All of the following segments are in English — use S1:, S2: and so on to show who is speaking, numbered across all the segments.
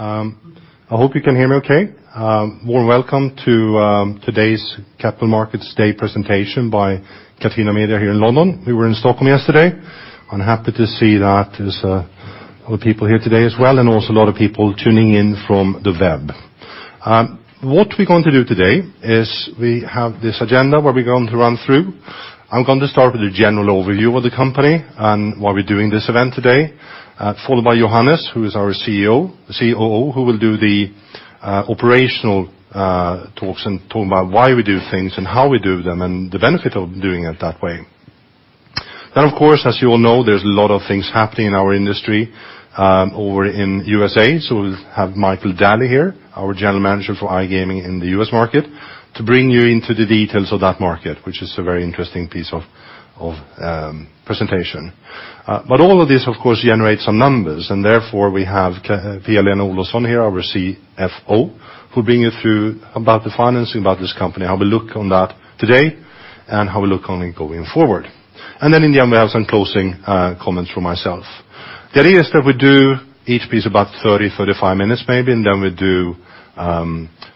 S1: I hope you can hear me okay. Warm welcome to today's Capital Markets Day presentation by Catena Media here in London. We were in Stockholm yesterday. I'm happy to see that there's a lot of people here today as well, and also a lot of people tuning in from the web. What we're going to do today is we have this agenda, where we're going to run through. I'm going to start with a general overview of the company and why we're doing this event today, followed by Johannes, who is our COO, who will do the operational talks and talk about why we do things and how we do them, and the benefit of doing it that way. Of course, as you all know, there's a lot of things happening in our industry over in U.S. We'll have Michael Daly here, our General Manager for iGaming in the U.S. market, to bring you into the details of that market, which is a very interesting piece of presentation. All of this, of course, generates some numbers, and therefore, we have Pia-Lena Olofsson here, our CFO, who'll bring you through about the financing, about this company, how we look on that today and how we look on it going forward. In the end, we have some closing comments from myself. The idea is that we do each piece about 30, 35 minutes maybe, and then we do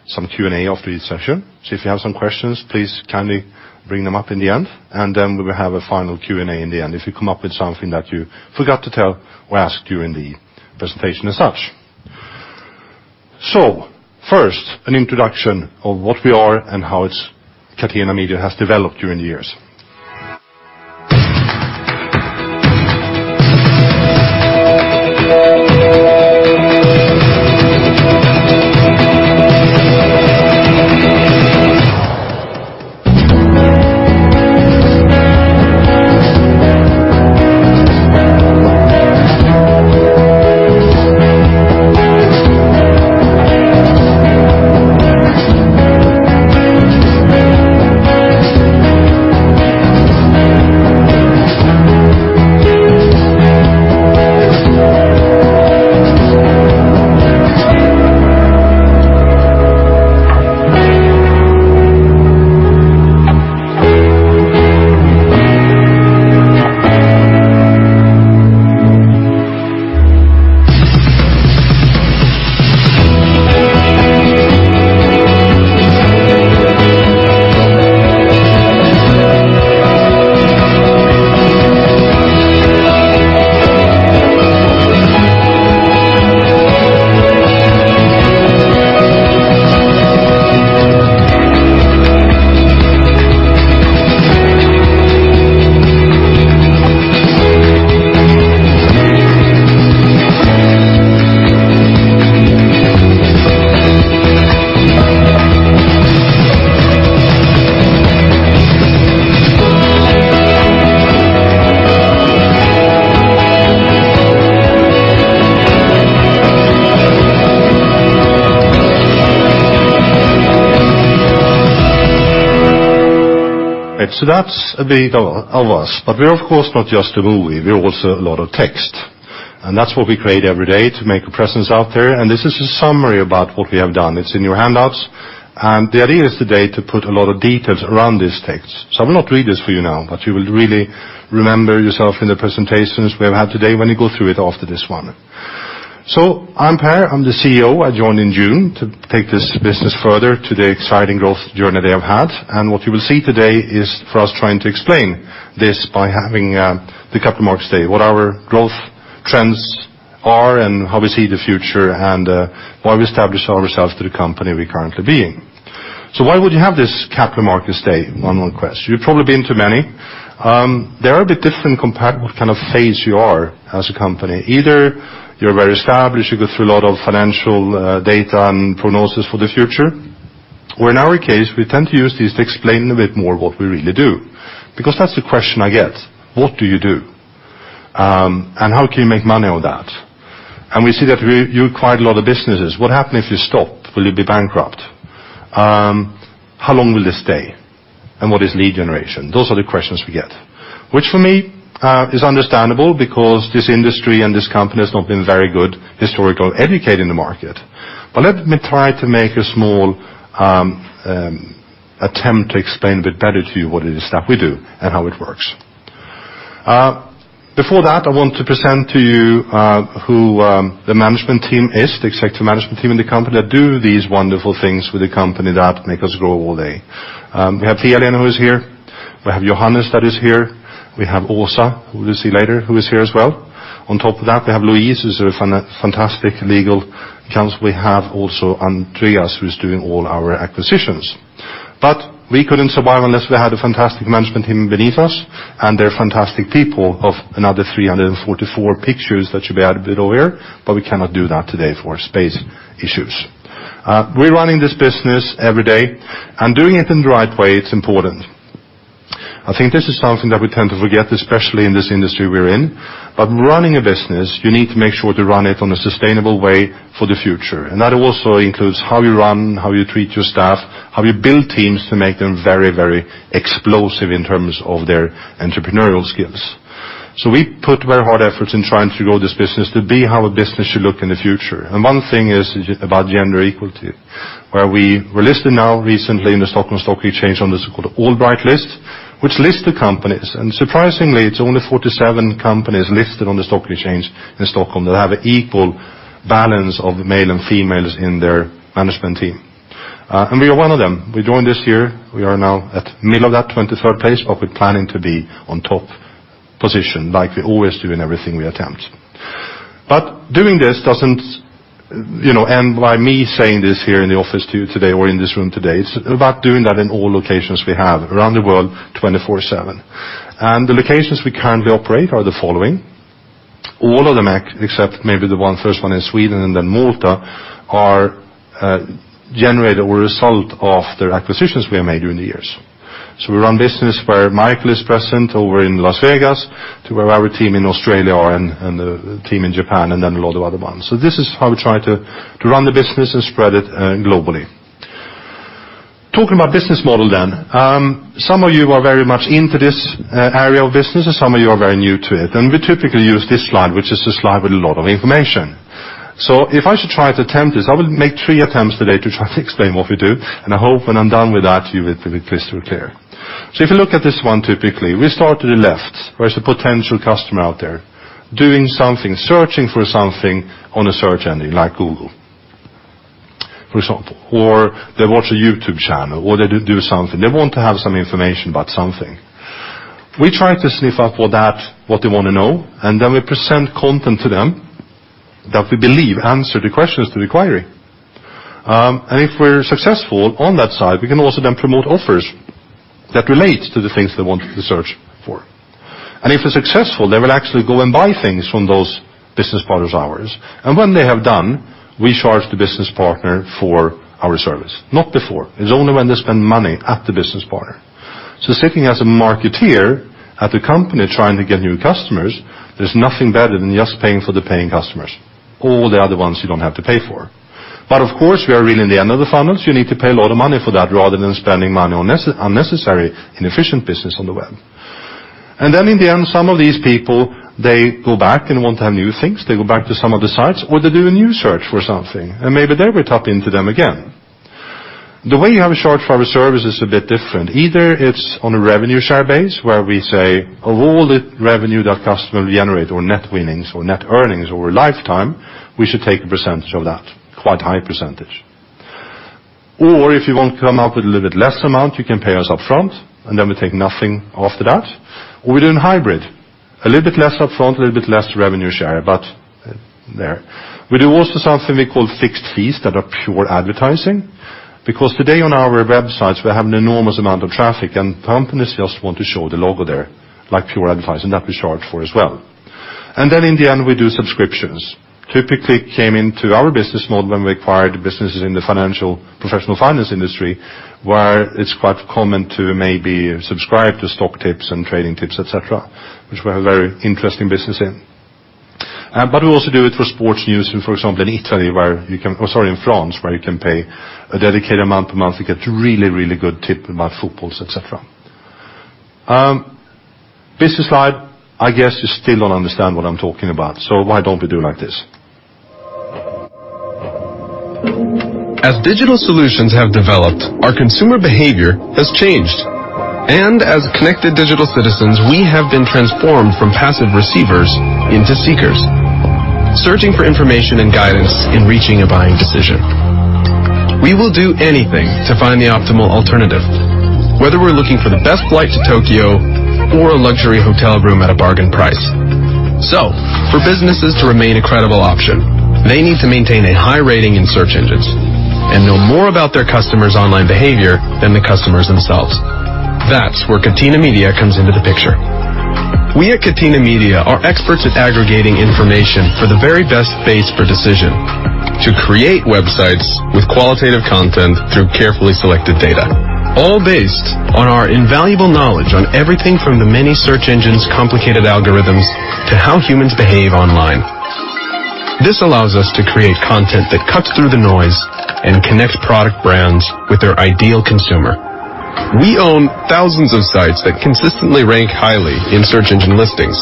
S1: some Q&A after each session. If you have some questions, please kindly bring them up in the end, and then we will have a final Q&A in the end if you come up with something that you forgot to tell or ask during the presentation as such. First, an introduction of what we are and how Catena Media has developed during the years. That's a bit of us. We're, of course, not just a movie, we're also a lot of text, and that's what we create every day to make a presence out there. This is a summary about what we have done. It's in your handouts. The idea is today to put a lot of details around this text. I will not read this for you now, but you will really remember yourself in the presentations we have had today when you go through it after this one. I'm Per. I'm the CEO. I joined in June to take this business further to the exciting growth journey they have had. What you will see today is for us trying to explain this by having the Capital Markets Day, what our growth trends are and how we see the future, and why we established ourselves to the company we're currently being. Why would you have this Capital Markets Day? One more question. You've probably been to many. They are a bit different compared what kind of phase you are as a company. Either you're very established, you go through a lot of financial data and prognosis for the future, or in our case, we tend to use this to explain a bit more what we really do because that's the question I get. What do you do? How can you make money on that? We see that you're quite a lot of businesses. What happen if you stop? Will you be bankrupt? How long will this stay? What is lead generation? Those are the questions we get, which for me, is understandable because this industry and this company has not been very good historically educating the market. Let me try to make a small attempt to explain a bit better to you what it is that we do and how it works. Before that, I want to present to you who the management team is, the executive management team in the company that do these wonderful things with the company that make us grow all day. We have Pia-Lena, who is here. We have Johannes, that is here. We have Åsa, who you'll see later, who is here as well. On top of that, we have Louise, who's a fantastic legal counsel. We have also Andreas, who's doing all our acquisitions. We couldn't survive unless we had a fantastic management team beneath us, and they're fantastic people of another 344 pictures that should be added below here, but we cannot do that today for space issues. We're running this business every day and doing it in the right way. It's important. I think this is something that we tend to forget, especially in this industry we're in. Running a business, you need to make sure to run it on a sustainable way for the future. That also includes how you run, how you treat your staff, how you build teams to make them very explosive in terms of their entrepreneurial skills. We put very hard efforts in trying to grow this business to be how a business should look in the future. One thing is about gender equality. We were listed now recently in the Stockholm Stock Exchange on this called the AllBright list, which lists the companies, and surprisingly, it's only 47 companies listed on the Stockholm Stock Exchange that have an equal balance of male and females in their management team. We are one of them. We joined this year. We are now at middle of that, 23rd place, we're planning to be on top position like we always do in everything we attempt. Doing this doesn't end by me saying this here in the office to you today or in this room today. It's about doing that in all locations we have around the world, twenty-four seven. The locations we currently operate are the following. All of them, except maybe the first one in Sweden and then Malta, were a result of the acquisitions we have made during the years. We run business where Michael is present over in Las Vegas to where our team in Australia are and the team in Japan, then a lot of other ones. This is how we try to run the business and spread it globally. Talking about business model then. Some of you are very much into this area of business, and some of you are very new to it. We typically use this slide, which is a slide with a lot of information. If I should try to attempt this, I will make three attempts today to try to explain what we do, and I hope when I'm done with that, you will be crystal clear. If you look at this one, typically, we start to the left, where is the potential customer out there doing something, searching for something on a search engine like Google, for example, or they watch a YouTube channel, or they do something. They want to have some information about something. We try to sniff up with that what they want to know, and then we present content to them that we believe answer the questions, the query. If we're successful on that side, we can also then promote offers that relate to the things they want to search for. If we're successful, they will actually go and buy things from those business partners of ours. When they have done, we charge the business partner for our service. Not before. It's only when they spend money at the business partner. Sitting as a marketeer at a company trying to get new customers, there's nothing better than just paying for the paying customers. All the other ones you don't have to pay for. Of course, we are really in the end of the funnels. You need to pay a lot of money for that rather than spending money on unnecessary, inefficient business on the web. In the end, some of these people, they go back and want to have new things. They go back to some of the sites, or they do a new search for something. Maybe there we tap into them again. The way you have a charge for our service is a bit different. Either it's on a revenue share base, where we say, "Of all the revenue that customer will generate or net winnings or net earnings over a lifetime, we should take a percentage of that," quite high percentage. If you want to come up with a little bit less amount, you can pay us upfront. Then we take nothing after that. We do in hybrid, a little bit less upfront, a little bit less revenue share, but there. We do also something we call fixed fees that are pure advertising because today on our websites, we have an enormous amount of traffic and companies just want to show the logo there, like pure advertising. That we charge for as well. In the end, we do subscriptions. Typically came into our business model when we acquired businesses in the professional finance industry, where it's quite common to maybe subscribe to stock tips and trading tips, et cetera, which we have a very interesting business in. We also do it for sports news, for example, in France, where you can pay a dedicated amount per month to get really, really good tip about football, et cetera. This slide, I guess you still don't understand what I'm talking about. Why don't we do like this?
S2: As digital solutions have developed, our consumer behavior has changed. As connected digital citizens, we have been transformed from passive receivers into seekers, searching for information and guidance in reaching a buying decision. We will do anything to find the optimal alternative, whether we're looking for the best flight to Tokyo or a luxury hotel room at a bargain price. For businesses to remain a credible option, they need to maintain a high rating in search engines and know more about their customers' online behavior than the customers themselves. That's where Catena Media comes into the picture. We at Catena Media are experts at aggregating information for the very best base per decision to create websites with qualitative content through carefully selected data, all based on our invaluable knowledge on everything from the many search engines' complicated algorithms to how humans behave online. This allows us to create content that cuts through the noise and connects product brands with their ideal consumer. We own thousands of sites that consistently rank highly in search engine listings.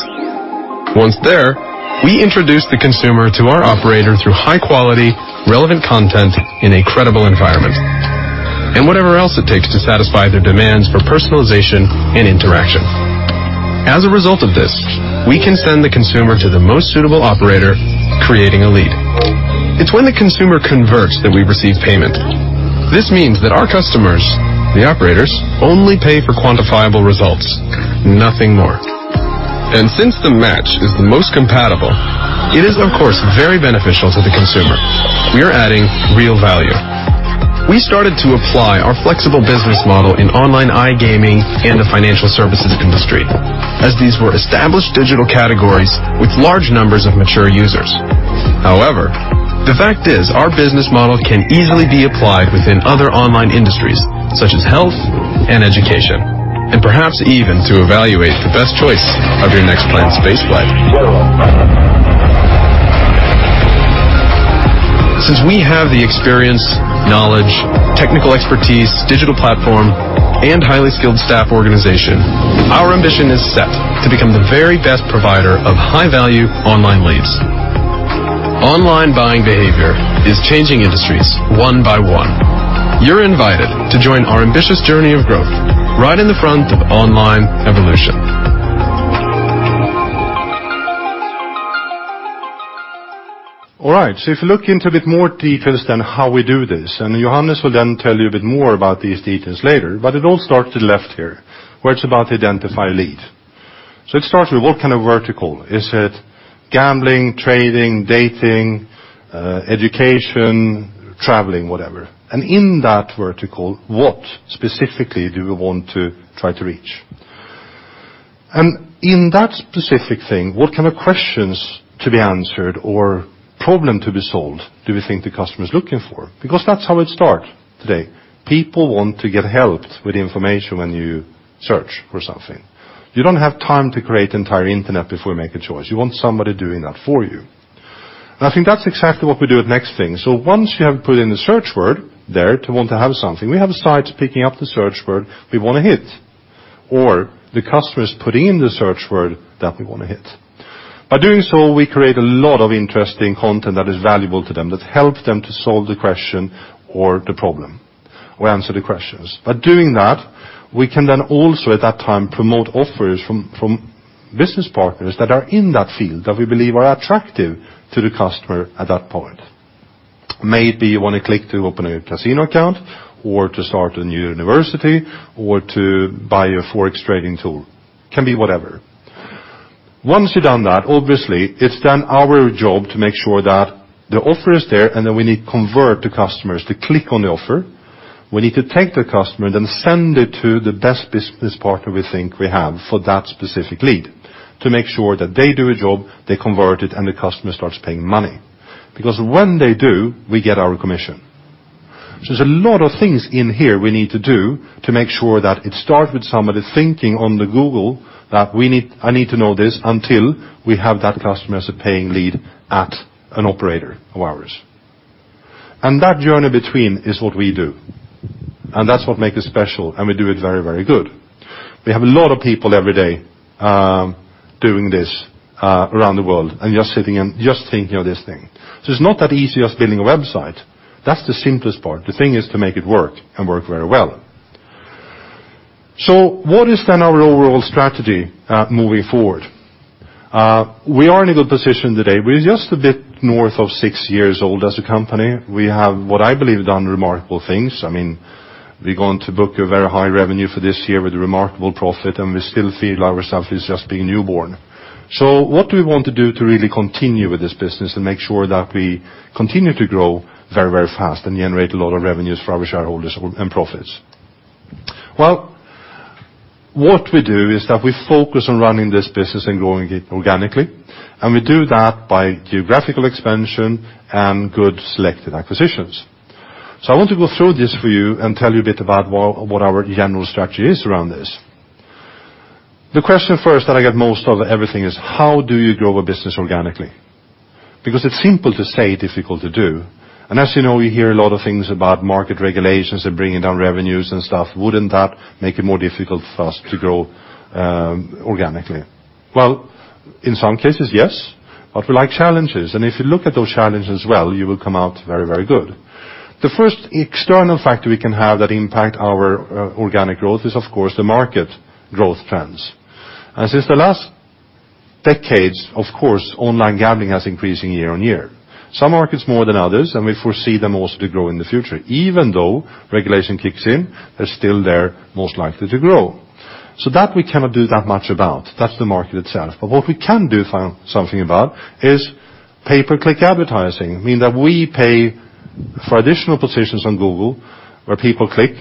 S2: Once there, we introduce the consumer to our operator through high-quality, relevant content in a credible environment, and whatever else it takes to satisfy their demands for personalization and interaction. As a result of this, we can send the consumer to the most suitable operator, creating a lead. It's when the consumer converts that we receive payment. This means that our customers, the operators, only pay for quantifiable results, nothing more. Since the match is the most compatible, it is of course very beneficial to the consumer. We are adding real value. We started to apply our flexible business model in online iGaming and the financial services industry, as these were established digital categories with large numbers of mature users. However, the fact is our business model can easily be applied within other online industries such as health and education, and perhaps even to evaluate the best choice of your next planned spaceflight. Since we have the experience, knowledge, technical expertise, digital platform, and highly skilled staff organization. Our ambition is set to become the very best provider of high-value online leads. Online buying behavior is changing industries one by one. You're invited to join our ambitious journey of growth right in the front of online evolution.
S1: All right. If you look into a bit more details than how we do this, Johannes will then tell you a bit more about these details later, it all starts to the left here, where it's about identify lead. It starts with what kind of vertical. Is it gambling, trading, dating, education, traveling, whatever? In that vertical, what specifically do we want to try to reach? In that specific thing, what kind of questions to be answered or problem to be solved do we think the customer is looking for? That's how it start today. People want to get helped with information when you search for something. You don't have time to create entire internet before you make a choice. You want somebody doing that for you. I think that's exactly what we do at next thing. Once you have put in the search word there to want to have something, we have a site picking up the search word we want to hit, or the customer is putting in the search word that we want to hit. By doing so, we create a lot of interesting content that is valuable to them, that help them to solve the question or the problem, or answer the questions. By doing that, we can then also at that time promote offers from business partners that are in that field that we believe are attractive to the customer at that point. Maybe you want to click to open a casino account or to start a new university or to buy a Forex trading tool. Can be whatever. Once you've done that, obviously, it's then our job to make sure that the offer is there, and then we need convert the customers to click on the offer. We need to take the customer, then send it to the best business partner we think we have for that specific lead to make sure that they do a job, they convert it, and the customer starts paying money. When they do, we get our commission. There's a lot of things in here we need to do to make sure that it start with somebody thinking on the Google that, "I need to know this," until we have that customer as a paying lead at an operator of ours. That journey between is what we do. That's what make us special, and we do it very good. We have a lot of people every day doing this around the world and just sitting and just thinking of this thing. It's not that easy as building a website. That's the simplest part. The thing is to make it work and work very well. What is then our overall strategy at moving forward? We are in a good position today. We're just a bit north of six years old as a company. We have, what I believe, done remarkable things. We're going to book a very high revenue for this year with a remarkable profit, and we still feel ourselves as just being newborn. What do we want to do to really continue with this business and make sure that we continue to grow very fast and generate a lot of revenues for our shareholders and profits? Well, what we do is that we focus on running this business and growing it organically, and we do that by geographical expansion and good selected acquisitions. I want to go through this for you and tell you a bit about what our general strategy is around this. The question first that I get most of everything is: how do you grow a business organically? It's simple to say, difficult to do. As you know, you hear a lot of things about market regulations and bringing down revenues and stuff. Wouldn't that make it more difficult for us to grow organically? Well, in some cases, yes. We like challenges. If you look at those challenges well, you will come out very good. The first external factor we can have that impact our organic growth is, of course, the market growth trends. Since the last decades, of course, online gambling has increasing year-on-year. Some markets more than others, and we foresee them also to grow in the future. Even though regulation kicks in, they're still there, most likely to grow. That we cannot do that much about. That's the market itself. What we can do something about is pay-per-click advertising, mean that we pay for additional positions on Google where people click,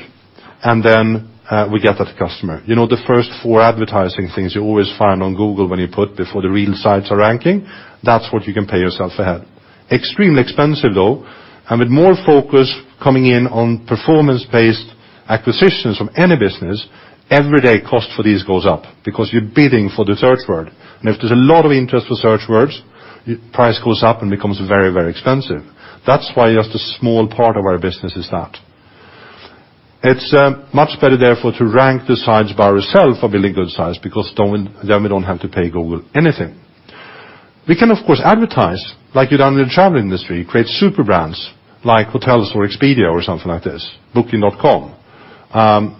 S1: and then we get that customer. You know the first four advertising things you always find on Google when you put before the real sites are ranking, that's what you can pay yourself ahead. Extremely expensive, though, and with more focus coming in on performance-based acquisitions from any business, everyday cost for these goes up because you're bidding for the search word. If there's a lot of interest for search words, price goes up and becomes very expensive. That's why just a small part of our business is that. It's much better, therefore, to rank the sites by ourself of being good sites because then we don't have to pay Google anything. We can, of course, advertise, like you done in the travel industry, create super brands like Hotels.com or Expedia or something like this, booking.com.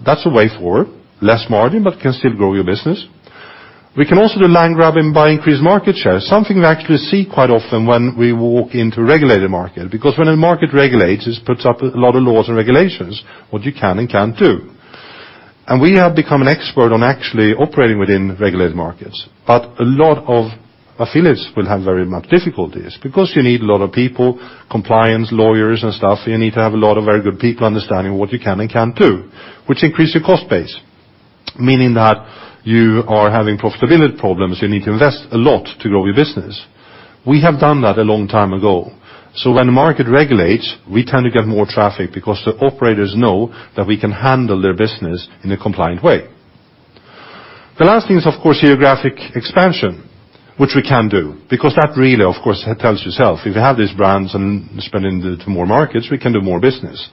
S1: That's a way forward. Less margin, but can still grow your business. We can also do land grabbing by increased market share, something we actually see quite often when we walk into a regulated market, because when a market regulates, it puts up a lot of laws and regulations what you can and can't do. We have become an expert on actually operating within regulated markets. A lot of affiliates will have very much difficulties because you need a lot of people, compliance, lawyers, and stuff. You need to have a lot of very good people understanding what you can and can't do, which increase your cost base, meaning that you are having profitability problems. You need to invest a lot to grow your business. We have done that a long time ago. When the market regulates, we tend to get more traffic because the operators know that we can handle their business in a compliant way. The last thing is, of course, geographic expansion, which we can do because that really, of course, tells you itself. If you have these brands and expand into more markets, we can do more business.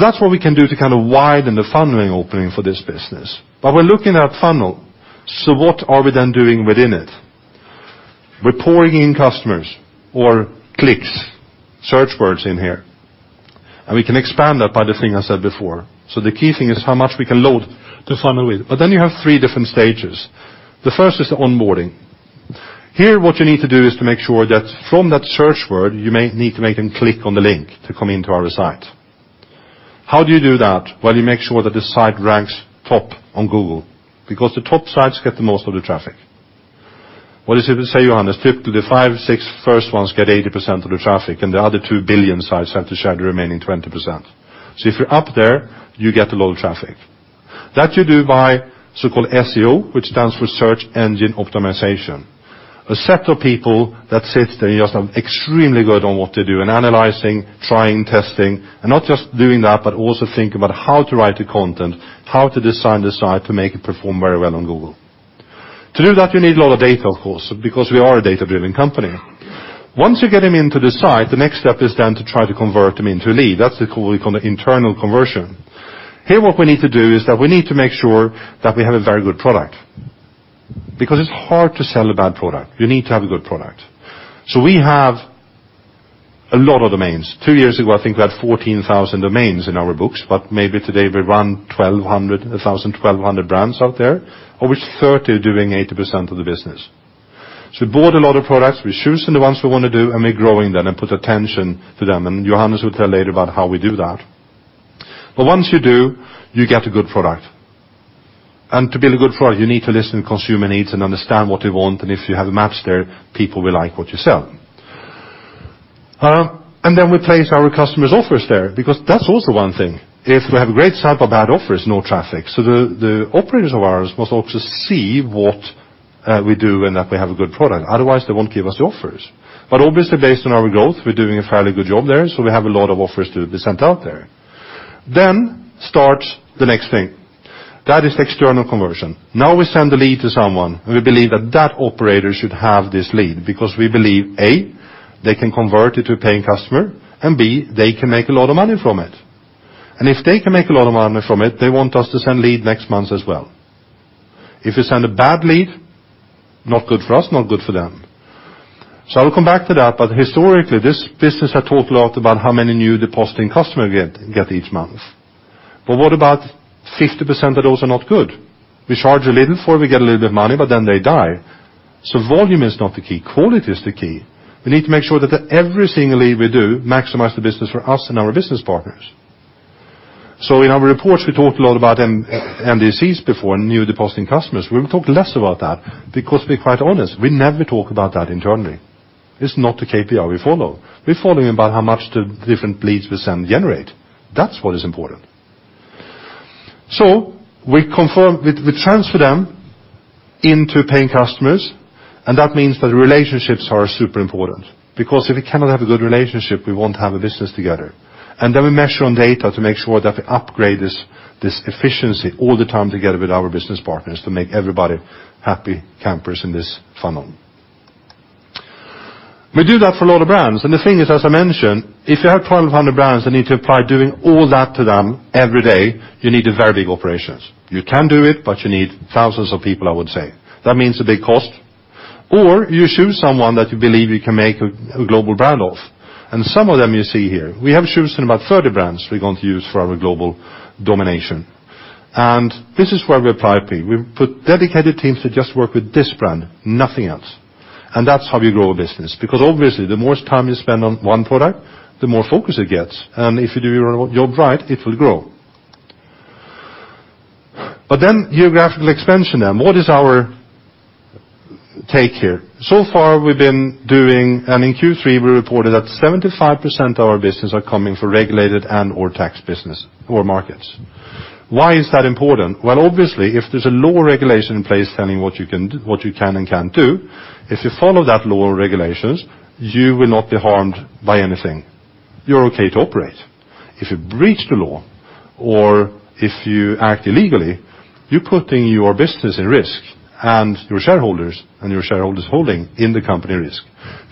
S1: That's what we can do to kind of widen the funneling opening for this business. We're looking at funnel, so what are we then doing within it? We're pouring in customers or clicks, search words in here, and we can expand that by the thing I said before. The key thing is how much we can load the funnel with. You have three different stages. The first is the onboarding. Here, what you need to do is to make sure that from that search word, you may need to make them click on the link to come into our site. How do you do that? Well, you make sure that the site ranks top on Google because the top sites get the most of the traffic. What is it that say, Johannes, the five, six first ones get 80% of the traffic, and the other two billion sites have to share the remaining 20%. If you're up there, you get a lot of traffic. That you do by so-called SEO, which stands for search engine optimization. A set of people that sit there and are extremely good on what to do and analyzing, trying, testing, and not just doing that, but also think about how to write the content, how to design the site to make it perform very well on Google. To do that, you need a lot of data, of course, because we are a data-driven company. Once you get them into the site, the next step is then to try to convert them into lead. That's what we call the internal conversion. What we need to do is that we need to make sure that we have a very good product. It's hard to sell a bad product. You need to have a good product. We have a lot of domains. Two years ago, I think we had 14,000 domains in our books, but maybe today we run 1,200 brands out there, of which 30 are doing 80% of the business. We bought a lot of products. We've chosen the ones we want to do, and we're growing them and put attention to them. Johannes will tell later about how we do that. Once you do, you get a good product. To build a good product, you need to listen to consumer needs and understand what they want. If you have maps there, people will like what you sell. Then we place our customers' offers there because that's also one thing. If we have a great site but bad offers, no traffic. The operators of ours must also see what we do and that we have a good product. Otherwise, they won't give us the offers. Obviously, based on our growth, we're doing a fairly good job there. We have a lot of offers to be sent out there. Starts the next thing. That is external conversion. Now we send the lead to someone, we believe that that operator should have this lead because we believe, A, they can convert it to a paying customer, B, they can make a lot of money from it. If they can make a lot of money from it, they want us to send lead next month as well. If you send a bad lead, not good for us, not good for them. I will come back to that. Historically, this business has talked a lot about how many New Depositing Customer get each month. What about 50% of those are not good? We charge a little for it, we get a little bit of money, but then they die. Volume is not the key. Quality is the key. We need to make sure that every single lead we do maximize the business for us and our business partners. In our reports, we talked a lot about NDCs before, New Depositing Customers. We will talk less about that because to be quite honest, we never talk about that internally. It's not the KPI we follow. We're following about how much the different leads we send generate. That's what is important. We transfer them into paying customers, that means that relationships are super important because if we cannot have a good relationship, we won't have a business together. We measure on data to make sure that we upgrade this efficiency all the time together with our business partners to make everybody happy campers in this funnel. We do that for a lot of brands. The thing is, as I mentioned, if you have 1,200 brands and need to apply doing all that to them every day, you need a very big operations. You can do it, but you need thousands of people, I would say. That means a big cost. You choose someone that you believe you can make a global brand of. Some of them you see here. We have chosen about 30 brands we're going to use for our global domination. This is where we apply P. We put dedicated teams to just work with this brand, nothing else. That's how we grow a business, because obviously, the more time you spend on one product, the more focus it gets. If you do your job right, it will grow. Geographical expansion. What is our take here? Far, we've been doing, and in Q3, we reported that 75% of our business are coming from regulated and/or tax business or markets. Why is that important? Obviously, if there's a law regulation in place telling what you can and can't do, if you follow that law regulations, you will not be harmed by anything. You're okay to operate. If you breach the law or if you act illegally, you're putting your business at risk and your shareholders and your shareholders' holding in the company risk.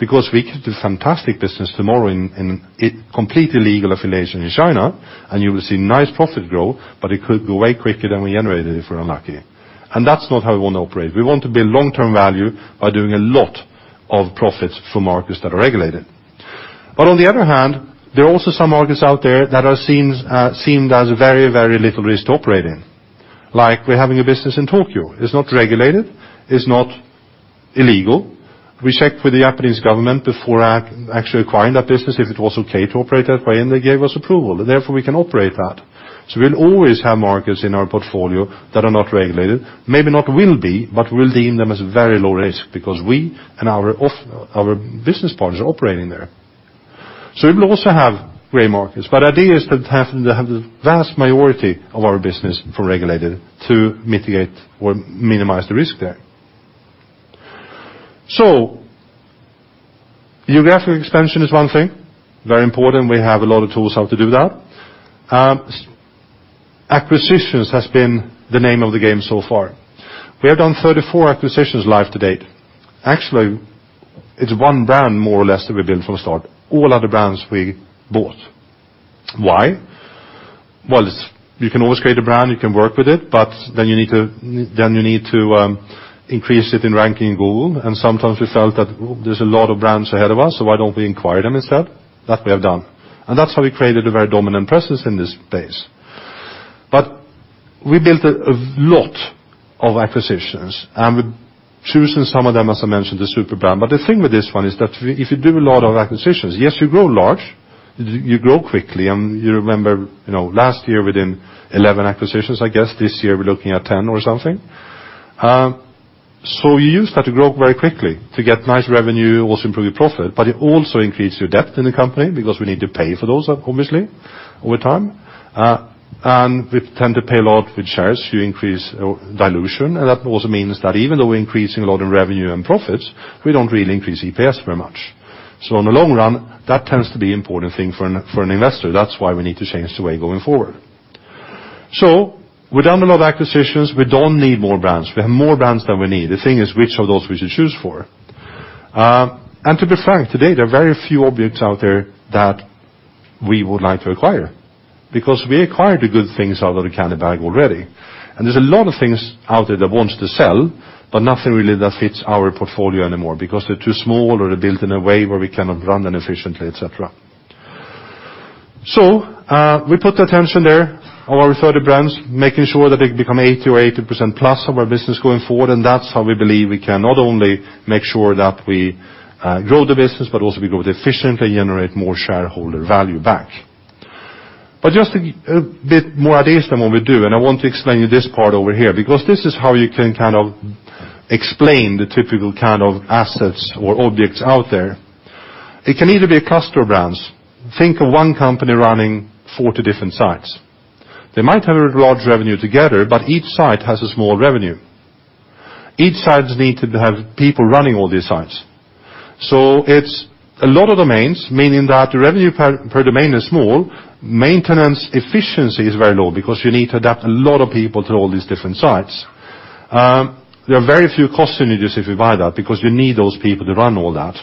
S1: We could do fantastic business tomorrow in a completely legal affiliation in China, you will see nice profit grow, but it could go away quicker than we generated if we're unlucky. That's not how we want to operate. We want to build long-term value by doing a lot of profits from markets that are regulated. On the other hand, there are also some markets out there that are seemed as very, very little risk to operate in. Like we're having a business in Tokyo. It's not regulated, it's not illegal. We checked with the Japanese government before actually acquiring that business if it was okay to operate that way, and they gave us approval. Therefore, we can operate that. We'll always have markets in our portfolio that are not regulated, maybe not will be, but we'll deem them as very low risk because we and our business partners are operating there. We will also have gray markets, the idea is to have the vast majority of our business from regulated to mitigate or minimize the risk there. So geographic expansion is one thing, very important. We have a lot of tools how to do that. Acquisitions has been the name of the game so far. We have done 34 acquisitions live to date. Actually, it's one brand, more or less, that we've built from the start. All other brands we bought. Why? You can always create a brand, you can work with it, you need to increase it in ranking in Google, sometimes we felt that there's a lot of brands ahead of us, why don't we acquire them instead? That we have done. That's how we created a very dominant presence in this space. We built a lot of acquisitions, we've chosen some of them, as I mentioned, the super brand. The thing with this one is that if you do a lot of acquisitions, yes, you grow large, you grow quickly. You remember last year we did 11 acquisitions, I guess. This year we're looking at 10 or something. You use that to grow very quickly, to get nice revenue, also improve your profit, it also increases your debt in the company because we need to pay for those, obviously, over time. We tend to pay a lot with shares to increase dilution, that also means that even though we're increasing a lot of revenue and profits, we don't really increase EPS very much. In the long run, that tends to be important thing for an investor. That's why we need to change the way going forward. We've done a lot of acquisitions. We don't need more brands. We have more brands than we need. The thing is, which of those we should choose for. To be frank, today, there are very few objects out there that we would like to acquire because we acquired the good things out of the candy bag already. There's a lot of things out there that wants to sell, but nothing really that fits our portfolio anymore because they're too small or they're built in a way where we cannot run them efficiently, et cetera. We put attention there on our 30 brands, making sure that they become 80 or 80% plus of our business going forward. That's how we believe we can not only make sure that we grow the business, but also we grow efficiently, generate more shareholder value back. Just a bit more ideas on what we do, I want to explain you this part over here, because this is how you can kind of explain the typical kind of assets or objects out there. It can either be a cluster of brands. Think of one company running 40 different sites. They might have a large revenue together, but each site has a small revenue. Each site need to have people running all these sites. It's a lot of domains, meaning that the revenue per domain is small. Maintenance efficiency is very low because you need to adapt a lot of people to all these different sites. There are very few cost synergies if you buy that because you need those people to run all that.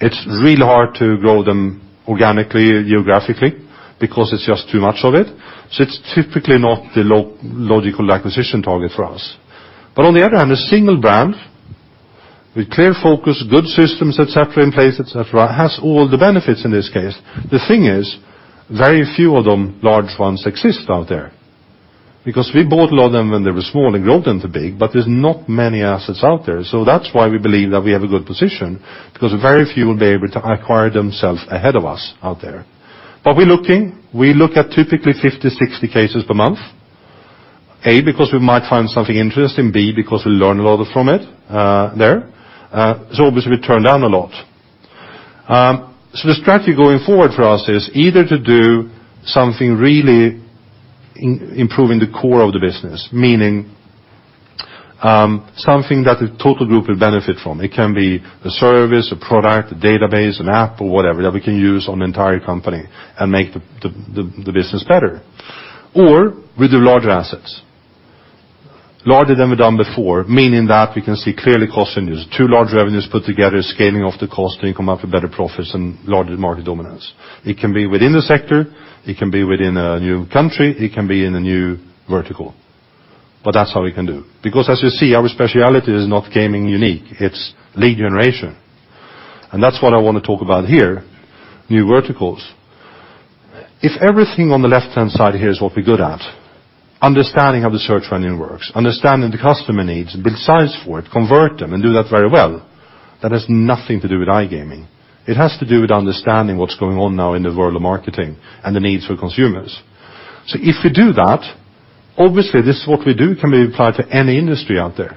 S1: It's really hard to grow them organically, geographically, because it's just too much of it. It's typically not the logical acquisition target for us. On the other hand, a single brand with clear focus, good systems, et cetera, in place, et cetera, has all the benefits in this case. The thing is, very few of them, large ones exist out there because we bought a lot of them when they were small and grew them to big, but there's not many assets out there. That's why we believe that we have a good position because very few will be able to acquire themselves ahead of us out there. We're looking. We look at typically 50, 60 cases per month. A, because we might find something interesting, B, because we learn a lot from it there. Obviously, we turn down a lot. The strategy going forward for us is either to do something really improving the core of the business, meaning something that the total group will benefit from. It can be a service, a product, a database, an app or whatever that we can use on the entire company and make the business better. Or we do larger assets, larger than we've done before, meaning that we can see clearly cost reduce. Two large revenues put together, scaling off the cost, we come up with better profits and larger market dominance. It can be within the sector, it can be within a new country, it can be in a new vertical. That's how we can do. Because as you see, our specialty is not gaming unique, it's lead generation. That's what I want to talk about here, new verticals. If everything on the left-hand side here is what we're good at, understanding how the search engine works, understanding the customer needs, build sites for it, convert them, and do that very well. That has nothing to do with iGaming. It has to do with understanding what's going on now in the world of marketing and the needs for consumers. If we do that, obviously, this is what we do can be applied to any industry out there.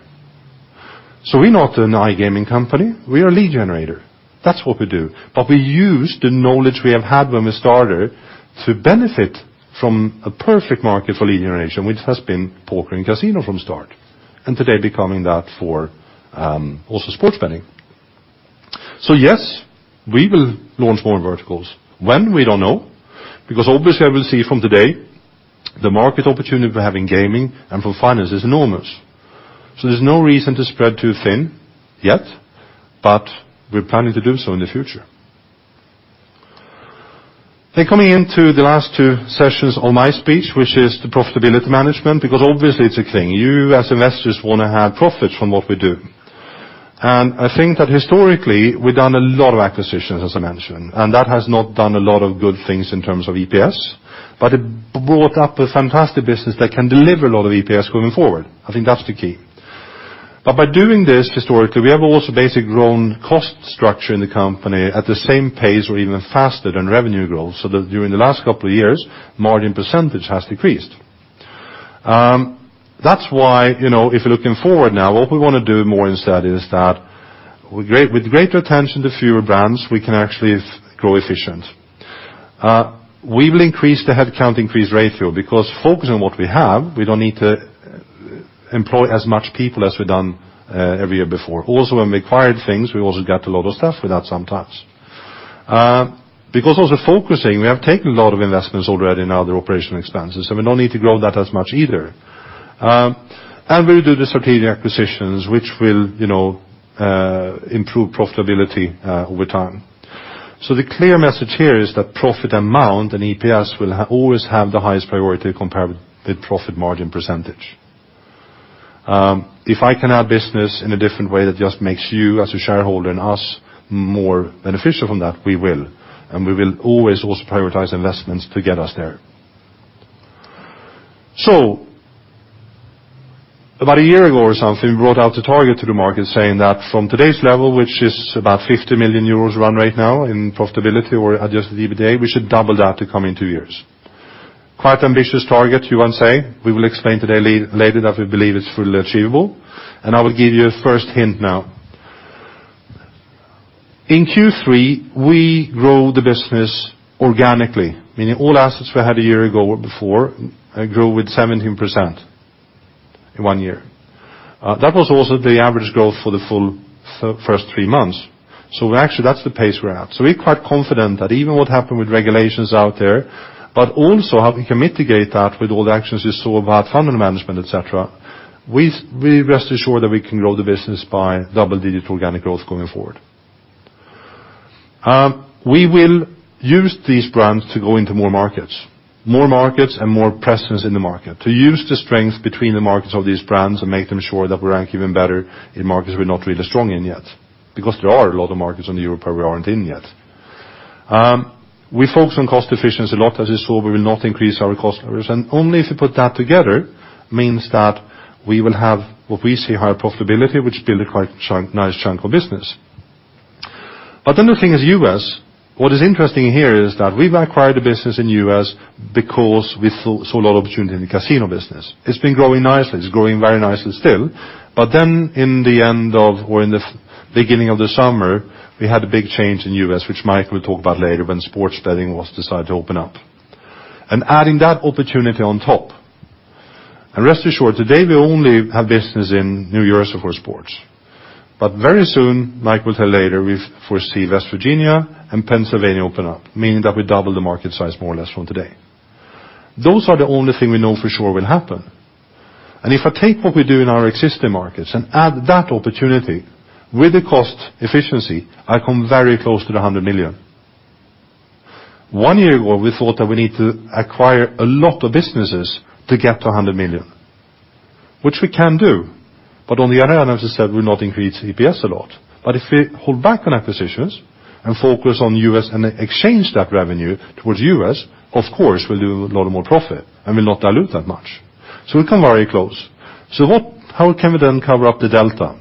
S1: We're not an iGaming company, we are a lead generator. That's what we do. We use the knowledge we have had when we started to benefit from a perfect market for lead generation, which has been poker and casino from start, and today becoming that for also sports betting. Yes, we will launch more verticals. When? We don't know, because obviously, I will see from today, the market opportunity for having gaming and for finance is enormous. There's no reason to spread too thin yet, but we're planning to do so in the future. Coming into the last two sessions of my speech, which is the profitability management, because obviously it's a thing. You as investors want to have profits from what we do. I think that historically, we've done a lot of acquisitions, as I mentioned, and that has not done a lot of good things in terms of EPS, but it brought up a fantastic business that can deliver a lot of EPS going forward. I think that's the key. By doing this historically, we have also basically grown cost structure in the company at the same pace or even faster than revenue growth, so that during the last couple of years, margin percentage has decreased. If we're looking forward now, what we want to do more instead is that with greater attention to fewer brands, we can actually grow efficiently. We will increase the headcount, increase ratio because focusing on what we have, we don't need to employ as many people as we've done every year before. When we acquired things, we also got a lot of stuff with that sometimes. Focusing, we have taken a lot of investments already in other operational expenses, and we don't need to grow that as much either. We'll do the strategic acquisitions, which will improve profitability over time. The clear message here is that profit amount and EPS will always have the highest priority compared with profit margin percentage. If I can add business in a different way that just makes you as a shareholder and us more beneficial from that, we will. We will always also prioritize investments to get us there. About a year ago or something, we brought out a target to the market saying that from today's level, which is about 50 million euros run right now in profitability or adjusted EBITDA, we should double that the coming two years. Quite ambitious target, you want to say. We will explain today later that we believe it's fully achievable, and I will give you a first hint now. In Q3, we grow the business organically, meaning all assets we had a year ago or before grow with 17% in one year. That was also the average growth for the full first three months. That's the pace we're at. We're quite confident that even what happened with regulations out there, but also how we can mitigate that with all the actions you saw about funding management, et cetera, we rest assured that we can grow the business by double-digit organic growth going forward. We will use these brands to go into more markets, more markets and more presence in the market. To use the strength between the markets of these brands and make them sure that we rank even better in markets we're not really strong in yet, because there are a lot of markets in Europe where we aren't in yet. We focus on cost efficiency a lot. As you saw, we will not increase our cost. Only if you put that together, means that we will have what we see higher profitability, which builds a quite nice chunk of business. The thing is U.S., what is interesting here is that we've acquired a business in U.S. because we saw a lot of opportunity in the casino business. It's been growing nicely. It's growing very nicely still. In the end of, or in the beginning of the summer, we had a big change in U.S., which Mike will talk about later, when sports betting was decided to open up. Adding that opportunity on top. Rest assured, today we only have business in New Jersey for sports. Very soon, Mike will tell later, we foresee West Virginia and Pennsylvania open up, meaning that we double the market size more or less from today. Those are the only thing we know for sure will happen. If I take what we do in our existing markets and add that opportunity with the cost efficiency, I come very close to the 100 million. One year ago, we thought that we need to acquire a lot of businesses to get to 100 million, which we can do. On the other hand, as I said, will not increase EPS a lot. If we hold back on acquisitions and focus on U.S. and exchange that revenue towards U.S., of course, we'll do a lot more profit and will not dilute that much. We come very close. How can we then cover up the delta?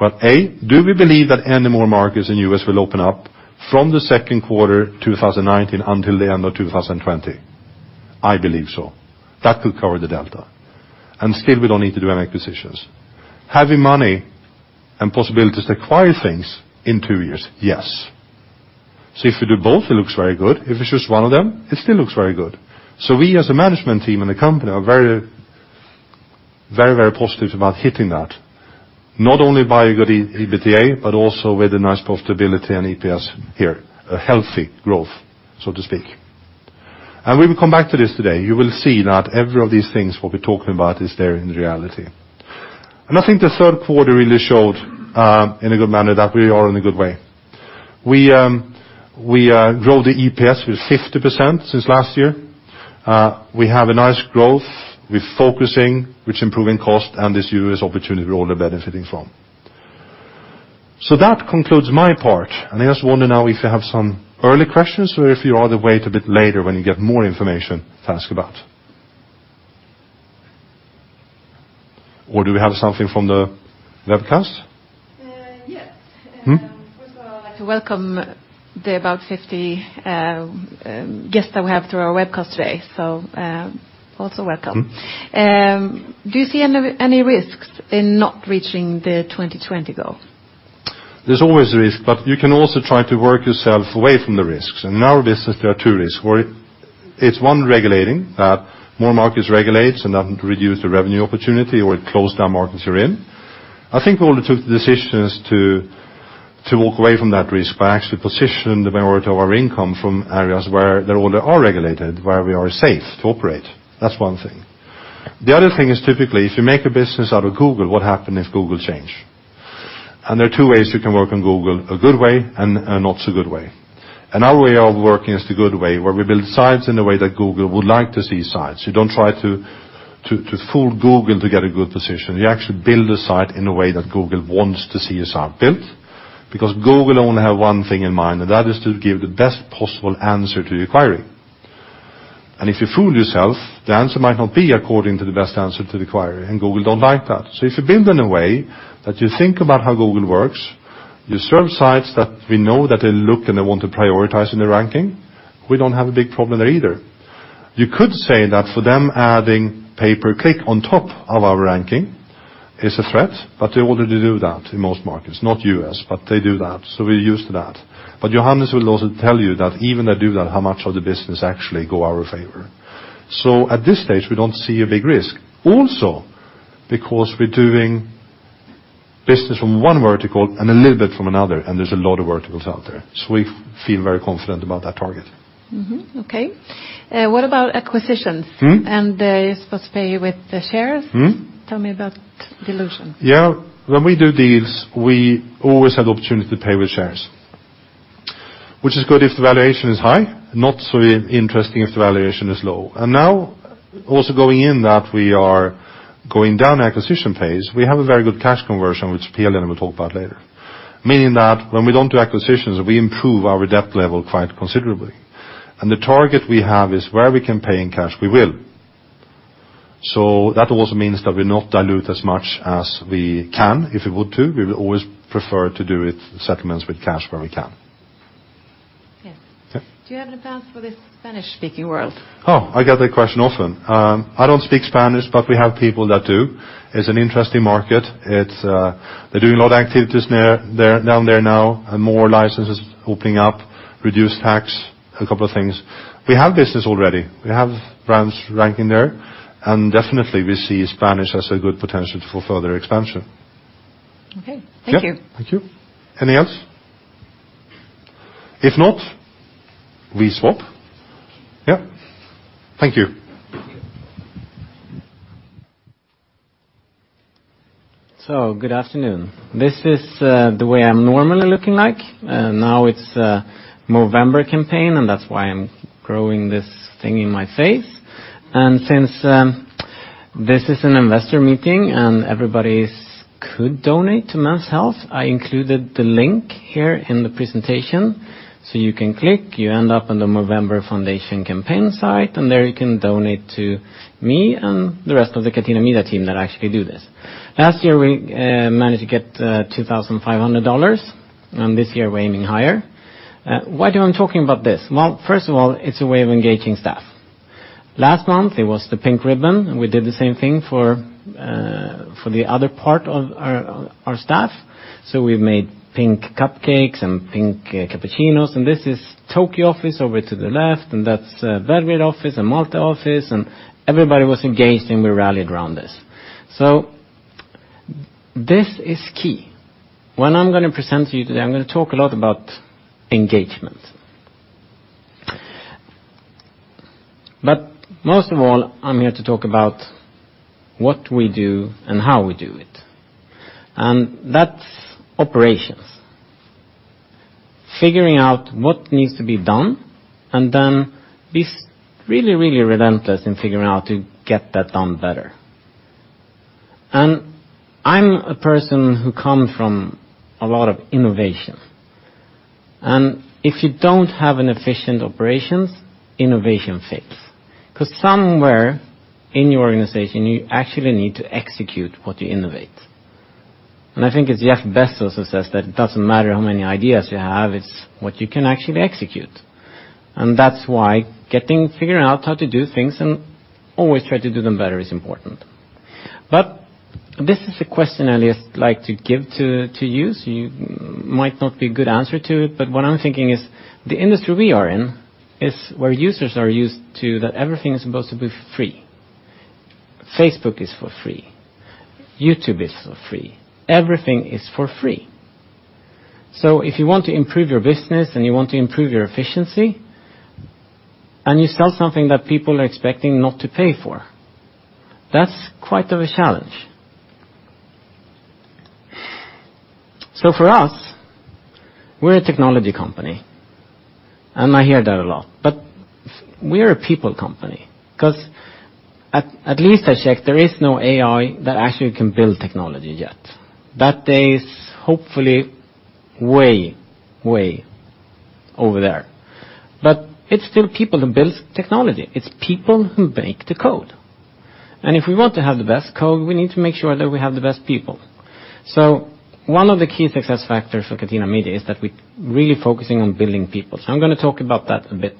S1: Well, A, do we believe that any more markets in U.S. will open up from the second quarter 2019 until the end of 2020? I believe so. That could cover the delta. Still, we don't need to do any acquisitions. Having money and possibilities to acquire things in two years, yes. If you do both, it looks very good. If it's just one of them, it still looks very good. We as a management team and a company are very, very, very positive about hitting that, not only by a good EBITDA, but also with a nice profitability and EPS here, a healthy growth, so to speak. We will come back to this today. You will see that every of these things what we're talking about is there in reality. I think the third quarter really showed in a good manner that we are in a good way. We grow the EPS with 50% since last year. We have a nice growth. We're focusing, which improving cost and this U.S. opportunity we're all benefiting from. That concludes my part. I just wonder now if you have some early questions or if you rather wait a bit later when you get more information to ask about. Do we have something from the webcast?
S3: Yes. First of all, I'd like to welcome the about 50 guests that we have through our webcast today. Also welcome. Do you see any risks in not reaching the 2020 goal?
S1: There's always a risk. You can also try to work yourself away from the risks. In our business, there are two risks. It's one, regulating. That more markets regulate and reduce the revenue opportunity or it close down markets you're in. I think we all took the decisions to walk away from that risk. We actually position the majority of our income from areas where they already are regulated, where we are safe to operate. That's one thing. The other thing is typically, if you make a business out of Google, what happen if Google change? There are two ways you can work on Google, a good way and a not so good way. Our way of working is the good way, where we build sites in a way that Google would like to see sites. You don't try to fool Google to get a good position. You actually build a site in a way that Google wants to see a site built, because Google only have one thing in mind, and that is to give the best possible answer to the query. If you fool yourself, the answer might not be according to the best answer to the query, and Google don't like that. If you build in a way that you think about how Google works, you serve sites that we know that they look and they want to prioritize in the ranking, we don't have a big problem there either. You could say that for them adding pay per click on top of our ranking. It's a threat. They already do that in most markets, not U.S. They do that. We're used to that. Johannes will also tell you that even they do that, how much of the business actually go our favor. At this stage, we don't see a big risk. Also, because we're doing business from one vertical and a little bit from another, there's a lot of verticals out there. We feel very confident about that target.
S3: Okay. What about acquisitions? They're supposed to pay with the shares. Tell me about dilution.
S1: Yeah. When we do deals, we always have the opportunity to pay with shares, which is good if the valuation is high, not so interesting if the valuation is low. Now, also going in that we are going down acquisition phase, we have a very good cash conversion, which Pia-Lena will talk about later, meaning that when we don't do acquisitions, we improve our debt level quite considerably. The target we have is where we can pay in cash, we will. That also means that we'll not dilute as much as we can, if we would to. We will always prefer to do it settlements with cash where we can.
S3: Yes.
S1: Yeah.
S3: Do you have any plans for the Spanish-speaking world?
S1: Oh, I get that question often. I don't speak Spanish, but we have people that do. It's an interesting market. They're doing a lot of activities down there now, and more licenses opening up, reduced tax, a couple of things. We have business already. We have brands ranking there, and definitely, we see Spanish as a good potential for further expansion.
S3: Okay. Thank you.
S1: Yeah. Thank you. Anything else? If not, we swap. Yeah. Thank you.
S3: Thank you.
S4: Good afternoon. This is the way I'm normally looking like. Now it's Movember campaign, that's why I'm growing this thing in my face. Since this is an investor meeting and everybody could donate to Men's Health, I included the link here in the presentation. You can click, you end up on the Movember Foundation campaign site, and there you can donate to me and the rest of the Catena Media team that actually do this. Last year, we managed to get $2,500, and this year we're aiming higher. Why am I talking about this? Well, first of all, it's a way of engaging staff. Last month, it was the pink ribbon, we did the same thing for the other part of our staff. We made pink cupcakes, pink cappuccinos, this is Tokyo office over to the left, that's Belgrade office and Malta office, everybody was engaged, we rallied around this. This is key. When I'm going to present to you today, I'm going to talk a lot about engagement. Most of all, I'm here to talk about what we do and how we do it. That's operations. Figuring out what needs to be done then be really, really relentless in figuring out to get that done better. I'm a person who come from a lot of innovation. If you don't have an efficient operations, innovation fails because somewhere in your organization, you actually need to execute what you innovate. I think as Jeff Bezos says that it doesn't matter how many ideas you have, it's what you can actually execute. That's why getting figuring out how to do things and always try to do them better is important. This is a question I like to give to you might not be a good answer to it, but what I'm thinking is the industry we are in is where users are used to that everything is supposed to be free. Facebook is for free. YouTube is for free. Everything is for free. If you want to improve your business, you want to improve your efficiency, you sell something that people are expecting not to pay for, that's quite of a challenge. For us, we're a technology company, I hear that a lot. We are a people company because at least I check, there is no AI that actually can build technology yet. That day is hopefully way over there. It's still people who build technology. It's people who make the code. If we want to have the best code, we need to make sure that we have the best people. One of the key success factors for Catena Media is that we're really focusing on building people. I'm going to talk about that a bit.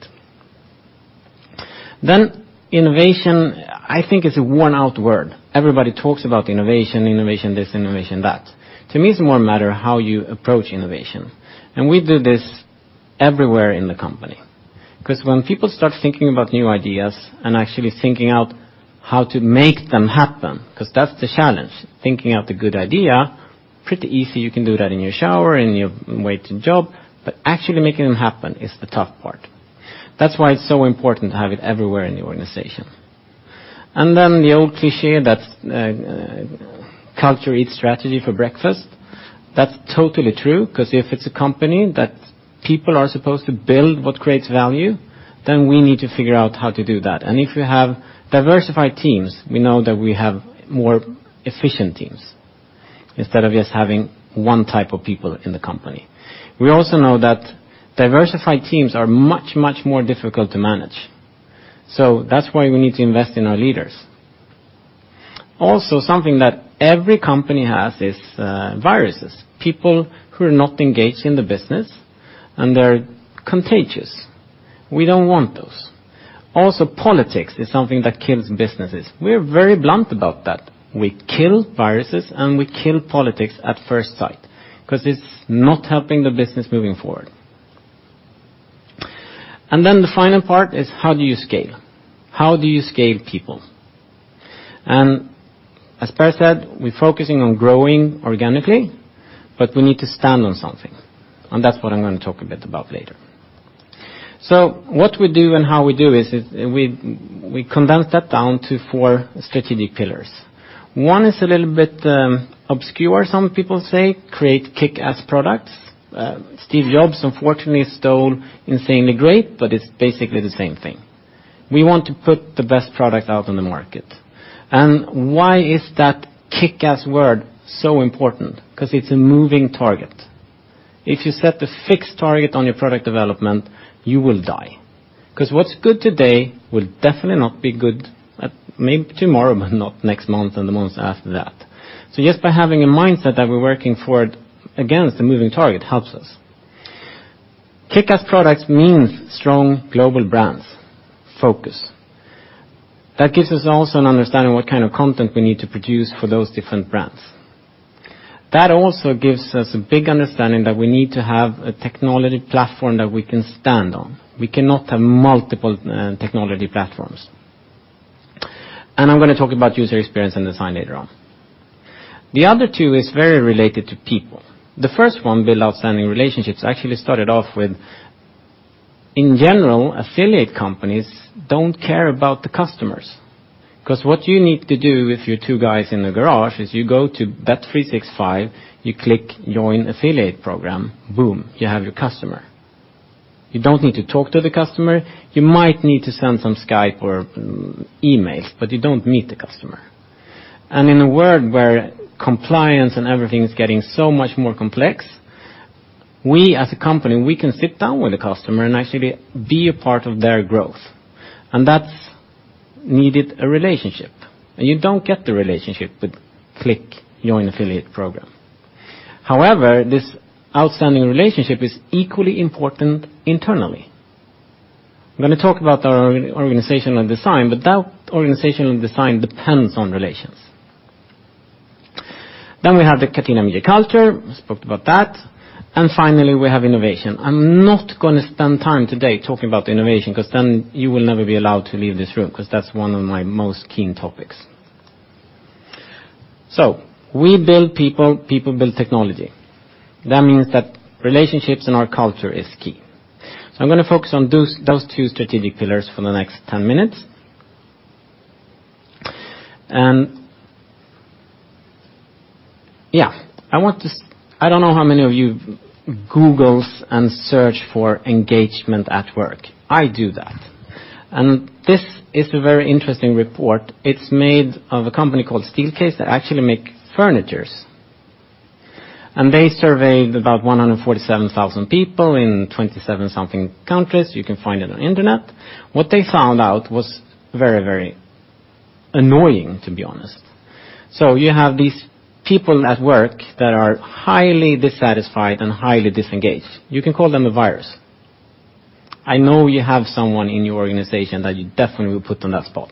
S4: Innovation, I think is a worn-out word. Everybody talks about innovation this, innovation that. To me, it's more a matter of how you approach innovation. We do this everywhere in the company because when people start thinking about new ideas and actually thinking out how to make them happen, because that's the challenge. Thinking out a good idea, pretty easy, you can do that in your shower, in your way to job, but actually making them happen is the tough part. That's why it's so important to have it everywhere in the organization. The old cliché that culture eats strategy for breakfast, that's totally true because if it's a company that people are supposed to build what creates value, then we need to figure out how to do that. If you have diversified teams, we know that we have more efficient teams instead of just having one type of people in the company. We also know that diversified teams are much, much more difficult to manage. That's why we need to invest in our leaders. Also, something that every company has is viruses, people who are not engaged in the business, and they're contagious. We don't want those. Also, politics is something that kills businesses. We're very blunt about that. We kill viruses and we kill politics at first sight, because it's not helping the business moving forward. The final part is how do you scale? How do you scale people? As Per said, we're focusing on growing organically, but we need to stand on something, and that's what I'm going to talk a bit about later. What we do and how we do is, we condense that down to four strategic pillars. One is a little bit obscure, some people say, create kickass products. Steve Jobs unfortunately stole insanely great, but it's basically the same thing. We want to put the best product out on the market. Why is that kickass word so important? Because it's a moving target. If you set a fixed target on your product development, you will die. Because what's good today will definitely not be good, maybe tomorrow, but not next month and the months after that. Just by having a mindset that we're working for against a moving target helps us. Kickass products means strong global brands. Focus. That gives us also an understanding what kind of content we need to produce for those different brands. That also gives us a big understanding that we need to have a technology platform that we can stand on. We cannot have multiple technology platforms. I'm going to talk about user experience and design later on. The other two is very related to people. The first one, build outstanding relationships, I actually started off with, in general, affiliate companies don't care about the customers. Because what you need to do with your two guys in the garage is you go to bet365, you click Join Affiliate Program, boom, you have your customer. You don't need to talk to the customer. You might need to send some Skype or emails, but you don't meet the customer. In a world where compliance and everything is getting so much more complex, we as a company, we can sit down with a customer and actually be a part of their growth, and that's needed a relationship. You don't get the relationship with click Join Affiliate Program. However, this outstanding relationship is equally important internally. I'm going to talk about our organizational design, but that organizational design depends on relations. We have the Catena Media culture, spoke about that. Finally, we have innovation. I'm not going to spend time today talking about innovation because you will never be allowed to leave this room, because that's one of my most keen topics. We build people build technology. That means that relationships in our culture is key. I'm going to focus on those two strategic pillars for the next 10 minutes. I don't know how many of you Google and search for engagement at work. I do that. This is a very interesting report. It's made of a company called Steelcase that actually make furniture. They surveyed about 147,000 people in 27-something countries. You can find it on internet. What they found out was very annoying, to be honest. You have these people at work that are highly dissatisfied and highly disengaged. You can call them a virus. I know you have someone in your organization that you definitely will put on that spot.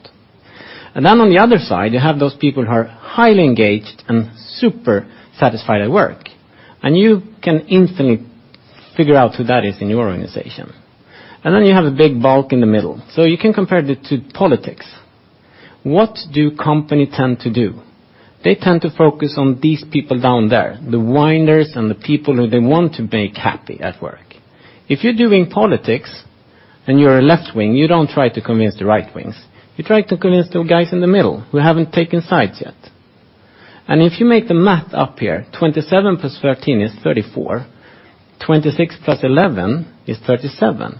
S4: On the other side, you have those people who are highly engaged and super satisfied at work. You can instantly figure out who that is in your organization. You have a big bulk in the middle. You can compare it to politics. What do companies tend to do? They tend to focus on these people down there, the whiners and the people who they want to make happy at work. If you're doing politics and you're a left wing, you don't try to convince the right wings. You try to convince the guys in the middle who haven't taken sides yet. If you make the math up here, 27 plus 13 is 34, 26 plus 11 is 37.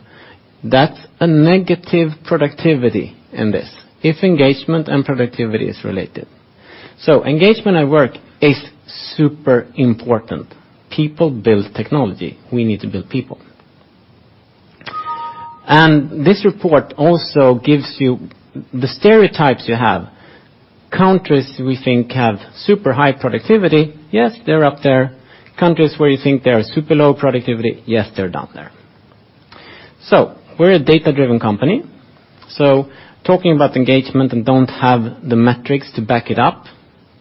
S4: That's a negative productivity in this, if engagement and productivity is related. Engagement at work is super important. People build technology. We need to build people. This report also gives you the stereotypes you have. Countries we think have super high productivity, yes, they're up there. Countries where you think they are super low productivity, yes, they're down there. We're a data-driven company. Talking about engagement and don't have the metrics to back it up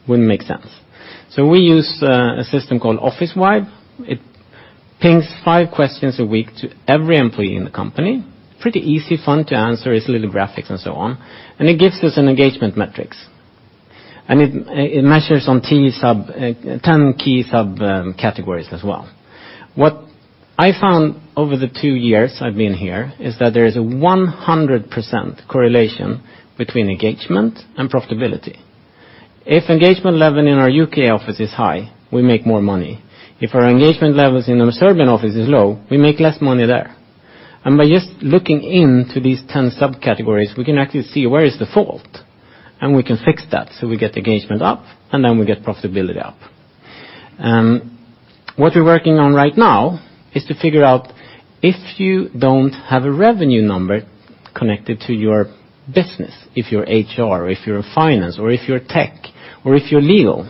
S4: wouldn't make sense. We use a system called Officevibe. It pings five questions a week to every employee in the company. Pretty easy, fun to answer. It's a little graphics and so on. It gives us an engagement metrics. It measures on 10 key sub-categories as well. What I found over the two years I've been here is that there is a 100% correlation between engagement and profitability. If engagement level in our U.K. office is high, we make more money. If our engagement levels in our Serbian office is low, we make less money there. By just looking into these 10 sub-categories, we can actually see where is the fault, and we can fix that, so we get engagement up, and then we get profitability up. What we're working on right now is to figure out if you don't have a revenue number connected to your business, if you're HR, or if you're finance, or if you're tech, or if you're legal.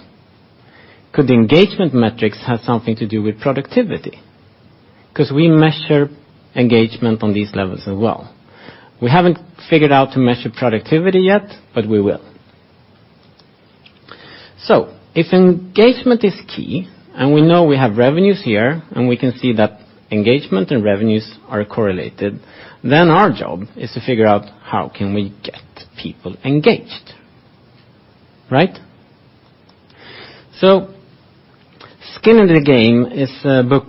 S4: Could engagement metrics have something to do with productivity? Because we measure engagement on these levels as well. We haven't figured out to measure productivity yet, but we will. If engagement is key and we know we have revenues here, and we can see that engagement and revenues are correlated, then our job is to figure out how can we get people engaged. Right? Skin in the Game" is a book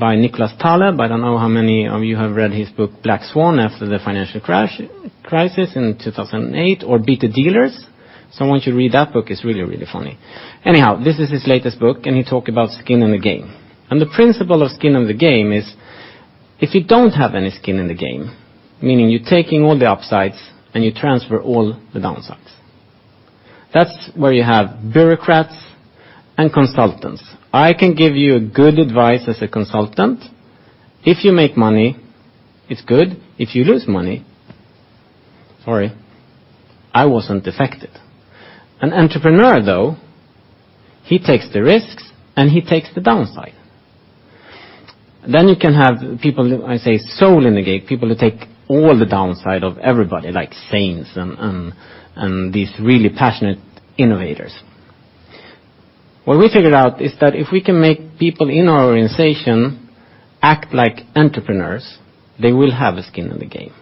S4: by Nicholas Taleb, but I don't know how many of you have read his book "Black Swan" after the financial crisis in 2008 or "Beat the Dealer." Someone should read that book, it's really, really funny. Anyhow, this is his latest book, and he talked about skin in the game. The principle of skin in the game is if you don't have any skin in the game, meaning you're taking all the upsides and you transfer all the downsides. That's where you have bureaucrats and consultants. I can give you good advice as a consultant. If you make money, it's good. If you lose money, sorry, I wasn't affected. An entrepreneur, though, he takes the risks, and he takes the downside. You can have people, I say, soul in the game, people who take all the downside of everybody, like saints and these really passionate innovators. What we figured out is that if we can make people in our organization act like entrepreneurs, they will have a skin in the game.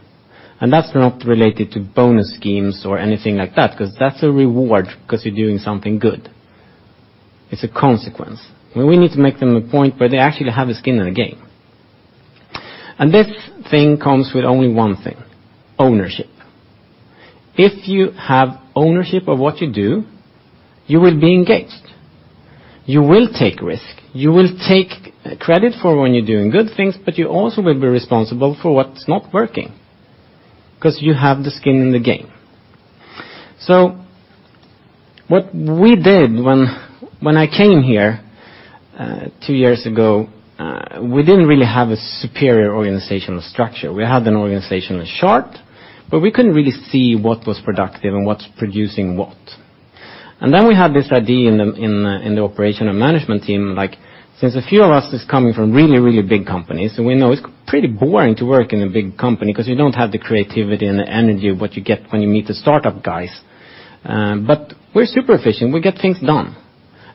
S4: That's not related to bonus schemes or anything like that, because that's a reward because you're doing something good. It's a consequence. We need to make them a point where they actually have a skin in the game. This thing comes with only one thing, ownership. If you have ownership of what you do, you will be engaged. You will take risk. You will take credit for when you're doing good things, but you also will be responsible for what's not working because you have the skin in the game. What we did when I came here two years ago, we didn't really have a superior organizational structure. We had an organizational chart, but we couldn't really see what was productive and what's producing what. Then we had this idea in the operational management team, since a few of us is coming from really, really big companies, and we know it's pretty boring to work in a big company because you don't have the creativity and the energy of what you get when you meet the startup guys. But we're super efficient. We get things done.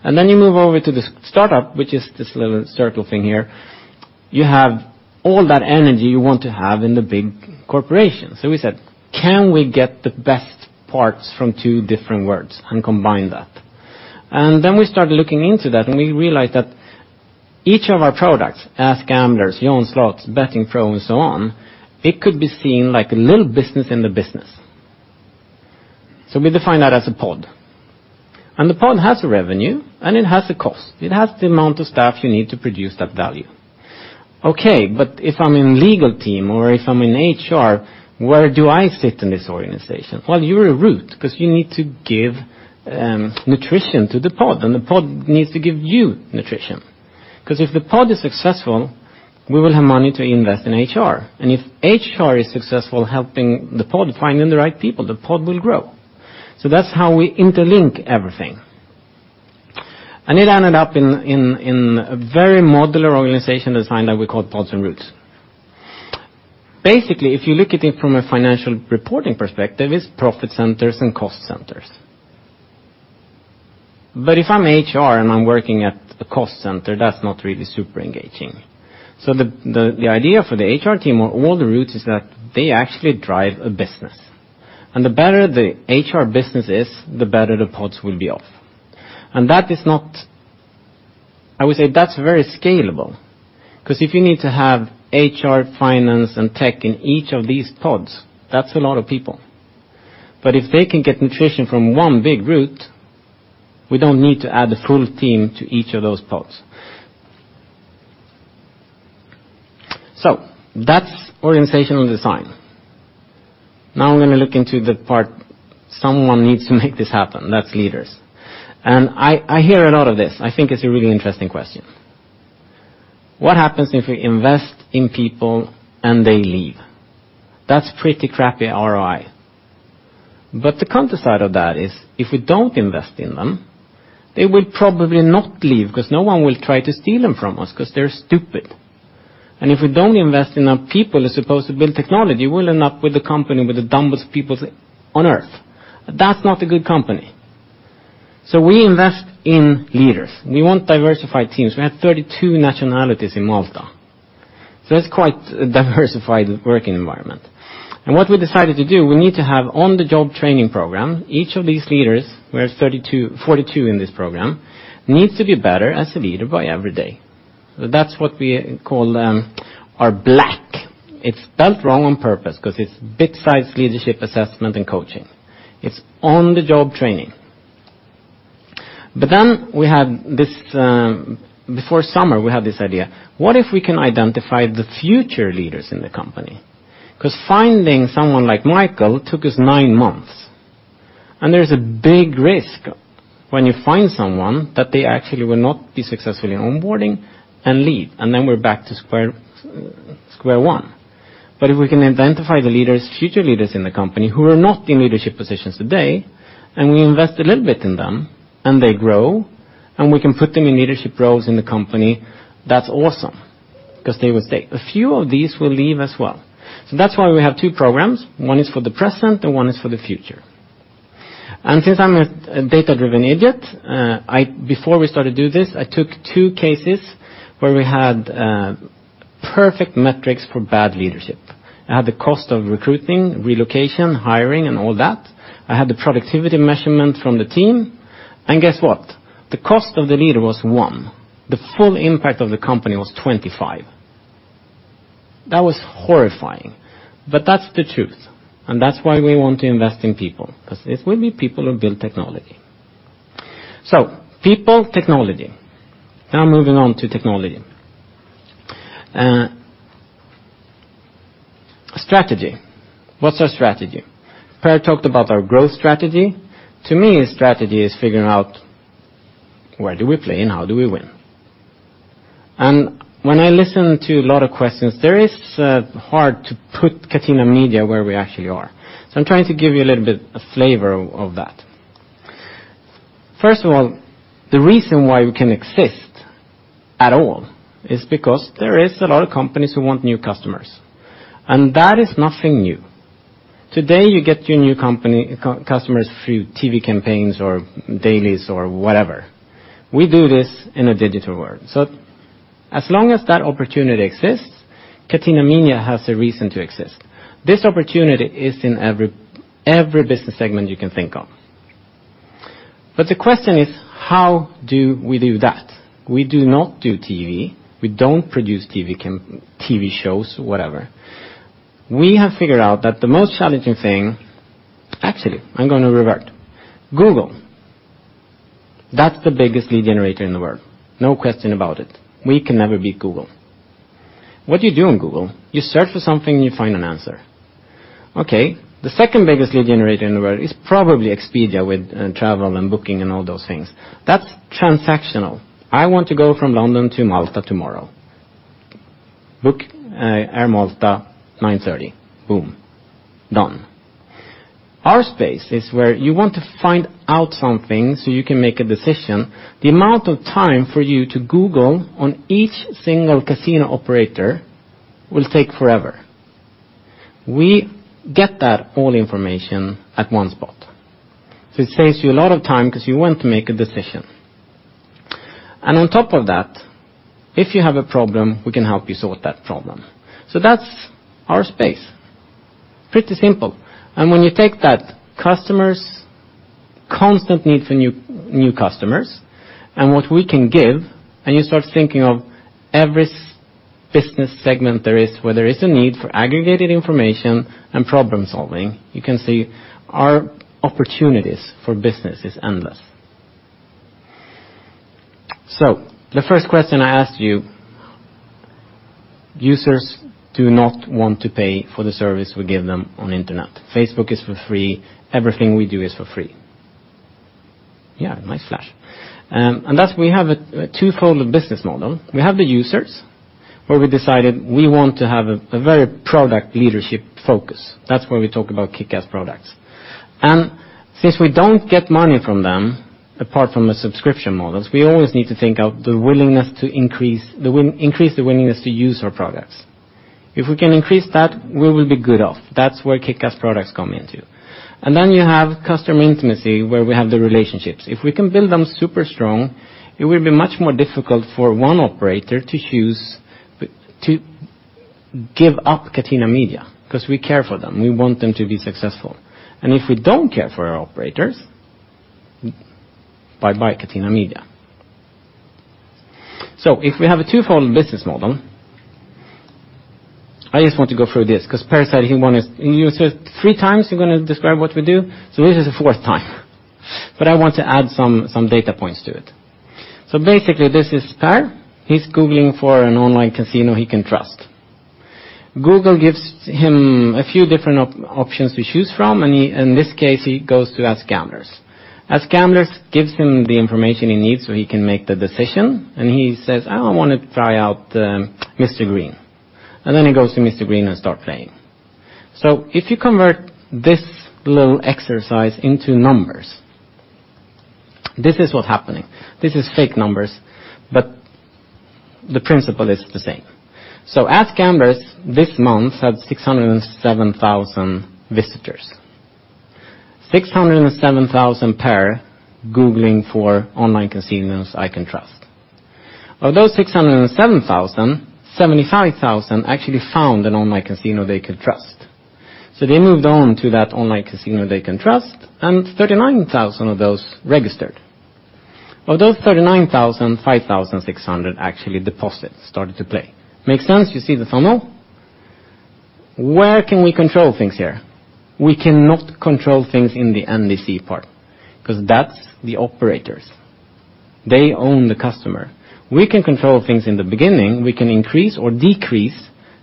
S4: Then you move over to this startup, which is this little circle thing here. You have all that energy you want to have in the big corporation. We said, "Can we get the best parts from two different worlds and combine that?" We started looking into that, and we realized that each of our products, AskGamblers, JohnSlots, Bettingpro, and so on, it could be seen like a little business in the business. We define that as a pod. The pod has a revenue, and it has a cost. It has the amount of staff you need to produce that value. If I'm in legal team or if I'm in HR, where do I fit in this organization? You're a root because you need to give nutrition to the pod, and the pod needs to give you nutrition. If the pod is successful, we will have money to invest in HR. If HR is successful helping the pod finding the right people, the pod will grow. That's how we interlink everything. It ended up in a very modular organization design that we call pods and roots. Basically, if you look at it from a financial reporting perspective, it's profit centers and cost centers. If I'm HR and I'm working at a cost center, that's not really super engaging. The idea for the HR team or all the roots is that they actually drive a business. The better the HR business is, the better the pods will be off. I would say that's very scalable, because if you need to have HR, finance, and tech in each of these pods, that's a lot of people. If they can get nutrition from one big root, we don't need to add a full team to each of those pods. That's organizational design. I'm going to look into the part someone needs to make this happen. That's leaders. I hear a lot of this. I think it's a really interesting question. What happens if we invest in people and they leave? That's pretty crappy ROI. The counter side of that is if we don't invest in them, they will probably not leave because no one will try to steal them from us because they're stupid. If we don't invest in our people that's supposed to build technology, we'll end up with a company with the dumbest people on Earth. That's not a good company. We invest in leaders. We want diversified teams. We have 32 nationalities in Malta. It's quite a diversified working environment. What we decided to do, we need to have on-the-job training program. Each of these leaders, we have 42 in this program, needs to be better as a leader by every day. That's what we call our BLACK. It's spelled wrong on purpose because it's Bitesize Leadership Assessment and Coaching. It's on-the-job training. Before summer, we had this idea. What if we can identify the future leaders in the company? Finding someone like Michael took us nine months. There's a big risk when you find someone that they actually will not be successful in onboarding and leave, and then we're back to square one. But if we can identify the future leaders in the company who are not in leadership positions today, and we invest a little bit in them, and they grow, and we can put them in leadership roles in the company, that's awesome because they will stay. A few of these will leave as well. That's why we have two programs. One is for the present, and one is for the future. Since I'm a data-driven idiot, before we started to do this, I took two cases where we had perfect metrics for bad leadership. I had the cost of recruiting, relocation, hiring, and all that. I had the productivity measurement from the team. Guess what? The cost of the leader was one. The full impact of the company was 25. That was horrifying. That's the truth, and that's why we want to invest in people, because it will be people who build technology. People, technology. Moving on to technology. Strategy. What's our strategy? Per talked about our growth strategy. To me, strategy is figuring out where do we play and how do we win. When I listen to a lot of questions, there is hard to put Catena Media where we actually are. I'm trying to give you a little bit of flavor of that. First of all, the reason why we can exist at all is because there is a lot of companies who want new customers, and that is nothing new. Today, you get your new customers through TV campaigns or dailies or whatever. We do this in a digital world. As long as that opportunity exists, Catena Media has a reason to exist. This opportunity is in every business segment you can think of. The question is, how do we do that? We do not do TV. We don't produce TV shows, whatever. We have figured out that the most challenging thing. Actually, I'm going to revert. Google, that's the biggest lead generator in the world. No question about it. We can never beat Google. What do you do on Google? You search for something, and you find an answer. Okay. The second biggest lead generator in the world is probably Expedia with travel and booking and all those things. That's transactional. I want to go from London to Malta tomorrow. Book Air Malta, 9:30 A.M. Boom. Done. Our space is where you want to find out something so you can make a decision. The amount of time for you to Google on each single casino operator will take forever. We get that all information at one spot. It saves you a lot of time because you want to make a decision. On top of that, if you have a problem, we can help you sort that problem. That's our space. Pretty simple. When you take that customer's constant need for new customers and what we can give, and you start thinking of every business segment there is where there is a need for aggregated information and problem-solving, you can see our opportunities for business is endless. The first question I asked you, users do not want to pay for the service we give them on internet. Facebook is for free. Everything we do is for free. Yeah, nice flash. We have a twofold business model. We have the users, where we decided we want to have a very product leadership focus. That's where we talk about kickass products. Since we don't get money from them, apart from the subscription models, we always need to think of increase the willingness to use our products. If we can increase that, we will be good off. That's where kickass products come into. You have customer intimacy, where we have the relationships. If we can build them super strong, it will be much more difficult for one operator to give up Catena Media because we care for them. We want them to be successful. If we don't care for our operators, bye-bye, Catena Media. If we have a twofold business model, I just want to go through this because Per said he wanted users three times, he want to describe what we do, this is the fourth time. I want to add some data points to it. This is Per. He's googling for an online casino he can trust. Google gives him a few different options to choose from, and in this case, he goes to AskGamblers. AskGamblers gives him the information he needs so he can make the decision, he says, "I want to try out Mr Green." He goes to Mr Green and starts playing. If you convert this little exercise into numbers, this is what's happening. This is fake numbers, but the principle is the same. AskGamblers this month had 607,000 visitors. 607,000 Per googling for online casinos I can trust. Of those 607,000, 75,000 actually found an online casino they could trust. They moved on to that online casino they can trust, and 39,000 of those registered. Of those 39,000, 5,600 actually deposit, started to play. Makes sense? You see the funnel? Where can we control things here? We cannot control things in the NDC part because that's the operators. They own the customer. We can control things in the beginning. We can increase or decrease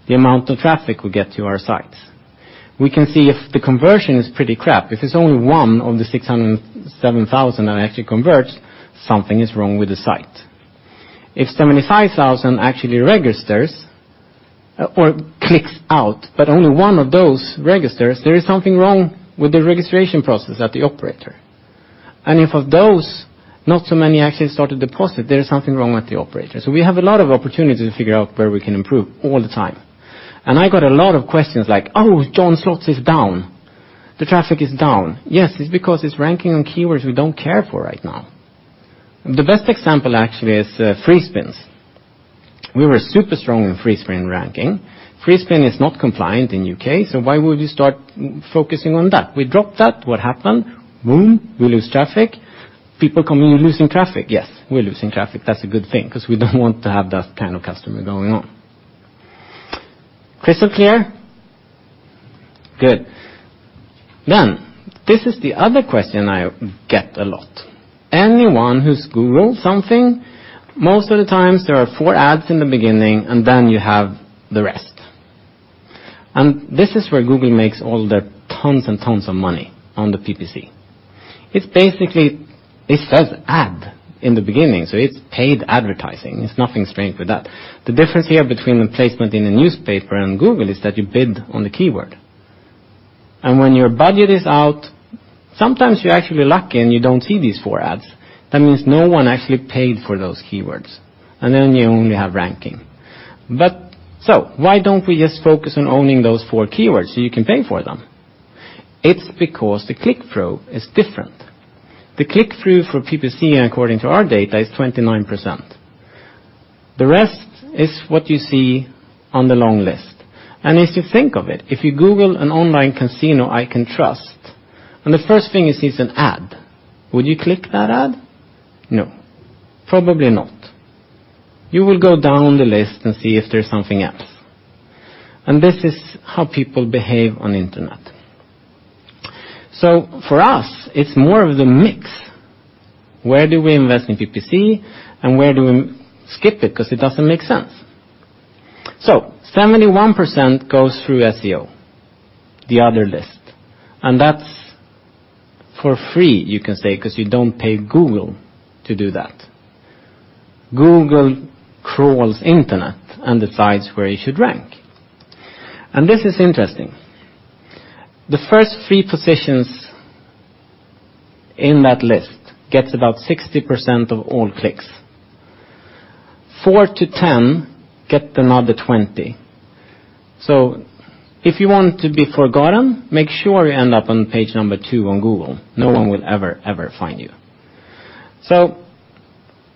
S4: the amount of traffic we get to our sites. We can see if the conversion is pretty crap. If it's only one of the 607,000 that actually converts, something is wrong with the site. If 75,000 actually registers or clicks out, but only one of those registers, there is something wrong with the registration process at the operator. If of those, not so many actually start to deposit, there is something wrong with the operator. We have a lot of opportunity to figure out where we can improve all the time. I got a lot of questions like, "Oh, JohnSlots is down. The traffic is down." Yes, it's because it's ranking on keywords we don't care for right now. The best example actually is free spins. We were super strong in free spin ranking. Free spin is not compliant in U.K., why would you start focusing on that? We dropped that. What happened? Boom, we lose traffic. People come in losing traffic. Yes, we're losing traffic. That's a good thing because we don't want to have that kind of customer going on. Crystal clear? Good. This is the other question I get a lot. Anyone who's Googled something, most of the times there are four ads in the beginning, then you have the rest. This is where Google makes all their tons and tons of money on the PPC. It says ad in the beginning, so it's paid advertising. It's nothing strange with that. The difference here between the placement in a newspaper and Google is that you bid on the keyword. When your budget is out, sometimes you're actually lucky and you don't see these four ads. That means no one actually paid for those keywords, then you only have ranking. Why don't we just focus on owning those four keywords so you can pay for them? It's because the click-through is different. The click-through for PPC, according to our data, is 29%. The rest is what you see on the long list. If you think of it, if you Google an online casino I can trust, the first thing you see is an ad, would you click that ad? No, probably not. You will go down the list and see if there's something else. This is how people behave on the internet. For us, it's more of the mix. Where do we invest in PPC, where do we skip it because it doesn't make sense? 71% goes through SEO, the other list, that's for free, you can say, because you don't pay Google to do that. Google crawls internet and decides where you should rank. This is interesting. The first three positions in that list gets about 60% of all clicks. 4-10 get another 20. If you want to be forgotten, make sure you end up on page number 2 on Google. No one will ever find you.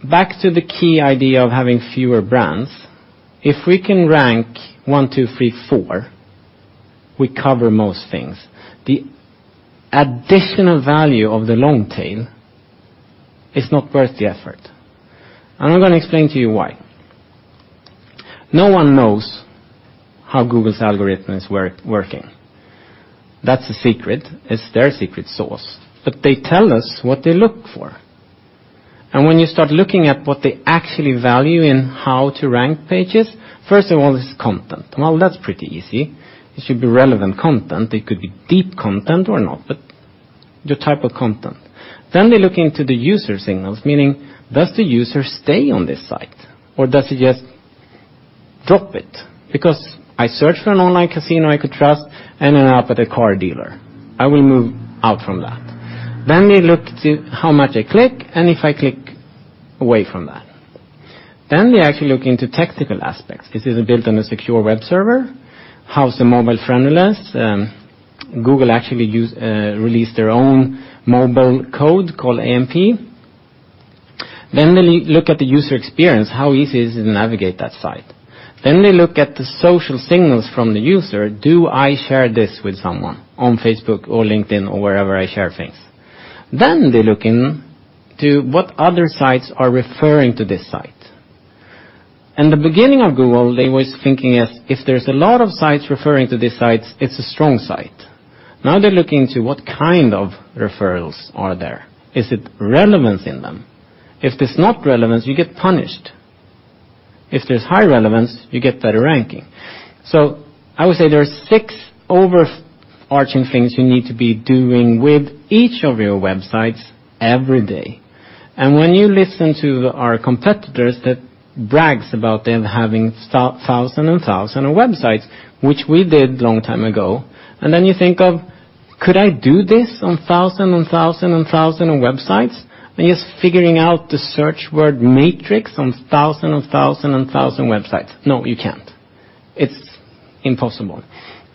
S4: Back to the key idea of having fewer brands. If we can rank 1, 2, 3, 4, we cover most things. The additional value of the long tail is not worth the effort. I'm going to explain to you why. No one knows how Google's algorithm is working. That's a secret. It's their secret sauce, but they tell us what they look for. When you start looking at what they actually value in how to rank pages, first of all, it's content. Well, that's pretty easy. It should be relevant content. It could be deep content or not, but your type of content. They look into the user signals, meaning does the user stay on this site or does he just drop it? Because I searched for an online casino I could trust and ended up at a car dealer. I will move out from that. They look to see how much I click, if I click away from that. They actually look into technical aspects. Is it built on a secure web server? How's the mobile friendliness? Google actually released their own mobile code called AMP. They look at the user experience. How easy is it to navigate that site? They look at the social signals from the user. Do I share this with someone on Facebook or LinkedIn or wherever I share things? They look into what other sites are referring to this site. In the beginning of Google, they was thinking if there's a lot of sites referring to these sites, it's a strong site. Now they're looking into what kind of referrals are there. Is it relevance in them? If there's not relevance, you get punished. If there's high relevance, you get better ranking. I would say there's six overarching things you need to be doing with each of your websites every day. When you listen to our competitors that brags about them having thousand and thousand of websites, which we did long time ago, and then you think of, could I do this on thousand and thousand and thousand of websites? Just figuring out the search word matrix on thousand and thousand and thousand websites. No, you can't. It's impossible.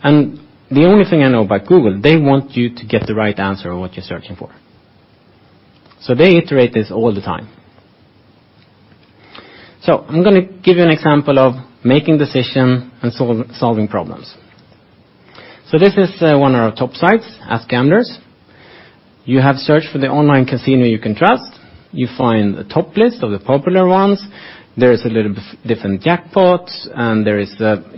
S4: The only thing I know about Google, they want you to get the right answer on what you're searching for. They iterate this all the time. I'm going to give you an example of making decision and solving problems. This is one of our top sites, AskGamblers. You have searched for the online casino you can trust. You find the top list of the popular ones. There is a little different jackpots, and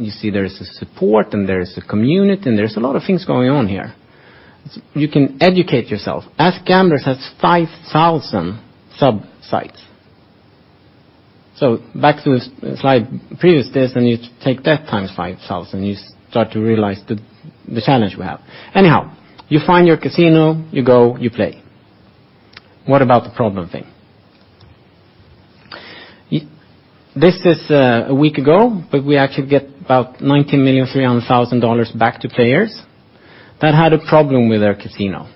S4: you see there is a support, and there is a community, and there's a lot of things going on here. You can educate yourself. AskGamblers has 5,000 sub-sites. Back to the slide previous this, and you take that times 5,000. You start to realize the challenge we have. Anyhow, you find your casino, you go, you play. What about the problem thing? This is a week ago, we actually get about EUR 19,300,000 back to players that had a problem with their casino.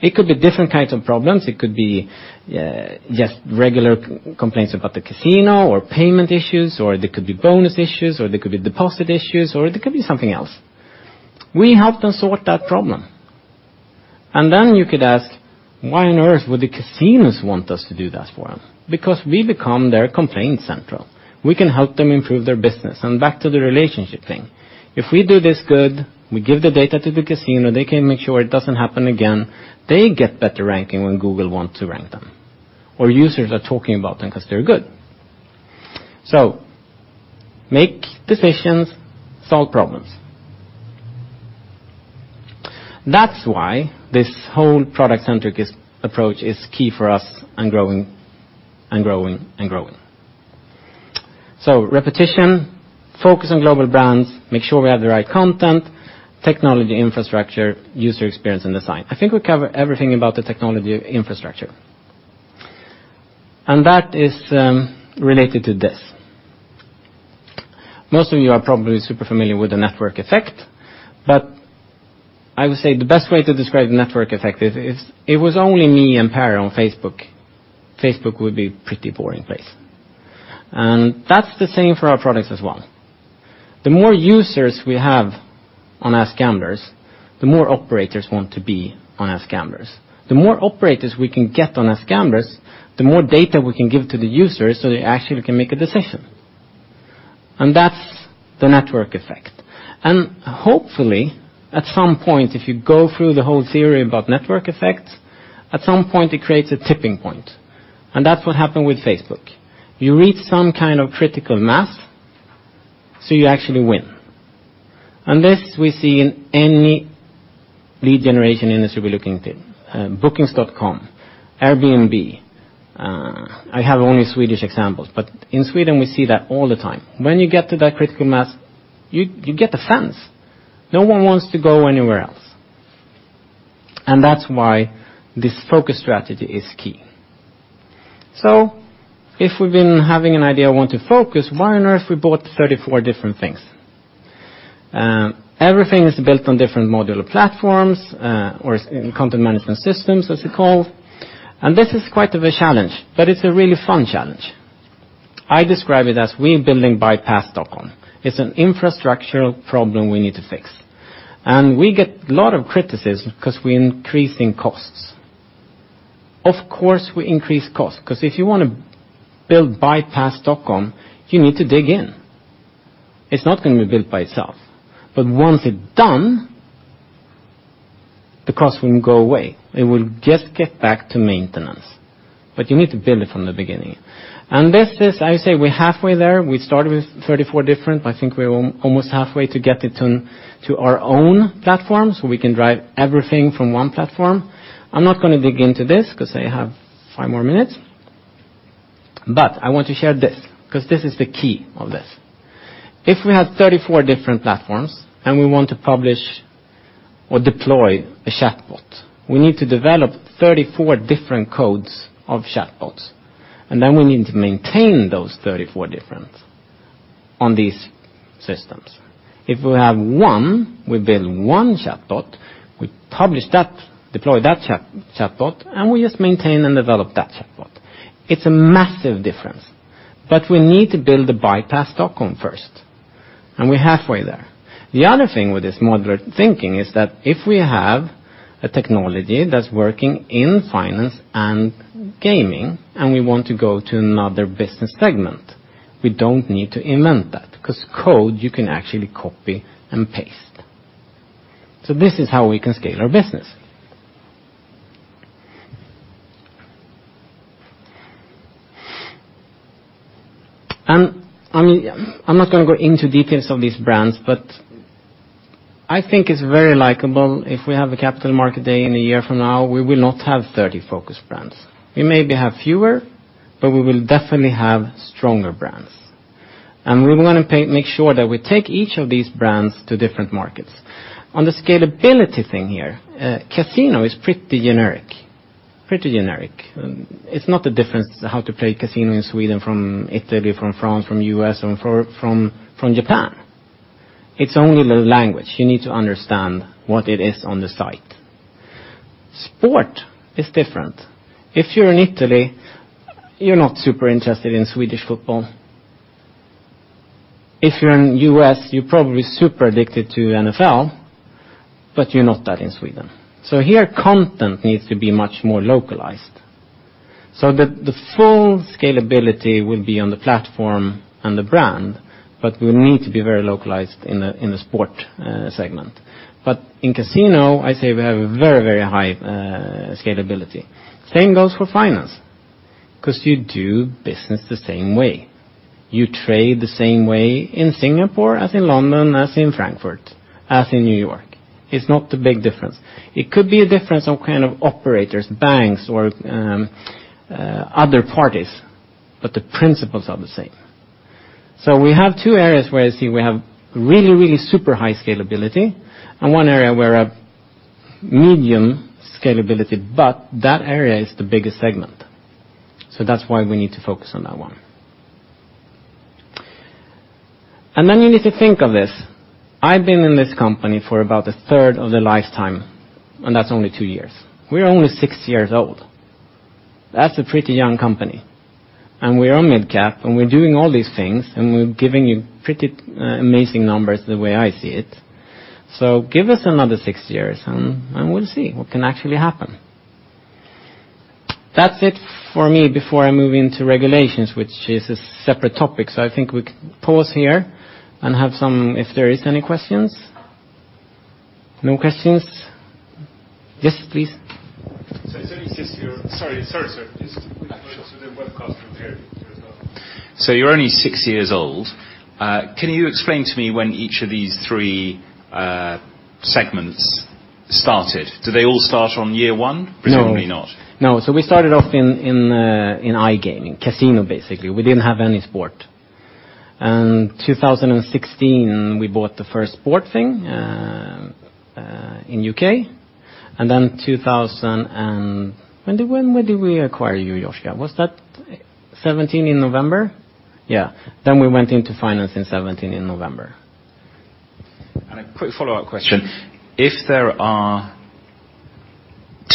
S4: It could be different kinds of problems. It could be just regular complaints about the casino or payment issues, or they could be bonus issues, or they could be deposit issues, or they could be something else. We help them sort that problem. Then you could ask, why on earth would the casinos want us to do that for them? Because we become their complaint central. We can help them improve their business. Back to the relationship thing. If we do this good, we give the data to the casino, they can make sure it doesn't happen again, they get better ranking when Google wants to rank them, or users are talking about them because they're good. Make decisions, solve problems. That's why this whole product-centric approach is key for us in growing. Repetition, focus on global brands, make sure we have the right content, technology infrastructure, user experience, and design. I think we covered everything about the technology infrastructure. That is related to this. Most of you are probably super familiar with the network effect, I would say the best way to describe the network effect is, if it was only me and Per on Facebook would be pretty boring place. That's the same for our products as well. The more users we have on AskGamblers, the more operators want to be on AskGamblers. The more operators we can get on AskGamblers, the more data we can give to the users so they actually can make a decision. That's the network effect. Hopefully, at some point, if you go through the whole theory about network effects, at some point it creates a tipping point. That's what happened with Facebook. You reach some kind of critical mass, so you actually win. This we see in any lead generation industry we look into, Booking.com, Airbnb. I have only Swedish examples, but in Sweden we see that all the time. When you get to that critical mass, you get the fans. No one wants to go anywhere else. That's why this focus strategy is key. If we've been having an idea we want to focus, why on earth we bought 34 different things? Everything is built on different modular platforms, or content management systems, as you call, and this is quite of a challenge, but it's a really fun challenge. I describe it as we building bypass.com. It's an infrastructural problem we need to fix. We get lot of criticism because we increasing costs. Of course, we increase cost, because if you want to build Stockholm Bypass, you need to dig in. It's not going to be built by itself. Once it's done, the cost will go away. It will just get back to maintenance. You need to build it from the beginning. This is, I say we're halfway there. We started with 34 different, but I think we're almost halfway to get it to our own platform so we can drive everything from one platform. I'm not going to dig into this because I have five more minutes. I want to share this because this is the key of this. If we have 34 different platforms and we want to publish or deploy a chatbot, we need to develop 34 different codes of chatbots, and then we need to maintain those 34 different on these systems. If we have one, we build one chatbot, we publish that, deploy that chatbot, and we just maintain and develop that chatbot. It's a massive difference. We need to build the Stockholm Bypass first, and we're halfway there. The other thing with this modular thinking is that if we have a technology that's working in finance and gaming and we want to go to another business segment, we don't need to invent that because code you can actually copy and paste. This is how we can scale our business. I'm not going to go into details of these brands, but I think it's very likable if we have a capital market day in a year from now, we will not have 30 focus brands. We maybe have fewer, but we will definitely have stronger brands. We want to make sure that we take each of these brands to different markets. On the scalability thing here, casino is pretty generic. It's not a difference how to play casino in Sweden from Italy, from France, from U.S., and from Japan. It's only the language. You need to understand what it is on the site. Sport is different. If you're in Italy, you're not super interested in Swedish football. If you're in U.S., you're probably super addicted to NFL, but you're not that in Sweden. Here, content needs to be much more localized. The full scalability will be on the platform and the brand, but we need to be very localized in the sport segment. In casino, I say we have a very high scalability. Same goes for finance, because you do business the same way. You trade the same way in Singapore as in London, as in Frankfurt, as in New York. It's not a big difference. It could be a difference of kind of operators, banks, or other parties. The principles are the same. We have two areas where you see we have really, really super high scalability, and one area where a medium scalability, but that area is the biggest segment. That's why we need to focus on that one. Then you need to think of this. I've been in this company for about a third of the lifetime, and that's only two years. We're only six years old. That's a pretty young company. We are mid-cap, and we're doing all these things, and we're giving you pretty amazing numbers the way I see it. Give us another six years and we'll see what can actually happen. That's it for me before I move into regulations, which is a separate topic. I think we could pause here and have some, if there is any questions. No questions? Yes, please.
S5: Sorry, sir. Please.
S4: Sure.
S5: To the webcast room here as well. You're only six years old. Can you explain to me when each of these three segments started? Do they all start on year one?
S4: No.
S5: Presumably not.
S4: No. We started off in iGaming, casino basically. We didn't have any sport. In 2016, we bought the first sport thing in U.K. When did we acquire you, Joshua? Was that 2017 in November? Yeah. Then we went into finance in 2017 in November.
S5: A quick follow-up question. If there are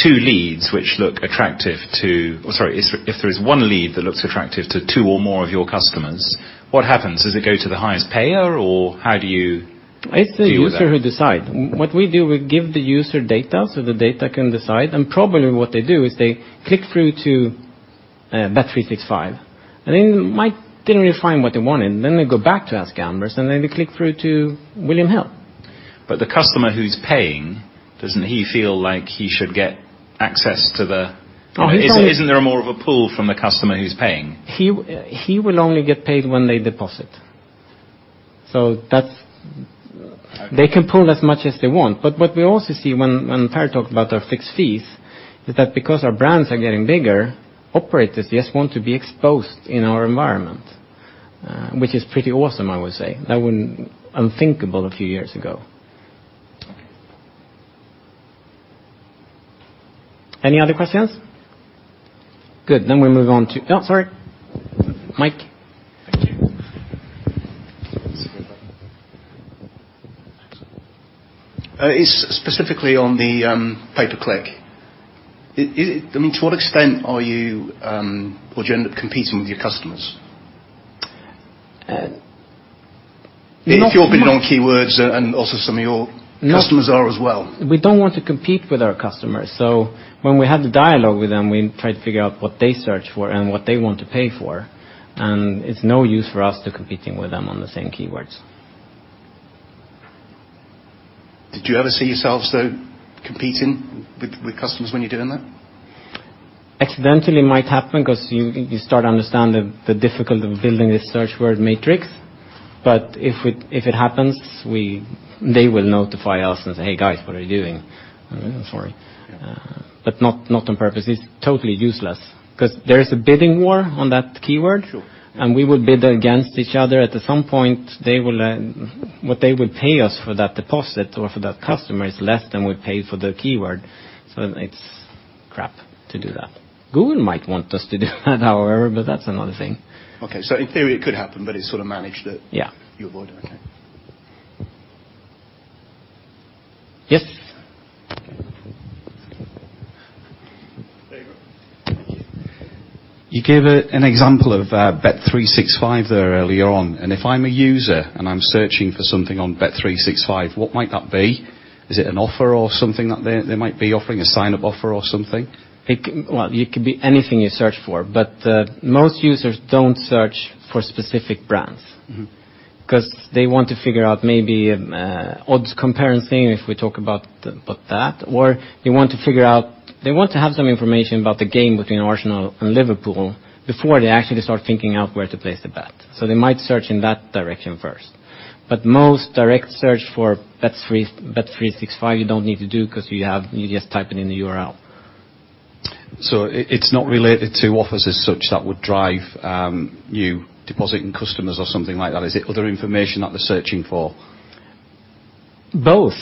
S5: two leads which look attractive to sorry, if there is one lead that looks attractive to two or more of your customers, what happens? Does it go to the highest payer or how do you do that?
S4: It's the user who decide. What we do, we give the user data, the data can decide. Probably what they do is they click through to bet365, and they might didn't really find what they wanted, then they go back to AskGamblers, and then they click through to William Hill.
S5: The customer who's paying, doesn't he feel like he should get access to the-
S4: He's-
S5: Isn't there more of a pull from the customer who's paying?
S4: He will only get paid when they deposit. That's-
S5: Okay
S4: they can pull as much as they want. What we also see when Per talked about our fixed fees, is that because our brands are getting bigger, operators just want to be exposed in our environment, which is pretty awesome, I would say. That wouldn't unthinkable a few years ago. Any other questions? Good. We move on to Oh, sorry. Mike.
S5: Thank you. Specifically on the pay-per-click. To what extent are you or do you end up competing with your customers?
S4: Uh-
S5: If you're bidding on keywords and also some of your customers are as well.
S4: We don't want to compete with our customers. When we have the dialogue with them, we try to figure out what they search for and what they want to pay for, and it's no use for us to competing with them on the same keywords.
S5: Did you ever see yourselves, though, competing with customers when you're doing that?
S4: Accidentally might happen because you start to understand the difficulty of building this search word matrix. If it happens, they will notify us and say, "Hey guys, what are you doing?" "Oh, sorry.
S5: Yeah.
S4: Not on purpose. It's totally useless because there is a bidding war on that keyword.
S5: Sure.
S4: We would bid against each other. At some point, what they would pay us for that deposit or for that customer is less than we pay for the keyword. It's crap to do that. Google might want us to do that, however, but that's another thing.
S5: Okay. In theory it could happen, but it's sort of managed.
S4: Yeah
S5: You avoid. Okay.
S4: Yes.
S5: There you go. Thank you. You gave an example of Bet365 there earlier on, and if I'm a user and I'm searching for something on Bet365, what might that be? Is it an offer or something that they might be offering? A sign-up offer or something?
S4: It could be anything you search for, but, most users don't search for specific brands. They want to figure out maybe, odds comparison if we talk about that. They want to have some information about the game between Arsenal and Liverpool before they actually start thinking out where to place the bet. They might search in that direction first. Most direct search for bet365, you don't need to do because you just type it in the URL.
S5: It's not related to offers as such that would drive New Depositing Customers or something like that. Is it other information that they're searching for?
S4: Both.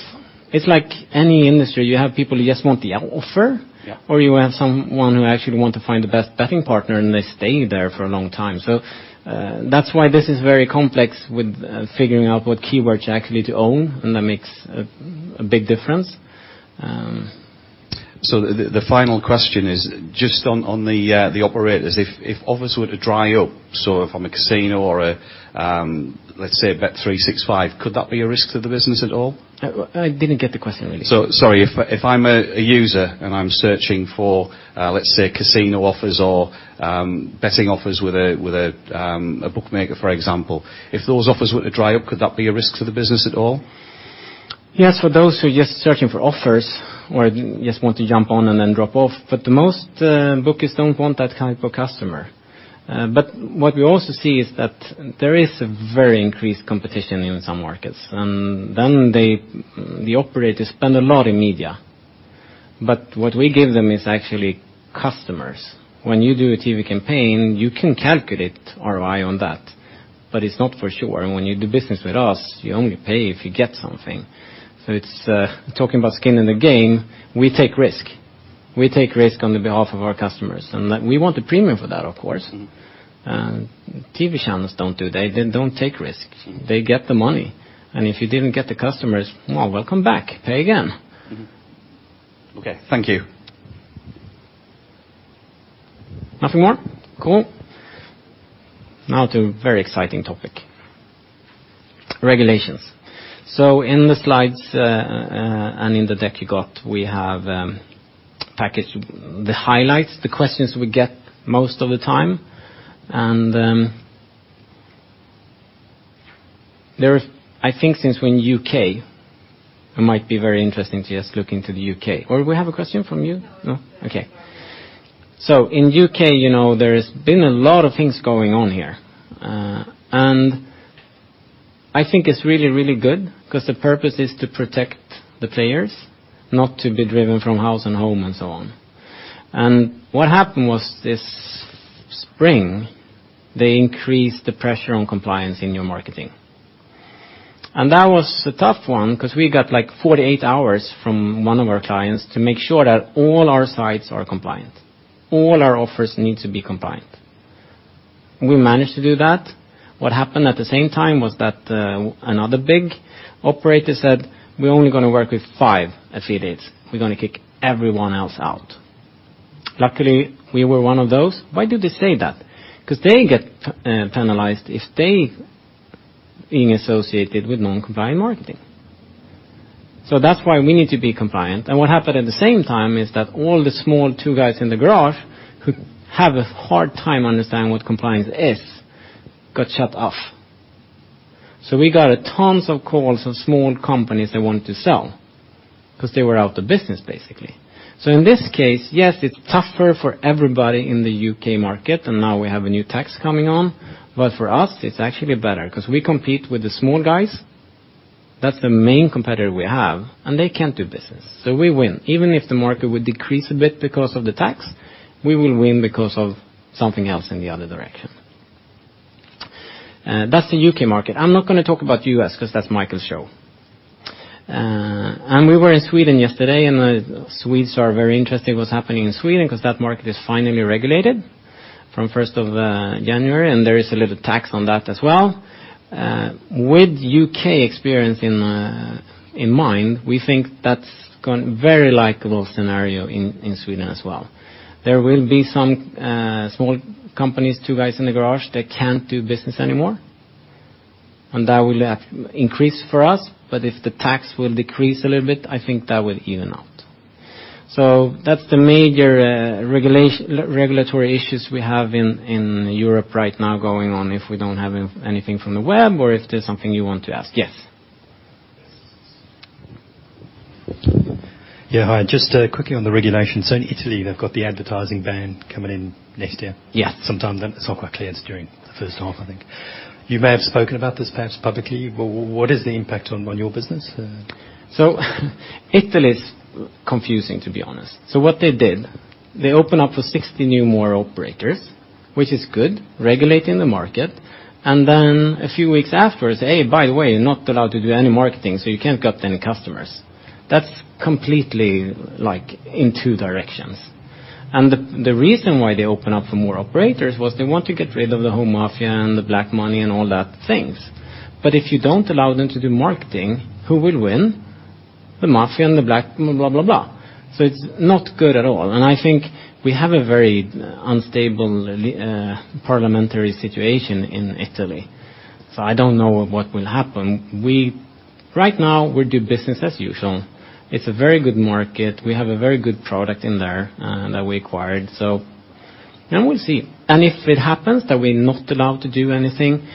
S4: It's like any industry. You have people who just want the offer.
S5: Yeah
S4: You have someone who actually want to find the best betting partner, and they stay there for a long time. That's why this is very complex with figuring out what keywords you actually to own, and that makes a big difference.
S5: The final question is just on the operators. If offers were to dry up, if I'm a casino or, let's say Bet365, could that be a risk to the business at all?
S4: I didn't get the question really.
S5: Sorry. If I'm a user and I'm searching for, let's say, casino offers or betting offers with a bookmaker, for example. If those offers were to dry up, could that be a risk to the business at all?
S4: Yes, for those who are just searching for offers or just want to jump on and then drop off. Most bookies don't want that type of customer. What we also see is that there is a very increased competition in some markets, and the operators spend a lot in media. What we give them is actually customers. When you do a TV campaign, you can calculate ROI on that, but it's not for sure. When you do business with us, you only pay if you get something. Talking about Skin in the Game, we take risk. We take risk on the behalf of our customers, and we want a premium for that, of course. TV channels don't do that. They don't take risks. They get the money. If you didn't get the customers, well, welcome back. Pay again.
S5: Mm-hmm. Okay. Thank you.
S4: Cool. To a very exciting topic, regulations. In the slides, and in the deck you got, we have packaged the highlights, the questions we get most of the time, and I think since we're in U.K., it might be very interesting to just look into the U.K. Or we have a question from you? No? Okay. In U.K., there's been a lot of things going on here. I think it's really good because the purpose is to protect the players, not to be driven from house and home and so on. What happened was this spring, they increased the pressure on compliance in your marketing. That was a tough one because we got, like, 48 hours from one of our clients to make sure that all our sites are compliant. All our offers need to be compliant. We managed to do that. What happened at the same time was that another big operator said, "We're only going to work with five affiliates. We're going to kick everyone else out." Luckily, we were one of those. Why do they say that? Because they get penalized if they being associated with non-compliant marketing. That's why we need to be compliant. What happened at the same time is that all the small two guys in the garage who have a hard time understanding what compliance is, got shut off. We got tons of calls from small companies that wanted to sell because they were out of business, basically. In this case, yes, it's tougher for everybody in the U.K. market, and now we have a new tax coming on. For us, it's actually better because we compete with the small guys. That's the main competitor we have, and they can't do business. We win. Even if the market would decrease a bit because of the tax, we will win because of something else in the other direction. That's the U.K. market. I'm not going to talk about U.S. because that's Michael's show. We were in Sweden yesterday, and the Swedes are very interested in what's happening in Sweden because that market is finally regulated from the 1st of January, and there is a little tax on that as well. With U.K. experience in mind, we think that's very likable scenario in Sweden as well. There will be some small companies, two guys in a garage, that can't do business anymore, and that will increase for us. If the tax will decrease a little bit, I think that will even out. That's the major regulatory issues we have in Europe right now going on if we don't have anything from the web or if there's something you want to ask. Yes.
S5: Yeah. Hi. Just quickly on the regulations. In Italy, they've got the advertising ban coming in next year.
S4: Yeah.
S5: Sometime then. It's not quite clear. It's during the first half, I think. You may have spoken about this perhaps publicly, what is the impact on your business?
S4: Italy is confusing, to be honest. What they did, they opened up for 60 new more operators, which is good, regulating the market, then a few weeks after said, "Hey, by the way, you're not allowed to do any marketing, you can't get any customers." That's completely, like, in two directions. The reason why they opened up for more operators was they want to get rid of the whole mafia and the black money and all that things. If you don't allow them to do marketing, who will win? The mafia and the black blah, blah. It's not good at all. I think we have a very unstable parliamentary situation in Italy, I don't know what will happen. Right now, we do business as usual. It's a very good market. We have a very good product in there that we acquired. We'll see. If it happens that we're not allowed to do anything,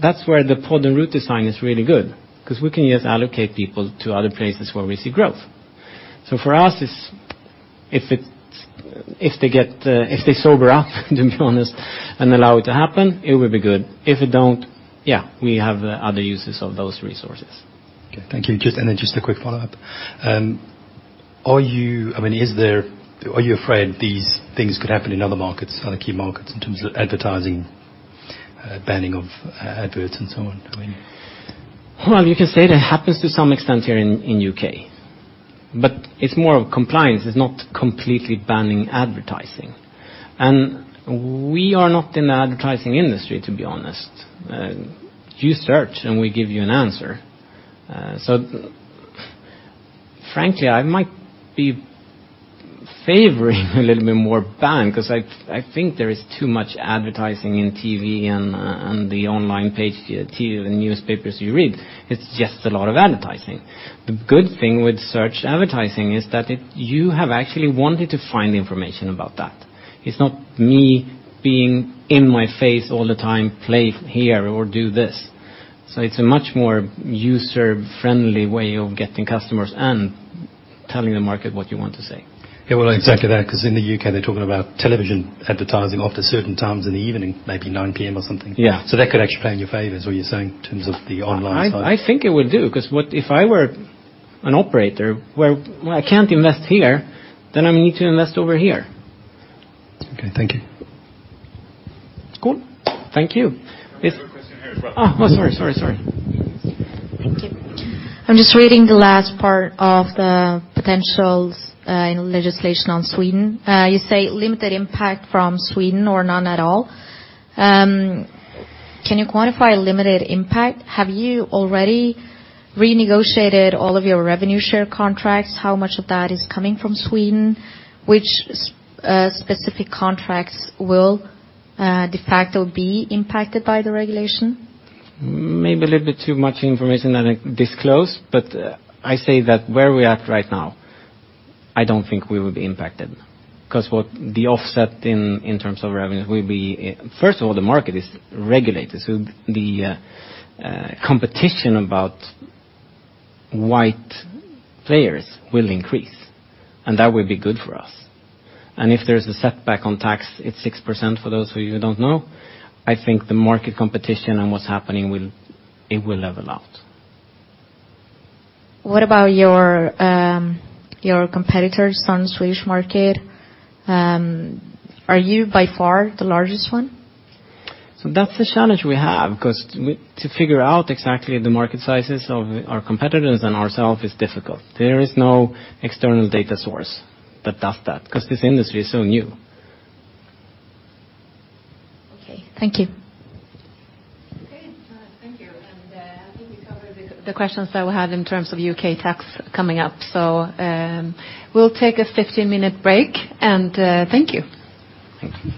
S4: that's where the pod and route design is really good because we can just allocate people to other places where we see growth. For us, if they sober up, to be honest, and allow it to happen, it would be good. If it don't, yeah, we have other uses of those resources.
S5: Okay. Thank you. Then just a quick follow-up. Are you afraid these things could happen in other markets, other key markets, in terms of advertising, banning of adverts, and so on? I mean.
S4: Well, you can say that happens to some extent here in U.K., it's more of compliance. It's not completely banning advertising. We are not in the advertising industry, to be honest. You search, and we give you an answer. Frankly, I might be favoring a little bit more ban because I think there is too much advertising in TV and on the online page, the TV, the newspapers you read. It's just a lot of advertising. The good thing with search advertising is that you have actually wanted to find information about that. It's not me being in my face all the time, play here or do this. It's a much more user-friendly way of getting customers and telling the market what you want to say.
S5: Yeah, well exactly that, because in the U.K. they're talking about television advertising after certain times in the evening, maybe 9:00 P.M. or something.
S4: Yeah.
S5: That could actually play in your favor is what you're saying in terms of the online side.
S4: I think it will do, because if I were an operator where I can't invest here, then I need to invest over here.
S5: Okay, thank you.
S4: Cool. Thank you.
S3: We have a question here as well.
S4: Oh, sorry.
S6: Thank you. I'm just reading the last part of the potentials in legislation on Sweden. You say limited impact from Sweden or none at all. Can you quantify limited impact? Have you already renegotiated all of your revenue share contracts? How much of that is coming from Sweden? Which specific contracts will de facto be impacted by the regulation?
S4: Maybe a little bit too much information that I disclose. I say that where we are at right now, I don't think we will be impacted because what the offset in terms of revenue will be. First of all, the market is regulated. The competition about white players will increase. That will be good for us. If there's a setback on tax, it's 6% for those of you who don't know, I think the market competition and what's happening will level out.
S6: What about your competitors on the Swedish market? Are you by far the largest one?
S4: That's the challenge we have because to figure out exactly the market sizes of our competitors and ourselves is difficult. There is no external data source that does that because this industry is so new.
S6: Okay. Thank you.
S3: Okay. Thank you. I think we covered the questions that we had in terms of U.K. tax coming up. We'll take a 15-minute break, and thank you.
S4: Thank you.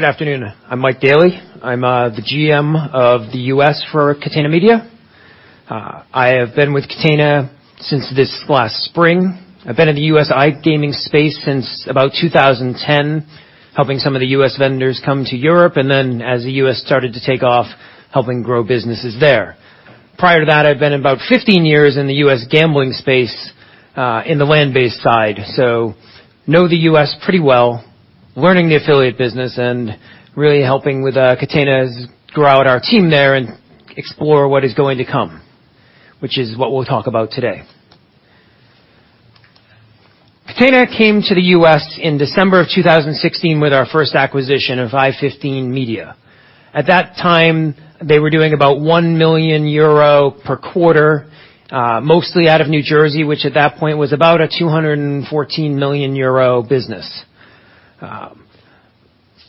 S7: Good afternoon. I'm Mike Daly. I'm the GM of the U.S. for Catena Media. I have been with Catena since this last spring. I've been in the U.S. iGaming space since about 2010, helping some of the U.S. vendors come to Europe, and then as the U.S. started to take off, helping grow businesses there. Prior to that, I'd been about 15 years in the U.S. gambling space, in the land-based side. Know the U.S. pretty well, learning the affiliate business and really helping with Catena's grow out our team there and explore what is going to come, which is what we'll talk about today. Catena came to the U.S. in December of 2016 with our first acquisition of i15 Media. At that time, they were doing about 1 million euro per quarter, mostly out of New Jersey, which at that point was about a 214 million euro business.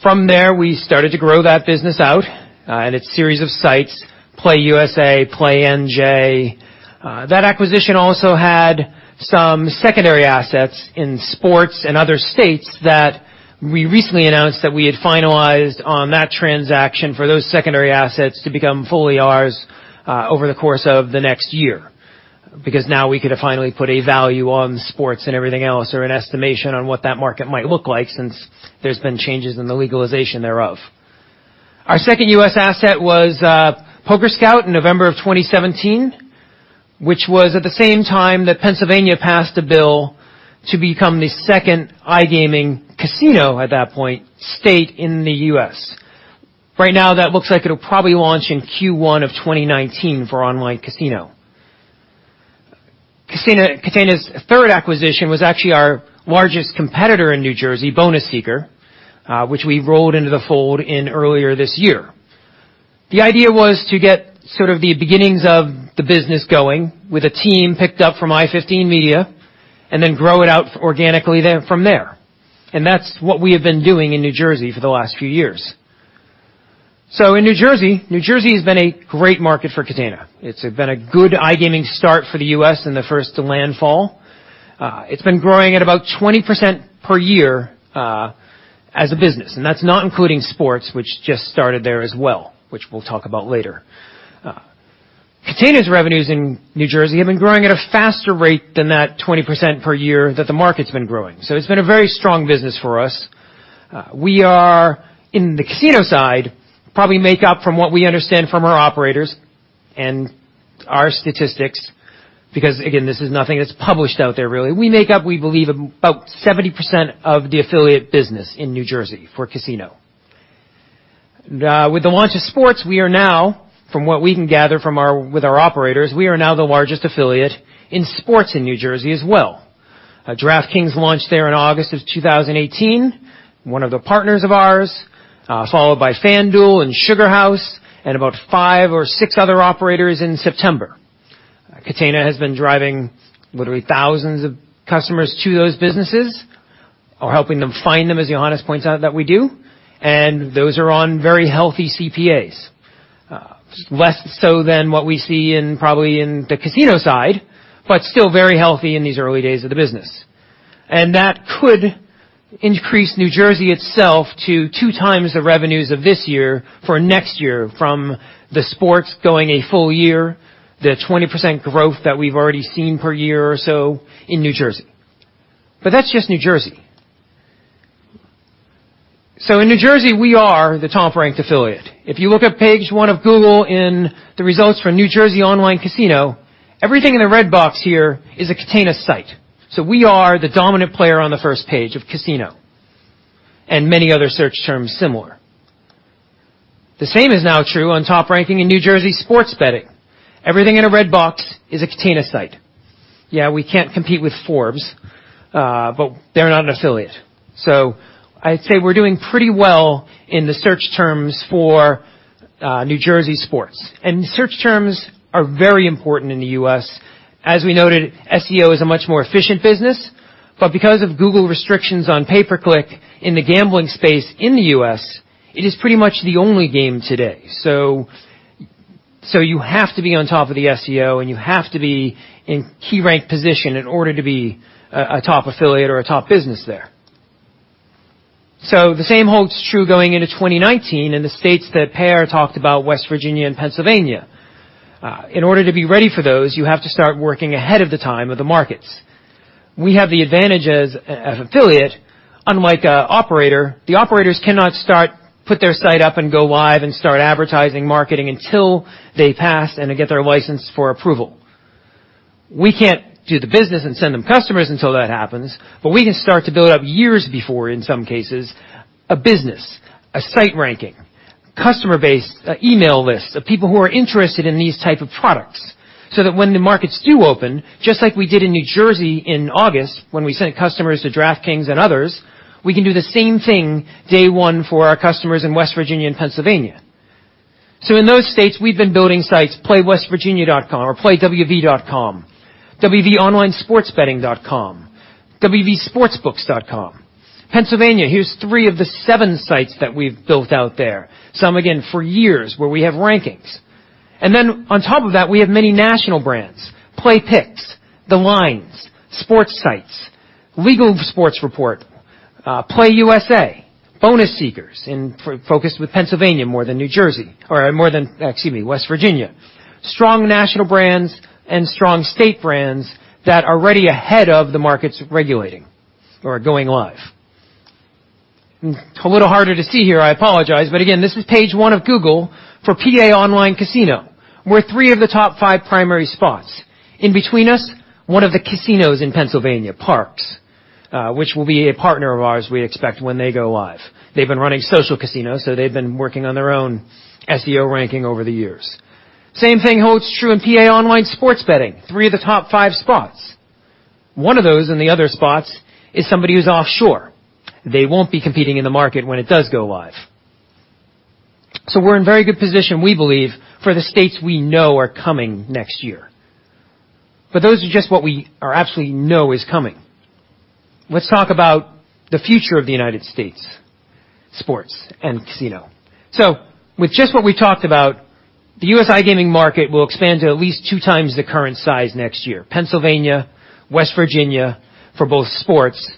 S7: From there, we started to grow that business out, and its series of sites, PlayUSA, PlayNJ. That acquisition also had some secondary assets in sports and other states that we recently announced that we had finalized on that transaction for those secondary assets to become fully ours over the course of the next year. Now we could have finally put a value on sports and everything else, or an estimation on what that market might look like since there's been changes in the legalization thereof. Our second U.S. asset was PokerScout in November of 2017, which was at the same time that Pennsylvania passed a bill to become the second iGaming casino, at that point, state in the U.S. Right now, that looks like it'll probably launch in Q1 of 2019 for online casino. Catena's third acquisition was actually our largest competitor in New Jersey, Bonus Seeker, which we rolled into the fold earlier this year. The idea was to get sort of the beginnings of the business going with a team picked up from i15 Media and then grow it out organically from there. That's what we have been doing in New Jersey for the last few years. In New Jersey, New Jersey has been a great market for Catena. It's been a good iGaming start for the U.S. and the first to landfall. It's been growing at about 20% per year, as a business, that's not including sports, which just started there as well, which we'll talk about later. Catena's revenues in New Jersey have been growing at a faster rate than that 20% per year that the market's been growing. It's been a very strong business for us. We are in the casino side, probably make up from what we understand from our operators and our statistics, because again, this is nothing that's published out there really. We make up, we believe, about 70% of the affiliate business in New Jersey for casino. With the launch of sports, we are now, from what we can gather with our operators, we are now the largest affiliate in sports in New Jersey as well. DraftKings launched there in August of 2018, one of the partners of ours, followed by FanDuel and SugarHouse, and about five or six other operators in September. Catena has been driving literally thousands of customers to those businesses or helping them find them, as Johannes points out that we do, and those are on very healthy CPAs. Less so than what we see probably in the casino side, but still very healthy in these early days of the business. That could increase New Jersey itself to two times the revenues of this year for next year from the sports going a full year, the 20% growth that we've already seen per year or so in New Jersey. That's just New Jersey. In New Jersey, we are the top-ranked affiliate. If you look at page one of Google in the results for New Jersey online casino, everything in the red box here is a Catena site. We are the dominant player on the first page of casino, and many other search terms similar. The same is now true on top ranking in New Jersey sports betting. Everything in a red box is a Catena site. Yeah, we can't compete with Forbes, they're not an affiliate. I'd say we're doing pretty well in the search terms for New Jersey sports. Search terms are very important in the U.S. as we noted, SEO is a much more efficient business, because of Google restrictions on pay per click in the gambling space in the U.S., it is pretty much the only game today. You have to be on top of the SEO, and you have to be in key ranked position in order to be a top affiliate or a top business there. The same holds true going into 2019 in the states that Per talked about, West Virginia and Pennsylvania. In order to be ready for those, you have to start working ahead of the time of the markets. We have the advantage as an affiliate, unlike an operator. The operators cannot put their site up and go live and start advertising, marketing until they pass and get their license for approval. We can't do the business and send them customers until that happens, we can start to build up years before, in some cases, a business, a site ranking, customer base, email lists of people who are interested in these type of products, so that when the markets do open, just like we did in New Jersey in August, when we sent customers to DraftKings and others, we can do the same thing day one for our customers in West Virginia and Pennsylvania. In those states, we've been building sites, playwestvirginia.com or playwv.com, wvonlinesportsbetting.com, wvsportsbooks.com. Pennsylvania, here's three of the seven sites that we've built out there, some again for years, where we have rankings. On top of that, we have many national brands, PlayPicks, The Lines, Sports Sites, Legal Sports Report, PlayUSA, BonusSeeker, focused with Pennsylvania more than West Virginia. Strong national brands and strong state brands that are ready ahead of the markets regulating or going live. A little harder to see here, I apologize, but again, this is page one of Google for PA Online Casino, we're three of the top five primary spots. In between us, one of the casinos in Pennsylvania, Parx, which will be a partner of ours, we expect, when they go live. They've been running social casinos, they've been working on their own SEO ranking over the years. Same thing holds true in PA Online Sports Betting. Three of the top five spots. One of those in the other spots is somebody who's offshore. They won't be competing in the market when it does go live. We're in very good position, we believe, for the states we know are coming next year. Those are just what we absolutely know is coming. Let's talk about the future of the U.S. sports and casino. With just what we talked about, the U.S. iGaming market will expand to at least two times the current size next year. Pennsylvania, West Virginia, for both sports, and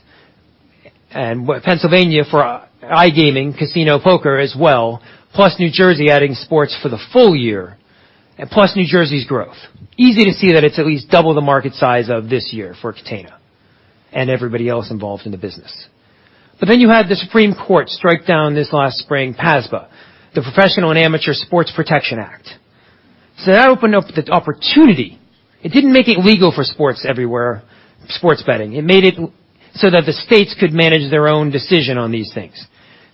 S7: Pennsylvania for iGaming, casino poker as well, plus New Jersey adding sports for the full year, and plus New Jersey's growth. Easy to see that it's at least double the market size of this year for Catena and everybody else involved in the business. You had the Supreme Court strike down this last spring, PASPA, the Professional and Amateur Sports Protection Act. That opened up the opportunity. It didn't make it legal for sports everywhere, sports betting. It made it so that the states could manage their own decision on these things.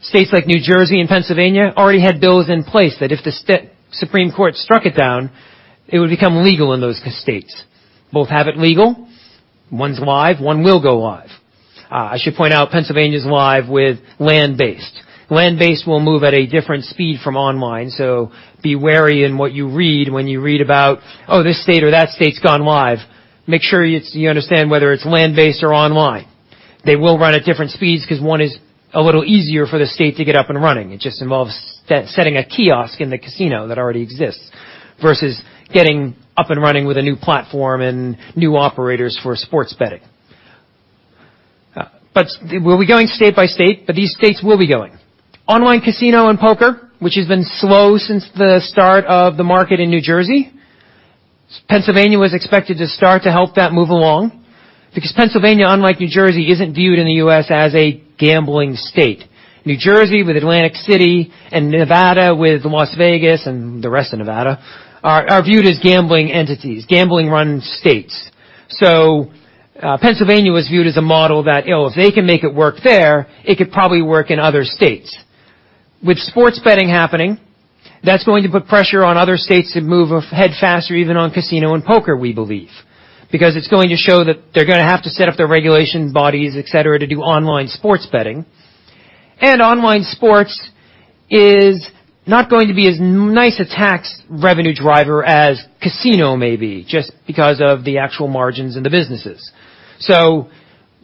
S7: States like New Jersey and Pennsylvania already had bills in place that if the Supreme Court struck it down, it would become legal in those states. Both have it legal. One's live, one will go live. I should point out Pennsylvania's live with land-based. Land-based will move at a different speed from online, be wary in what you read when you read about, oh, this state or that state's gone live. Make sure you understand whether it's land-based or online. They will run at different speeds because one is a little easier for the state to get up and running. It just involves setting a kiosk in the casino that already exists versus getting up and running with a new platform and new operators for sports betting. We'll be going state by state, these states will be going. Online casino and poker, which has been slow since the start of the market in New Jersey. Pennsylvania was expected to start to help that move along because Pennsylvania, unlike New Jersey, isn't viewed in the U.S. as a gambling state. New Jersey with Atlantic City and Nevada with Las Vegas and the rest of Nevada are viewed as gambling entities, gambling-run states. Pennsylvania was viewed as a model that if they can make it work there, it could probably work in other states. With sports betting happening, that's going to put pressure on other states to move ahead faster even on casino and poker, we believe, because it's going to show that they're going to have to set up their regulation bodies, et cetera, to do online sports betting. Online sports is not going to be as nice a tax revenue driver as casino, maybe, just because of the actual margins in the businesses.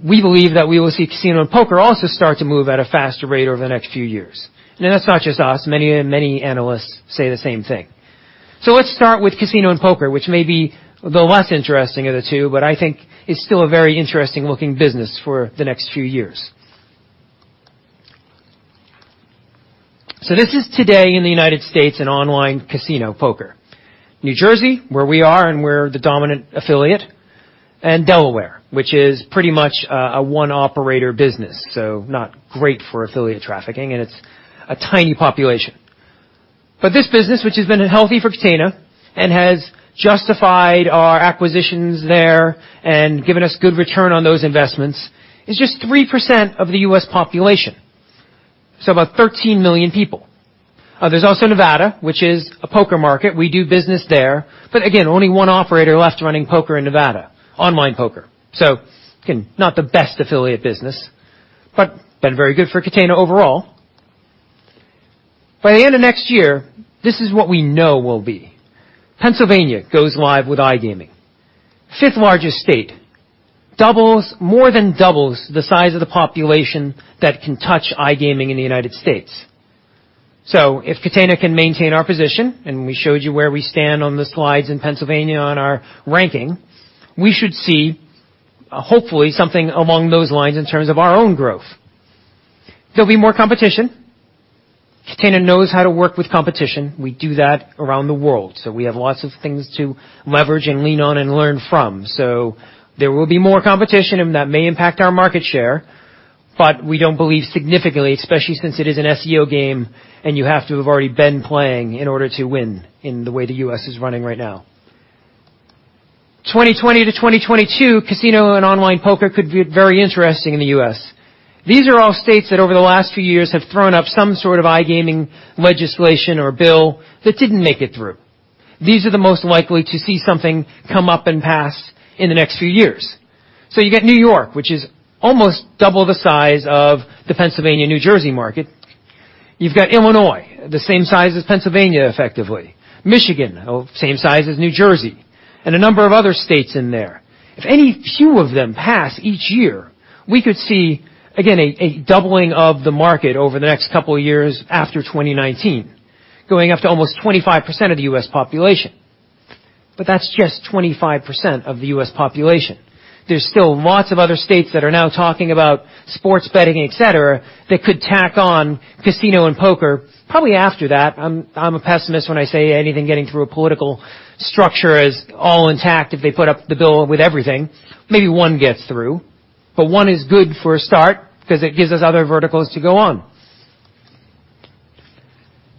S7: We believe that we will see casino and poker also start to move at a faster rate over the next few years. That's not just us. Many analysts say the same thing. Let's start with casino and poker, which may be the less interesting of the two, but I think it's still a very interesting looking business for the next few years. This is today in the U.S. in online casino poker. New Jersey, where we are and we're the dominant affiliate, and Delaware, which is pretty much a one operator business, so not great for affiliate trafficking, and it's a tiny population. This business, which has been healthy for Catena and has justified our acquisitions there and given us good return on those investments, is just 3% of the U.S. population. About 13 million people. There's also Nevada, which is a poker market. We do business there, but again, only one operator left running poker in Nevada, online poker. Again, not the best affiliate business, but been very good for Catena overall. By the end of next year, this is what we know will be. Pennsylvania goes live with iGaming. Fifth largest state. More than doubles the size of the population that can touch iGaming in the U.S. If Catena can maintain our position, and we showed you where we stand on the slides in Pennsylvania on our ranking, we should see, hopefully, something along those lines in terms of our own growth. There'll be more competition. Catena knows how to work with competition. We do that around the world, we have lots of things to leverage and lean on and learn from. There will be more competition and that may impact our market share, but we don't believe significantly, especially since it is an SEO game and you have to have already been playing in order to win in the way the U.S. is running right now. 2020-2022, casino and online poker could be very interesting in the U.S. These are all states that over the last few years have thrown up some sort of iGaming legislation or bill that didn't make it through. These are the most likely to see something come up and pass in the next few years. You get New York, which is almost double the size of the Pennsylvania, New Jersey market. You've got Illinois, the same size as Pennsylvania, effectively. Michigan, same size as New Jersey. A number of other states in there. If any few of them pass each year, we could see, again, a doubling of the market over the next couple of years after 2019, going up to almost 25% of the U.S. population. That's just 25% of the U.S. population. There's still lots of other states that are now talking about sports betting, et cetera, that could tack on casino and poker, probably after that. I'm a pessimist when I say anything getting through a political structure is all intact if they put up the bill with everything. Maybe one gets through, but one is good for a start because it gives us other verticals to go on.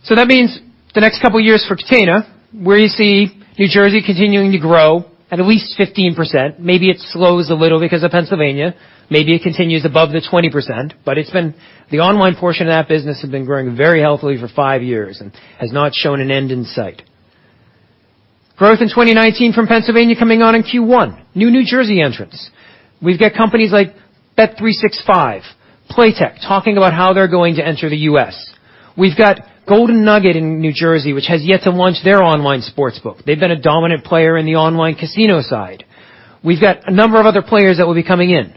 S7: That means the next couple of years for Catena, where you see New Jersey continuing to grow at least 15%. Maybe it slows a little because of Pennsylvania. Maybe it continues above the 20%, but the online portion of that business has been growing very healthily for five years and has not shown an end in sight. Growth in 2019 from Pennsylvania coming on in Q1. New New Jersey entrants. We've got companies like bet365, Playtech, talking about how they're going to enter the U.S. We've got Golden Nugget in New Jersey, which has yet to launch their online sportsbook. They've been a dominant player in the online casino side. We've got a number of other players that will be coming in.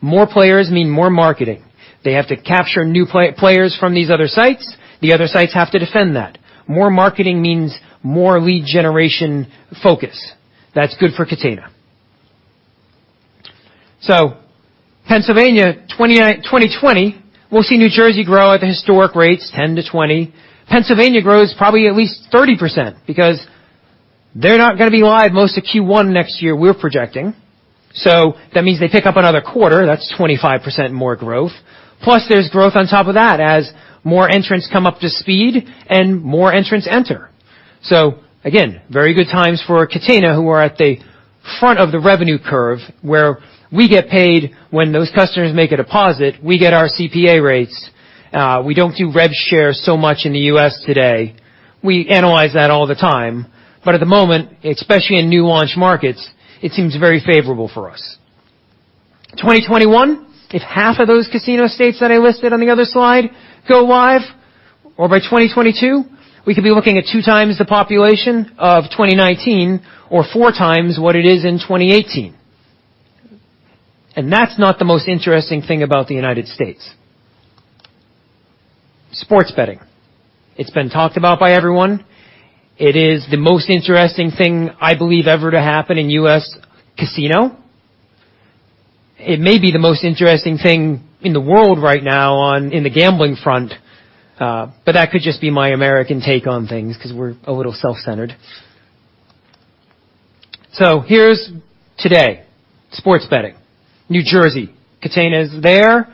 S7: More players mean more marketing. They have to capture new players from these other sites. The other sites have to defend that. More marketing means more lead generation focus. That's good for Catena. Pennsylvania 2020, we'll see New Jersey grow at the historic rates, 10%-20%. Pennsylvania grows probably at least 30% because they're not going to be live most of Q1 next year we're projecting. That means they pick up another quarter. That's 25% more growth. Plus there's growth on top of that as more entrants come up to speed and more entrants enter. Again, very good times for Catena, who are at the front of the revenue curve, where we get paid when those customers make a deposit, we get our CPA rates. We don't do rev share so much in the U.S. today. We analyze that all the time, but at the moment, especially in new launch markets, it seems very favorable for us. 2021, if half of those casino states that I listed on the other slide go live, or by 2022, we could be looking at two times the population of 2019 or four times what it is in 2018. That's not the most interesting thing about the United States. Sports betting. It's been talked about by everyone. It is the most interesting thing I believe ever to happen in U.S. casino. It may be the most interesting thing in the world right now in the gambling front, but that could just be my American take on things because we're a little self-centered. Here's today. Sports betting. New Jersey. Catena is there.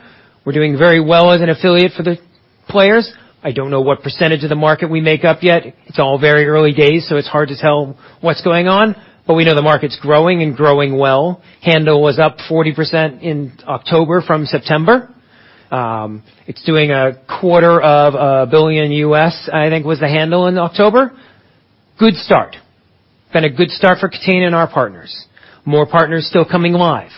S7: We're doing very well as an affiliate for the players. I don't know what percentage of the market we make up yet. It's all very early days, so it's hard to tell what's going on. We know the market's growing and growing well. Handle was up 40% in October from September. It's doing a quarter of a billion USD, I think was the handle in October. Good start. Been a good start for Catena and our partners. More partners still coming live.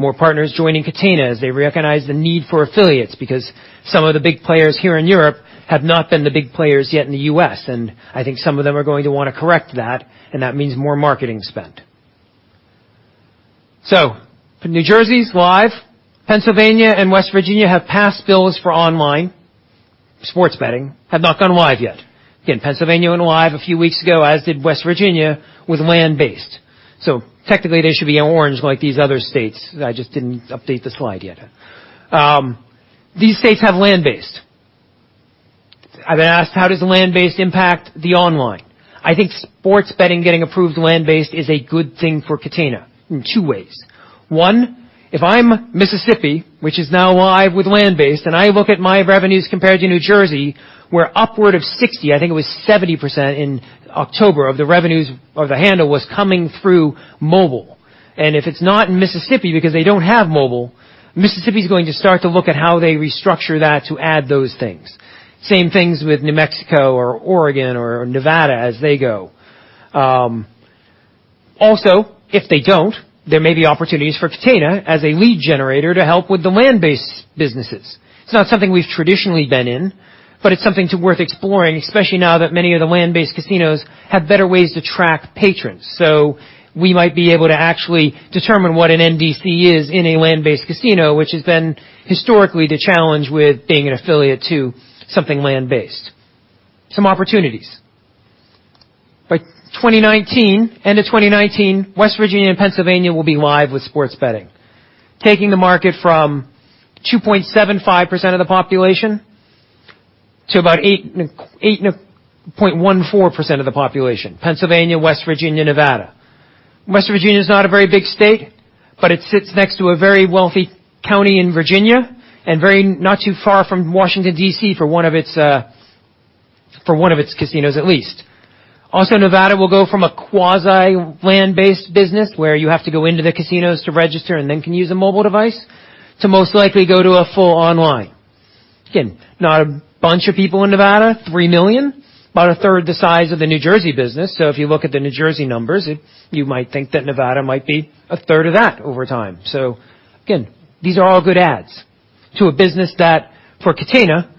S7: More partners joining Catena as they recognize the need for affiliates because some of the big players here in Europe have not been the big players yet in the U.S., and I think some of them are going to want to correct that, and that means more marketing spend. New Jersey is live. Pennsylvania and West Virginia have passed bills for online sports betting. Have not gone live yet. Again, Pennsylvania went live a few weeks ago, as did West Virginia, with land-based. Technically, they should be in orange like these other states. I just didn't update the slide yet. These states have land-based. I've been asked, how does the land-based impact the online? I think sports betting getting approved land-based is a good thing for Catena in two ways. One, if I'm Mississippi, which is now live with land-based, and I look at my revenues compared to New Jersey, where upward of 60%, I think it was 70% in October of the revenues of the handle was coming through mobile. If it's not in Mississippi because they don't have mobile, Mississippi is going to start to look at how they restructure that to add those things. Same things with New Mexico or Oregon or Nevada as they go. Also, if they don't, there may be opportunities for Catena as a lead generator to help with the land-based businesses. It's not something we've traditionally been in, but it's something worth exploring, especially now that many of the land-based casinos have better ways to track patrons. We might be able to actually determine what an NDC is in a land-based casino, which has been historically the challenge with being an affiliate to something land-based. Some opportunities. By 2019, end of 2019, West Virginia and Pennsylvania will be live with sports betting, taking the market from 2.75% of the population to about 8.14% of the population, Pennsylvania, West Virginia, Nevada. West Virginia is not a very big state, but it sits next to a very wealthy county in Virginia and not too far from Washington, D.C., for one of its casinos, at least. Nevada will go from a quasi land-based business, where you have to go into the casinos to register and then can use a mobile device, to most likely go to a full online. Again, not a bunch of people in Nevada, 3 million, about a third the size of the New Jersey business. If you look at the New Jersey numbers, you might think that Nevada might be a third of that over time. Again, these are all good ads to a business that, for Catena,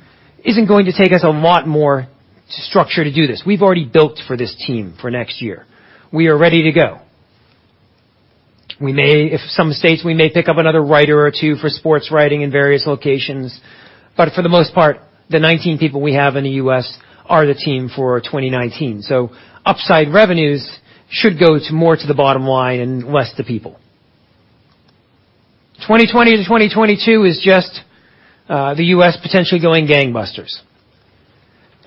S7: isn't going to take us a lot more structure to do this. We've already built for this team for next year. We are ready to go. If some states, we may pick up another writer or two for sports writing in various locations. For the most part, the 19 people we have in the U.S. are the team for 2019. Upside revenues should go more to the bottom line and less to people. 2020 to 2022 is just the U.S. potentially going gangbusters.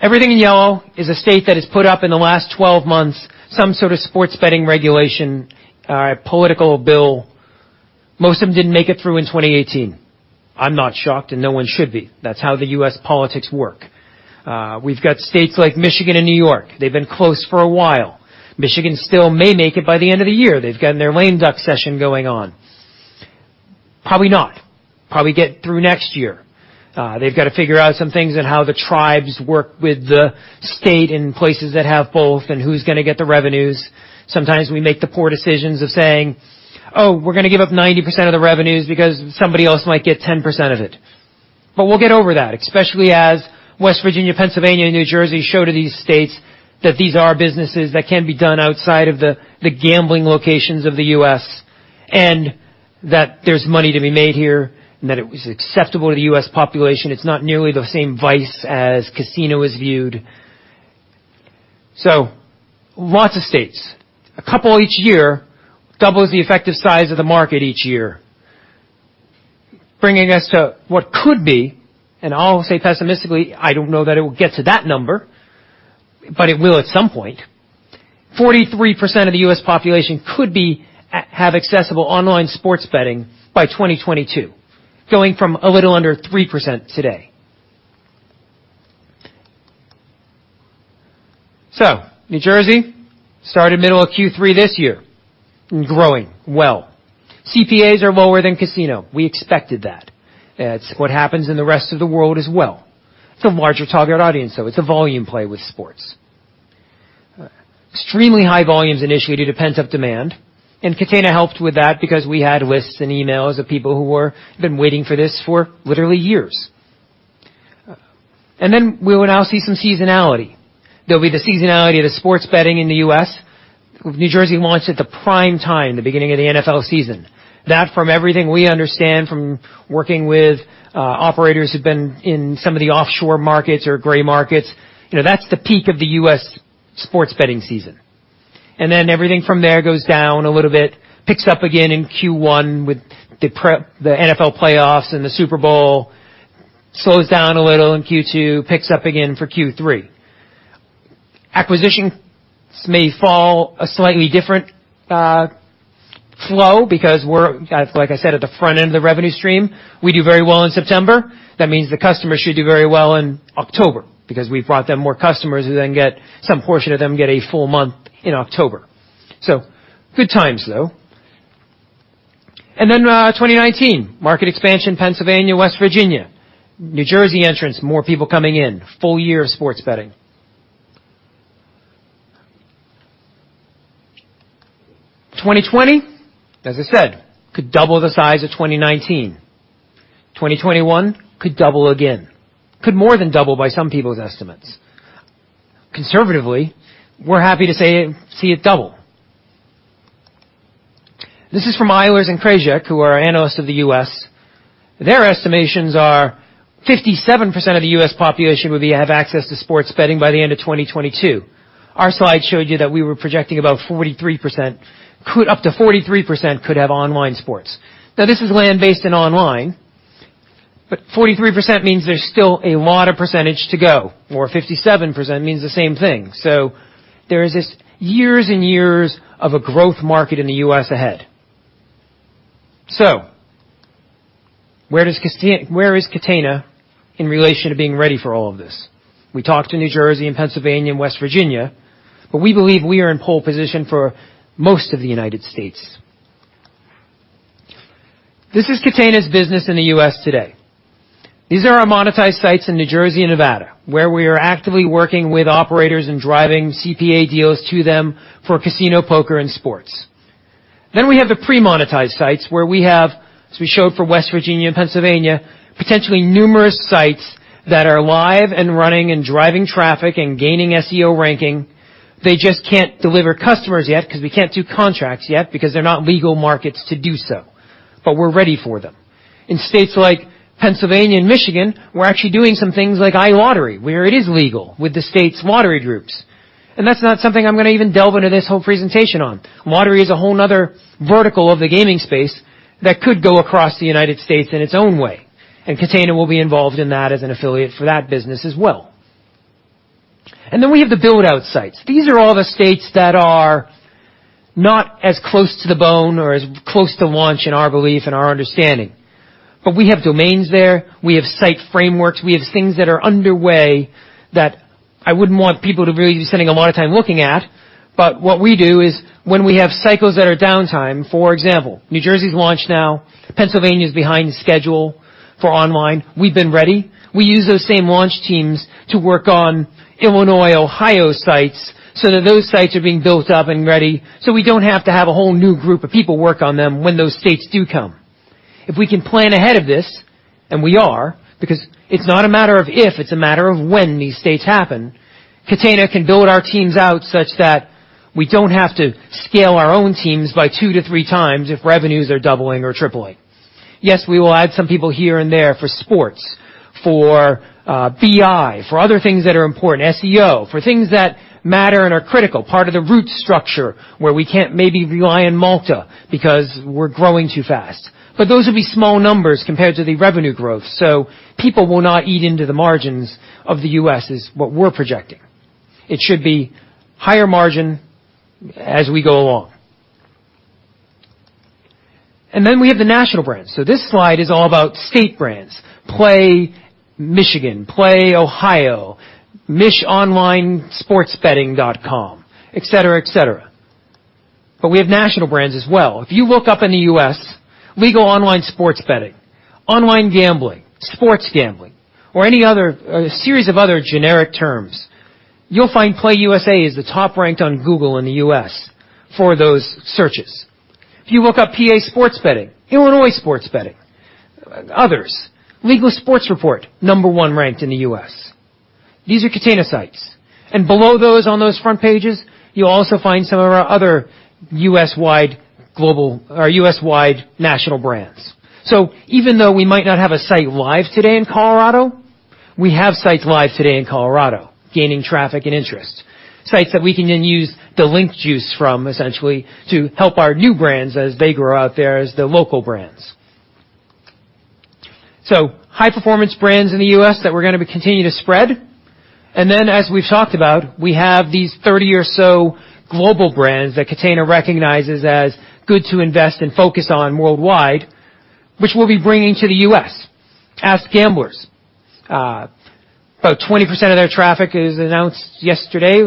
S7: Everything in yellow is a state that has put up in the last 12 months, some sort of sports betting regulation, a political bill. Most of them didn't make it through in 2018. I'm not shocked, and no one should be. That's how the U.S. politics work. We've got states like Michigan and New York. They've been close for a while. Michigan still may make it by the end of the year. They've gotten their lame duck session going on. Probably not. Probably get through next year. They've got to figure out some things on how the tribes work with the state in places that have both and who's going to get the revenues. Sometimes we make the poor decisions of saying, "Oh, we're going to give up 90% of the revenues because somebody else might get 10% of it." We'll get over that, especially as West Virginia, Pennsylvania, and New Jersey show to these states that these are businesses that can be done outside of the gambling locations of the U.S., and that there's money to be made here, and that it was acceptable to the U.S. population. It's not nearly the same vice as casino is viewed. Lots of states. A couple each year doubles the effective size of the market each year, bringing us to what could be, and I'll say pessimistically, I don't know that it will get to that number, but it will at some point. 43% of the U.S. population could have accessible online sports betting by 2022, going from a little under 3% today. New Jersey started middle of Q3 this year and growing well. CPAs are lower than casino. We expected that. That's what happens in the rest of the world as well. It's a larger target audience, so it's a volume play with sports. Extremely high volumes initiated a pent-up demand, and Catena helped with that because we had lists and emails of people who've been waiting for this for literally years. We will now see some seasonality. There'll be the seasonality of the sports betting in the U.S., New Jersey launched at the prime time, the beginning of the NFL season. That from everything we understand from working with operators who've been in some of the offshore markets or gray markets, that's the peak of the U.S. sports betting season. Everything from there goes down a little bit, picks up again in Q1 with the NFL playoffs and the Super Bowl, slows down a little in Q2, picks up again for Q3. Acquisitions may follow a slightly different flow because we're, like I said, at the front end of the revenue stream. We do very well in September. That means the customer should do very well in October because we've brought them more customers who then get some portion of them get a full month in October. Good times, though. 2019, market expansion, Pennsylvania, West Virginia. New Jersey entrance, more people coming in. Full year of sports betting. 2020, as I said, could double the size of 2019. 2021 could double again, could more than double by some people's estimates. Conservatively, we're happy to see it double. This is from Eilers & Krejcik, who are analysts of the U.S. Their estimations are 57% of the U.S. population will have access to sports betting by the end of 2022. Our slide showed you that we were projecting about up to 43% could have online sports. Now, this is land-based and online, but 43% means there's still a lot of percentage to go, or 57% means the same thing. There is this years and years of a growth market in the U.S. ahead. Where is Catena in relation to being ready for all of this? We talked to New Jersey and Pennsylvania and West Virginia, but we believe we are in pole position for most of the United States. This is Catena's business in the U.S. today. These are our monetized sites in New Jersey and Nevada, where we are actively working with operators and driving CPA deals to them for casino poker and sports. We have the pre-monetized sites where we have, as we showed for West Virginia and Pennsylvania, potentially numerous sites that are live and running and driving traffic and gaining SEO ranking. They just can't deliver customers yet because we can't do contracts yet because they're not legal markets to do so. We're ready for them. In states like Pennsylvania and Michigan, we're actually doing some things like iLottery, where it is legal with the state's lottery groups. That's not something I'm going to even delve into this whole presentation on. Lottery is a whole another vertical of the gaming space that could go across the United States in its own way. Catena will be involved in that as an affiliate for that business as well. We have the build-out sites. These are all the states that are not as close to the bone or as close to launch in our belief and our understanding. We have domains there. We have site frameworks. We have things that are underway that I wouldn't want people to be spending a lot of time looking at. What we do is when we have cycles that are downtime, for example, New Jersey's launched now, Pennsylvania is behind schedule for online, we've been ready. We use those same launch teams to work on Illinois, Ohio sites so that those sites are being built up and ready, so we don't have to have a whole new group of people work on them when those states do come. If we can plan ahead of this, and we are, because it's not a matter of if, it's a matter of when these states happen, Catena can build our teams out such that we don't have to scale our own teams by two to three times if revenues are doubling or tripling. Yes, we will add some people here and there for sports, for BI, for other things that are important, SEO, for things that matter and are critical, part of the root structure where we can't maybe rely on Malta because we're growing too fast. Those will be small numbers compared to the revenue growth. People will not eat into the margins of the U.S. is what we're projecting. It should be higher margin as we go along. We have the national brands. This slide is all about state brands, Play Michigan, Play Ohio, michonlinesportsbetting.com, et cetera. We have national brands as well. If you look up in the U.S. legal online sports betting, online gambling, sports gambling, or any other series of other generic terms, you'll find Play USA is the top ranked on Google in the U.S. for those searches. If you look up PA sports betting, Illinois sports betting, others, Legal Sports Report, number one ranked in the U.S. These are Catena sites. Below those on those front pages, you'll also find some of our other U.S.-wide national brands. Even though we might not have a site live today in Colorado, we have sites live today in Colorado gaining traffic and interest, sites that we can then use the link juice from essentially to help our new brands as they grow out there as the local brands. High-performance brands in the U.S. that we're going to be continuing to spread. Then as we've talked about, we have these 30 or so global brands that Catena recognizes as good to invest and focus on worldwide, which we'll be bringing to the U.S. AskGamblers, about 20% of their traffic is announced yesterday,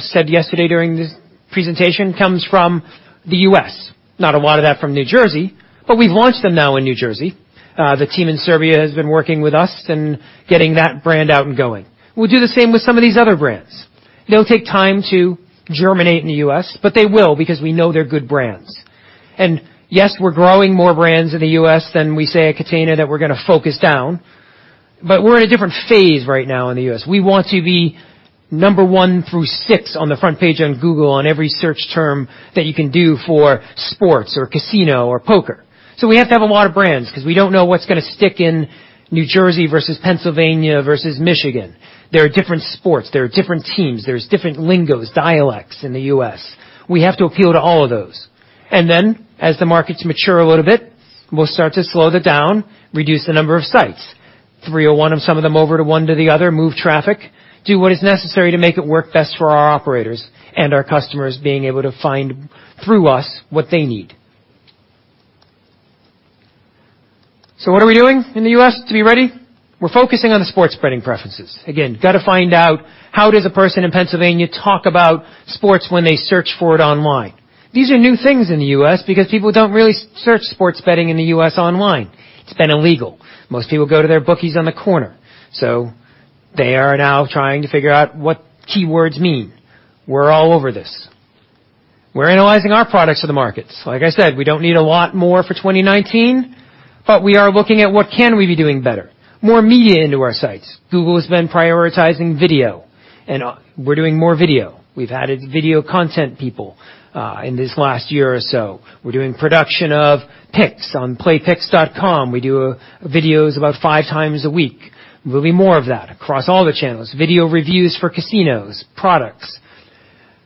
S7: said yesterday during this presentation comes from the U.S., not a lot of that from New Jersey, but we've launched them now in New Jersey. The team in Serbia has been working with us and getting that brand out and going. We'll do the same with some of these other brands. It'll take time to germinate in the U.S., but they will because we know they're good brands. Yes, we're growing more brands in the U.S. than we say at Catena that we're going to focus down, but we're in a different phase right now in the U.S. We want to be number 1 through 6 on the front page on Google on every search term that you can do for sports or casino or poker. We have to have a lot of brands because we don't know what's going to stick in New Jersey versus Pennsylvania versus Michigan. There are different sports. There are different teams. There's different lingos, dialects in the U.S. We have to appeal to all of those. Then as the markets mature a little bit, we'll start to slow it down, reduce the number of sites, 301 of some of them over to one to the other, move traffic, do what is necessary to make it work best for our operators and our customers being able to find through us what they need. What are we doing in the U.S. to be ready? We're focusing on the sports betting preferences. Again, got to find out how does a person in Pennsylvania talk about sports when they search for it online. These are new things in the U.S. because people don't really search sports betting in the U.S. online. It's been illegal. Most people go to their bookies on the corner. They are now trying to figure out what keywords mean. We're all over this. We're analyzing our products to the markets. Like I said, we don't need a lot more for 2019, but we are looking at what can we be doing better, more media into our sites. Google has been prioritizing video, we're doing more video. We've added video content people, in this last year or so. We're doing production of picks on playpicks.com. We do videos about five times a week. There will be more of that across all the channels, video reviews for casinos, products,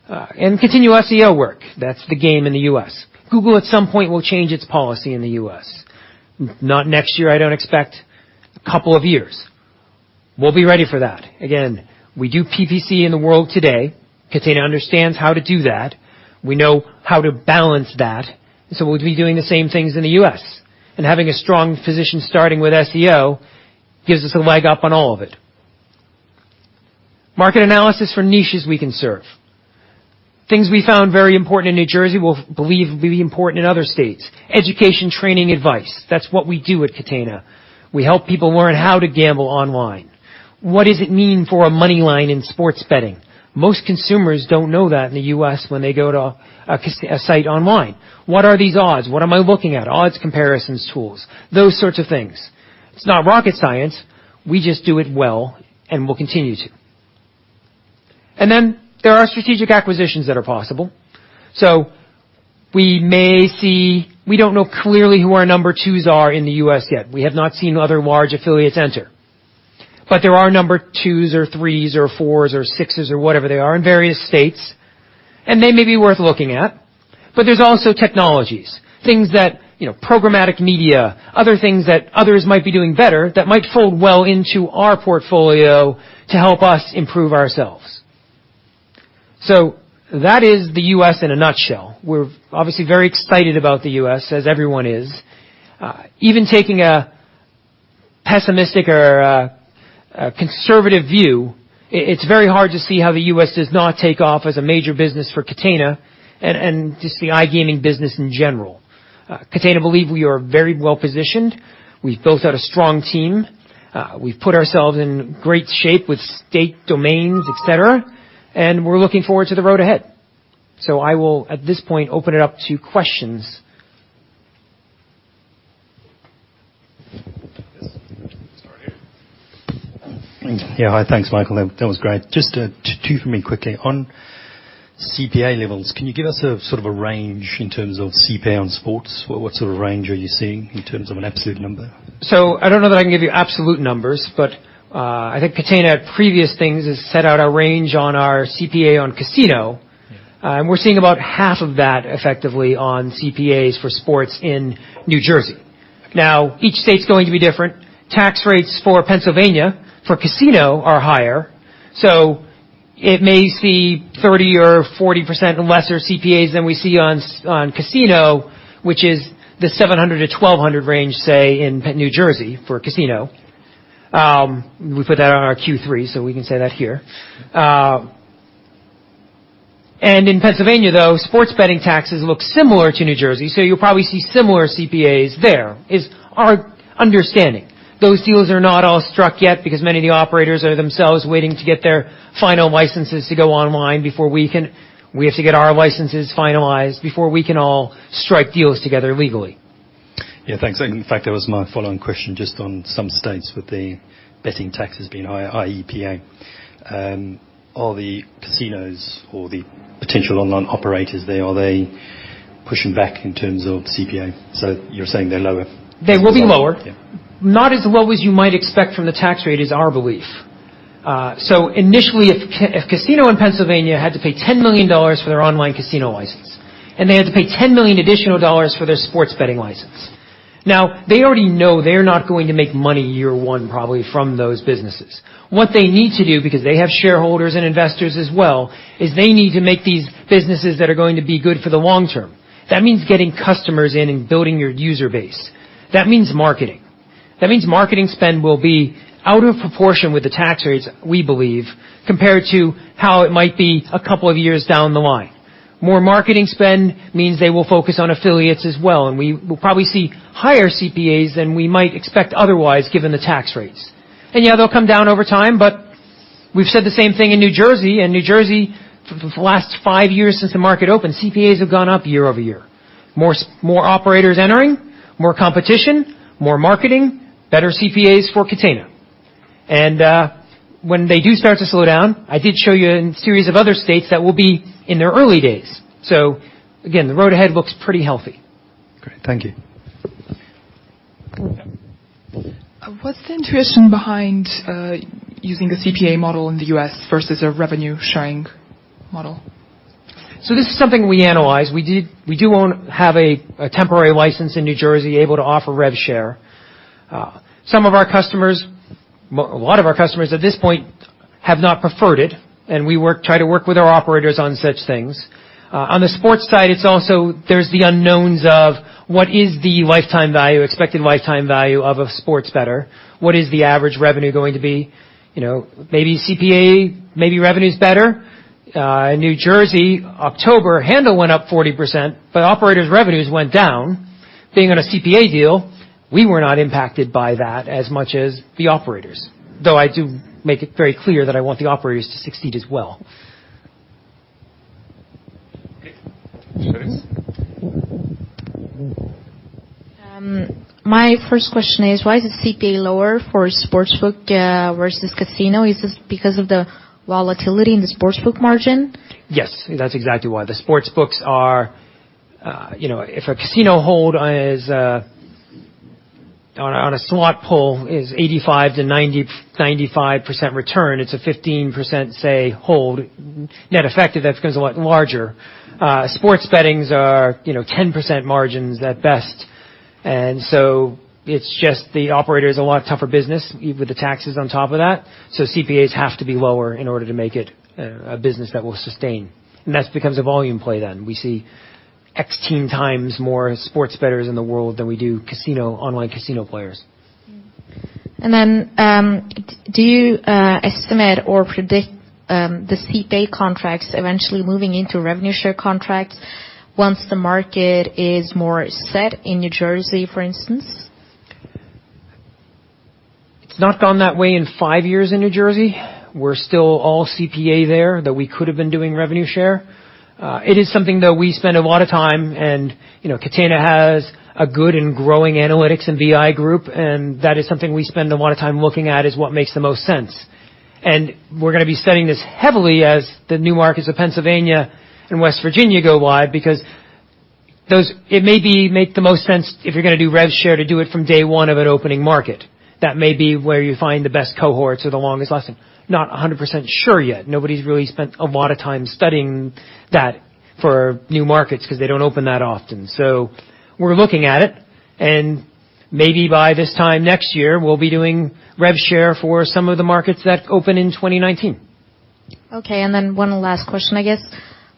S7: and continue SEO work. That's the game in the U.S. Google at some point will change its policy in the U.S. Not next year, I don't expect, a couple of years. We'll be ready for that. Again, we do PPC in the world today. Catena understands how to do that. We know how to balance that. We'll be doing the same things in the U.S. and having a strong position starting with SEO gives us a leg up on all of it. Market analysis for niches we can serve. Things we found very important in New Jersey we believe will be important in other states. Education, training, advice. That's what we do at Catena. We help people learn how to gamble online. What does it mean for a money line in sports betting? Most consumers don't know that in the U.S. when they go to a site online. What are these odds? What am I looking at? Odds comparisons tools, those sorts of things. It's not rocket science. We just do it well and will continue to. There are strategic acquisitions that are possible. We don't know clearly who our number twos are in the U.S. yet. We have not seen other large affiliates enter. There are number twos or threes or fours or sixes or whatever they are in various states, and they may be worth looking at. There's also technologies, programmatic media, other things that others might be doing better, that might fold well into our portfolio to help us improve ourselves. That is the U.S. in a nutshell. We're obviously very excited about the U.S., as everyone is. Even taking a pessimistic or a conservative view, it's very hard to see how the U.S. does not take off as a major business for Catena and just the iGaming business in general. Catena believe we are very well-positioned. We've built out a strong team. We've put ourselves in great shape with state domains, et cetera, and we're looking forward to the road ahead. I will, at this point, open it up to questions.
S5: Yes. Start here. Yeah. Hi. Thanks, Michael. That was great. Just two for me quickly. On CPA levels, can you give us a sort of a range in terms of CPA on sports? What sort of range are you seeing in terms of an absolute number?
S7: I don't know that I can give you absolute numbers, but I think Catena at previous things has set out a range on our CPA on casino.
S5: Yeah.
S7: We're seeing about half of that effectively on CPAs for sports in New Jersey. Each state's going to be different. Tax rates for Pennsylvania for casino are higher, so it may see 30%-40% lesser CPAs than we see on casino, which is the 700-1,200 range, say, in New Jersey for a casino. We put that on our Q3, so we can say that here. In Pennsylvania, though, sports betting taxes look similar to New Jersey, so you'll probably see similar CPAs there, is our understanding. Those deals are not all struck yet because many of the operators are themselves waiting to get their final licenses to go online before we can. We have to get our licenses finalized before we can all strike deals together legally.
S5: Yeah. Thanks. In fact, that was my follow-on question just on some states with the betting taxes being higher, i.e., CPA. Are the casinos or the potential online operators there, are they pushing back in terms of CPA? You're saying they're lower.
S7: They will be lower.
S5: Yeah.
S7: Not as low as you might expect from the tax rate, is our belief. Initially, if a casino in Pennsylvania had to pay $10 million for their online casino license, and they had to pay $10 million additional for their sports betting license. They already know they're not going to make money year one, probably from those businesses. What they need to do, because they have shareholders and investors as well, is they need to make these businesses that are going to be good for the long term. That means getting customers in and building your user base. That means marketing. That means marketing spend will be out of proportion with the tax rates, we believe, compared to how it might be a couple of years down the line. More marketing spend means they will focus on affiliates as well, we will probably see higher CPAs than we might expect otherwise, given the tax rates. Yeah, they'll come down over time, but we've said the same thing in New Jersey. In New Jersey, for the last five years since the market opened, CPAs have gone up year-over-year. More operators entering, more competition, more marketing, better CPAs for Catena. When they do start to slow down, I did show you in a series of other states that will be in their early days. Again, the road ahead looks pretty healthy.
S5: Great. Thank you. Yeah. What's the intuition behind using the CPA model in the U.S. versus a revenue sharing model?
S7: This is something we analyze. We do have a temporary license in New Jersey able to offer rev share. A lot of our customers at this point have not preferred it, and we try to work with our operators on such things. On the sports side, there's the unknowns of what is the expected lifetime value of a sports bettor? What is the average revenue going to be? Maybe CPA, maybe revenue's better. In New Jersey, October, handle went up 40%, but operators' revenues went down. Being on a CPA deal, we were not impacted by that as much as the operators. Though I do make it very clear that I want the operators to succeed as well.
S5: Okay. Charisse.
S6: My first question is why is the CPA lower for sportsbook versus casino? Is this because of the volatility in the sportsbook margin?
S7: Yes. That's exactly why. If a casino hold on a slot pull is 85%-95% return, it's a 15%, say, hold, net effective, that becomes a lot larger. Sports bettings are 10% margins at best, it's just the operator is a lot tougher business even with the taxes on top of that, CPAs have to be lower in order to make it a business that will sustain. That becomes a volume play then. We 16 times more sports bettors in the world than we do online casino players.
S5: Do you estimate or predict the CPA contracts eventually moving into revenue share contracts once the market is more set in New Jersey, for instance?
S7: It's not gone that way in five years in New Jersey. We're still all CPA there, though we could have been doing revenue share. It is something that we spend a lot of time, and Catena has a good and growing analytics and BI group, and that is something we spend a lot of time looking at, is what makes the most sense. We're going to be studying this heavily as the new markets of Pennsylvania and West Virginia go live because it maybe make the most sense if you're going to do rev share to do it from day one of an opening market. That may be where you find the best cohorts or the longest lasting. Not 100% sure yet. Nobody's really spent a lot of time studying that for new markets because they don't open that often. We're looking at it, and maybe by this time next year, we'll be doing rev share for some of the markets that open in 2019.
S5: Okay, one last question, I guess.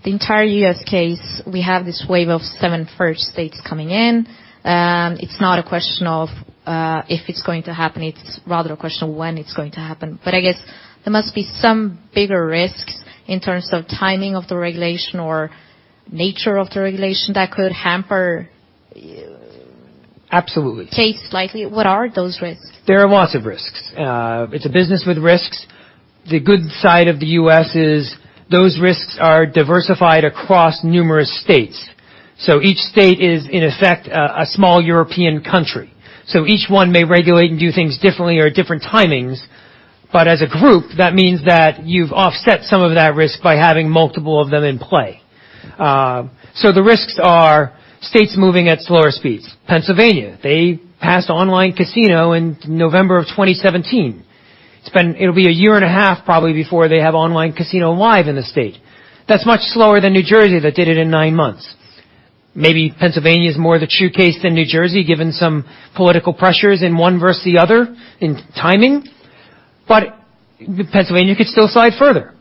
S5: The entire U.S. case, we have this wave of seven first states coming in. It's not a question of if it's going to happen, it's rather a question of when it's going to happen. I guess there must be some bigger risks in terms of timing of the regulation or nature of the regulation that could hamper-
S7: Absolutely
S5: case slightly. What are those risks?
S7: There are lots of risks. It's a business with risks. The good side of the U.S. is those risks are diversified across numerous states. Each state is, in effect, a small European country. Each one may regulate and do things differently or at different timings, but as a group, that means that you've offset some of that risk by having multiple of them in play. The risks are states moving at slower speeds. Pennsylvania, they passed online casino in November of 2017. It'll be a year and a half probably before they have online casino live in the state. That's much slower than New Jersey that did it in nine months. Maybe Pennsylvania is more the true case than New Jersey, given some political pressures in one versus the other in timing. Pennsylvania could still slide further,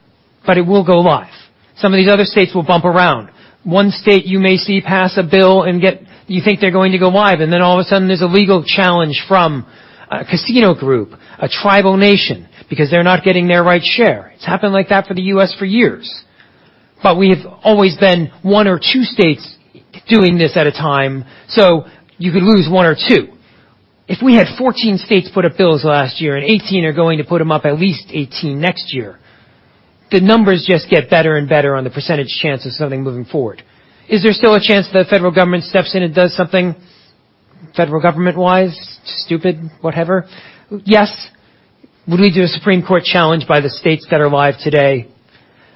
S7: but it will go live. Some of these other states will bump around. One state you may see pass a bill and you think they're going to go live, and then all of a sudden, there's a legal challenge from a casino group, a tribal nation, because they're not getting their right share. It's happened like that for the U.S. for years. We have always been one or two states doing this at a time, so you could lose one or two. If we had 14 states put up bills last year and 18 are going to put them up, at least 18 next year, the numbers just get better and better on the percentage chance of something moving forward. Is there still a chance that the federal government steps in and does something federal government-wise stupid, whatever? Yes. Would we do a Supreme Court challenge by the states that are live today?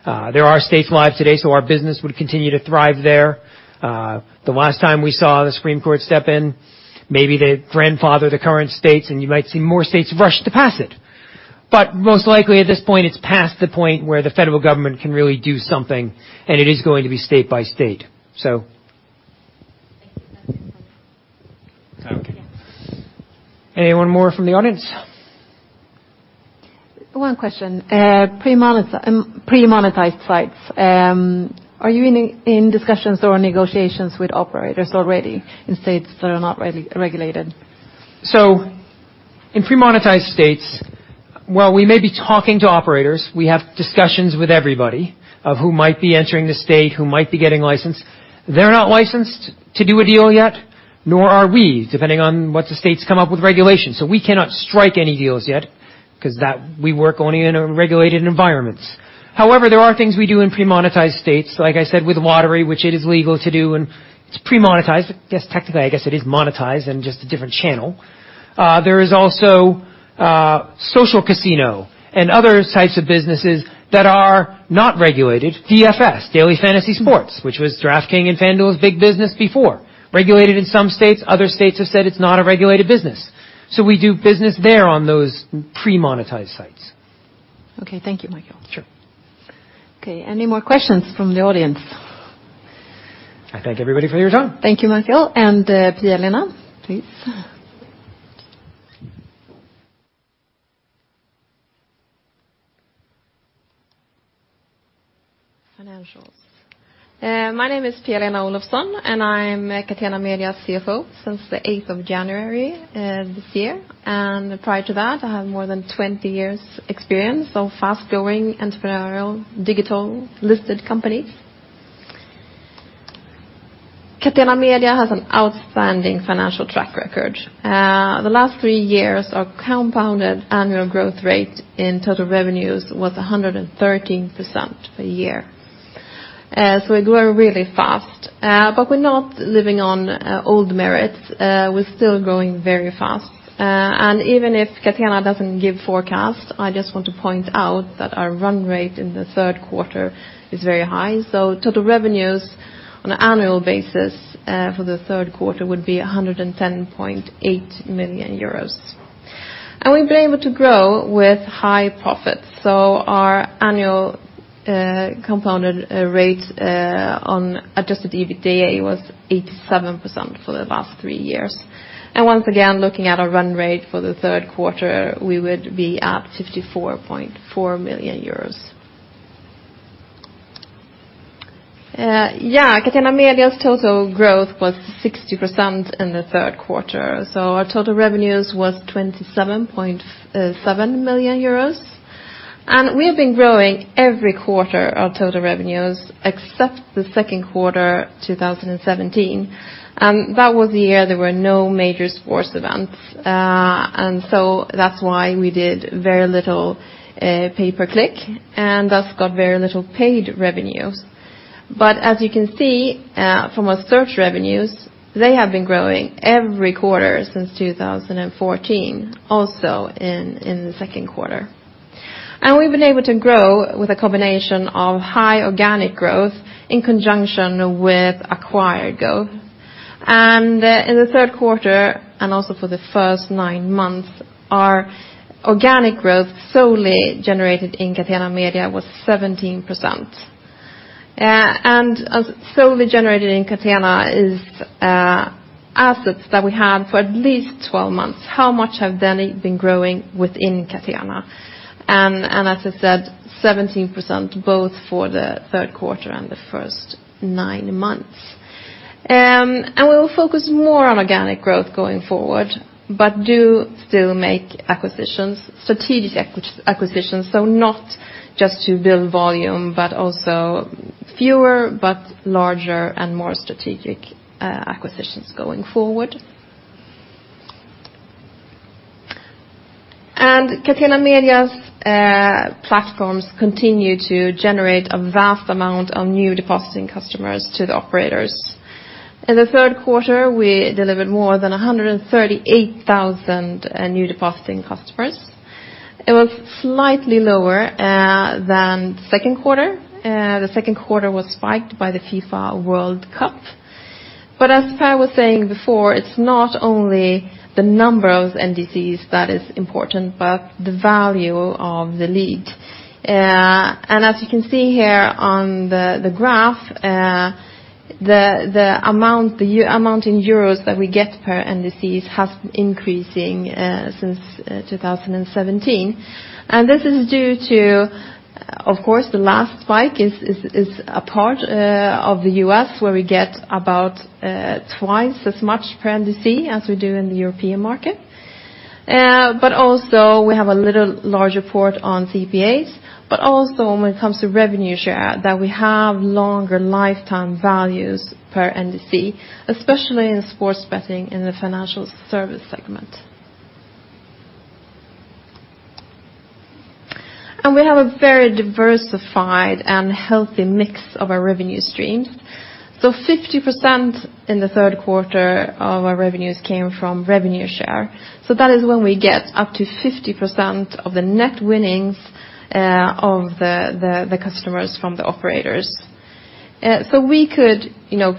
S7: There are states live today, our business would continue to thrive there. The last time we saw the Supreme Court step in, maybe they grandfather the current states, and you might see more states rush to pass it. Most likely at this point, it's past the point where the federal government can really do something, and it is going to be state by state.
S5: Thank you. That's it.
S7: Okay. Anyone more from the audience?
S5: One question. Pre-monetized sites. Are you in discussions or negotiations with operators already in states that are not regulated?
S7: In pre-monetized states, while we may be talking to operators, we have discussions with everybody of who might be entering the state, who might be getting licensed. They're not licensed to do a deal yet, nor are we, depending on what the states come up with regulations. We cannot strike any deals yet because we work only in regulated environments. However, there are things we do in pre-monetized states, like I said, with lottery, which it is legal to do, and it's pre-monetized. Yes, technically, I guess it is monetized in just a different channel. There is also social casino and other types of businesses that are not regulated. DFS, daily fantasy sports, which was DraftKings and FanDuel's big business before. Regulated in some states, other states have said it's not a regulated business. We do business there on those pre-monetized sites.
S5: Okay. Thank you, Michael.
S7: Sure.
S3: Okay, any more questions from the audience?
S7: I thank everybody for your time.
S3: Thank you, Michael. Pia-Lena, please.
S8: Financials. My name is Pia-Lena Olofsson, and I'm Catena Media CFO since the 8th of January this year. Prior to that, I have more than 20 years experience of fast-growing entrepreneurial digital listed companies. Catena Media has an outstanding financial track record. The last three years, our compounded annual growth rate in total revenues was 113% per year. We grow really fast. Even if Catena doesn't give forecast, I just want to point out that our run rate in the third quarter is very high. Total revenues on an annual basis for the third quarter would be 110.8 million euros. We've been able to grow with high profits. Our annual compounded rate on adjusted EBITDA was 87% for the last three years. Once again, looking at our run rate for the third quarter, we would be at 54.4 million euros. Yeah. Catena Media's total growth was 60% in the third quarter. Our total revenues was 27.7 million euros. We have been growing every quarter, our total revenues, except the second quarter 2017. That was the year there were no major sports events. That's why we did very little pay per click, and thus got very little paid revenues. As you can see from our search revenues, they have been growing every quarter since 2014, also in the second quarter. We've been able to grow with a combination of high organic growth in conjunction with acquired growth. In the third quarter, and also for the first nine months, our organic growth solely generated in Catena Media was 17%. Solely generated in Catena is assets that we had for at least 12 months. How much have they been growing within Catena? As I said, 17%, both for the third quarter and the first nine months. We will focus more on organic growth going forward, but do still make strategic acquisitions. Not just to build volume, but also fewer, but larger and more strategic acquisitions going forward. Catena Media's platforms continue to generate a vast amount of new depositing customers to the operators. In the third quarter, we delivered more than 138,000 new depositing customers. It was slightly lower than second quarter. The second quarter was spiked by the FIFA World Cup. As Per was saying before, it's not only the number of NDCs that is important, but the value of the lead. As you can see here on the graph, the amount in EUR that we get per NDCs has been increasing since 2017. This is due to, of course, the last spike is a part of the U.S. where we get about twice as much per NDC as we do in the European market. Also we have a little larger port on CPAs, but also when it comes to revenue share, that we have longer lifetime values per NDC, especially in sports betting in the financial service segment. We have a very diversified and healthy mix of our revenue stream. 50% in the third quarter of our revenues came from revenue share. That is when we get up to 50% of the net winnings of the customers from the operators. We could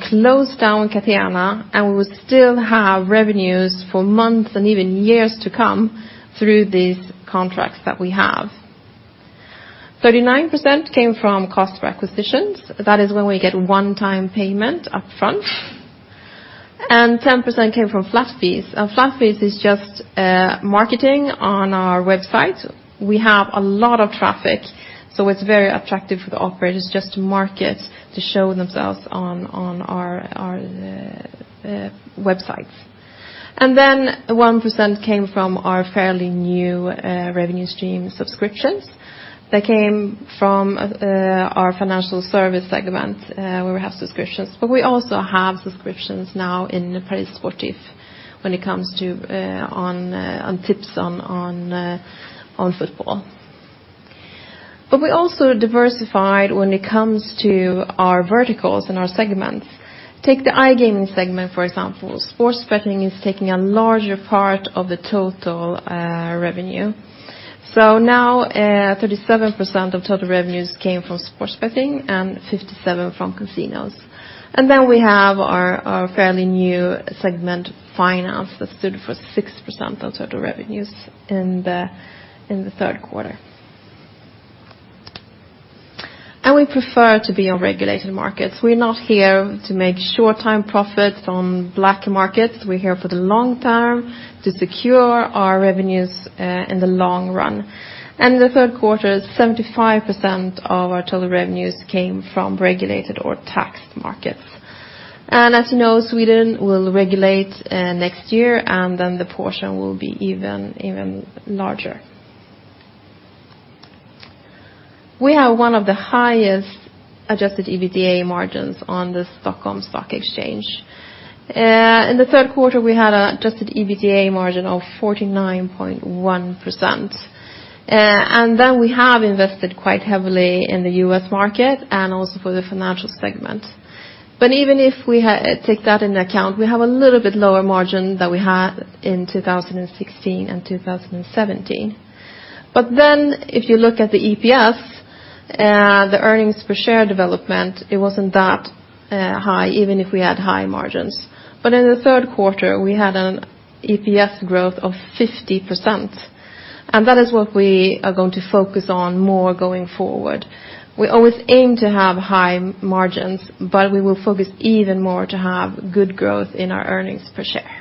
S8: close down Catena, and we would still have revenues for months and even years to come through these contracts that we have. 39% came from cost of acquisitions. That is when we get one-time payment up front. 10% came from flat fees. Flat fees is just marketing on our website. We have a lot of traffic, so it is very attractive for the operators just to market, to show themselves on our websites. 1% came from our fairly new revenue stream subscriptions. That came from our financial service segment, where we have subscriptions. We also have subscriptions now in ParisSportifs.com when it comes to tips on football. We also diversified when it comes to our verticals and our segments. Take the iGaming segment, for example. Sports betting is taking a larger part of the total revenue. Now 37% of total revenues came from sports betting and 57% from casinos. We have our fairly new segment, finance, that stood for 6% of total revenues in the third quarter. We prefer to be on regulated markets. We are not here to make short-term profits on black markets. We are here for the long term to secure our revenues in the long run. In the third quarter, 75% of our total revenues came from regulated or taxed markets. As you know, Sweden will regulate next year, and the portion will be even larger. We have one of the highest adjusted EBITDA margins on the Stockholm Stock Exchange. In the third quarter, we had adjusted EBITDA margin of 49.1%. We have invested quite heavily in the U.S. market and also for the financial segment. Even if we take that into account, we have a little bit lower margin than we had in 2016 and 2017. If you look at the EPS, the earnings per share development, it was not that high, even if we had high margins. In the third quarter, we had an EPS growth of 50%, and that is what we are going to focus on more going forward. We always aim to have high margins, but we will focus even more to have good growth in our earnings per share.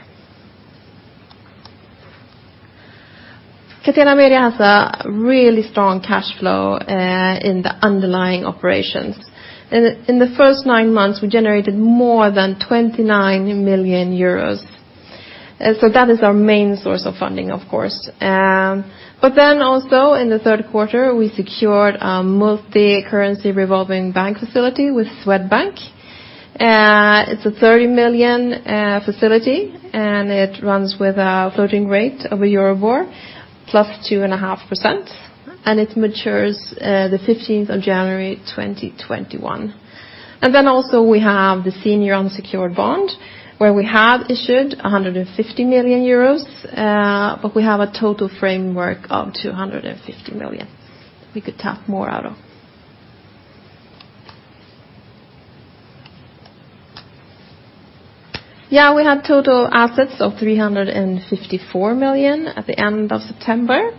S8: Catena Media has a really strong cash flow in the underlying operations. In the first nine months, we generated more than 29 million euros. That is our main source of funding, of course. Also in the third quarter, we secured a multicurrency revolving bank facility with Swedbank. It is a 30 million facility, and it runs with a floating rate of EURIBOR plus 2.5%, and it matures the 15th of January 2021. Also we have the senior unsecured bond, where we have issued 150 million euros, but we have a total framework of 250 million we could tap more out of. We have total assets of 354 million at the end of September.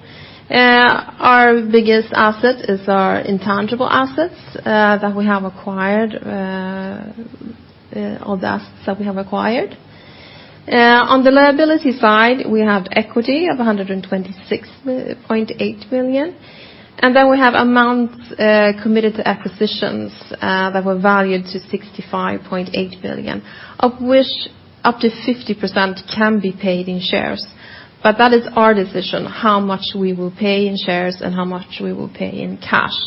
S8: Our biggest asset is our intangible assets that we have acquired, all the assets that we have acquired. On the liability side, we have equity of 126.8 million, and we have amounts committed to acquisitions that were valued to 65.8 million, of which up to 50% can be paid in shares. That is our decision, how much we will pay in shares and how much we will pay in cash.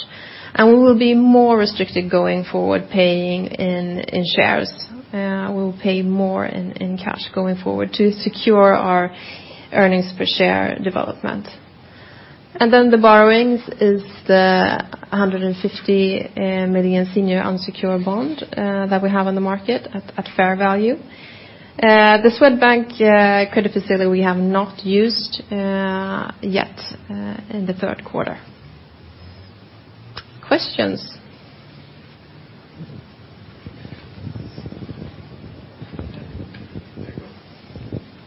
S8: We will be more restricted going forward, paying in shares. We will pay more in cash going forward to secure our earnings per share development. The borrowings is the 150 million senior unsecured bond that we have on the market at fair value. The Swedbank credit facility we have not used yet in the third quarter. Questions?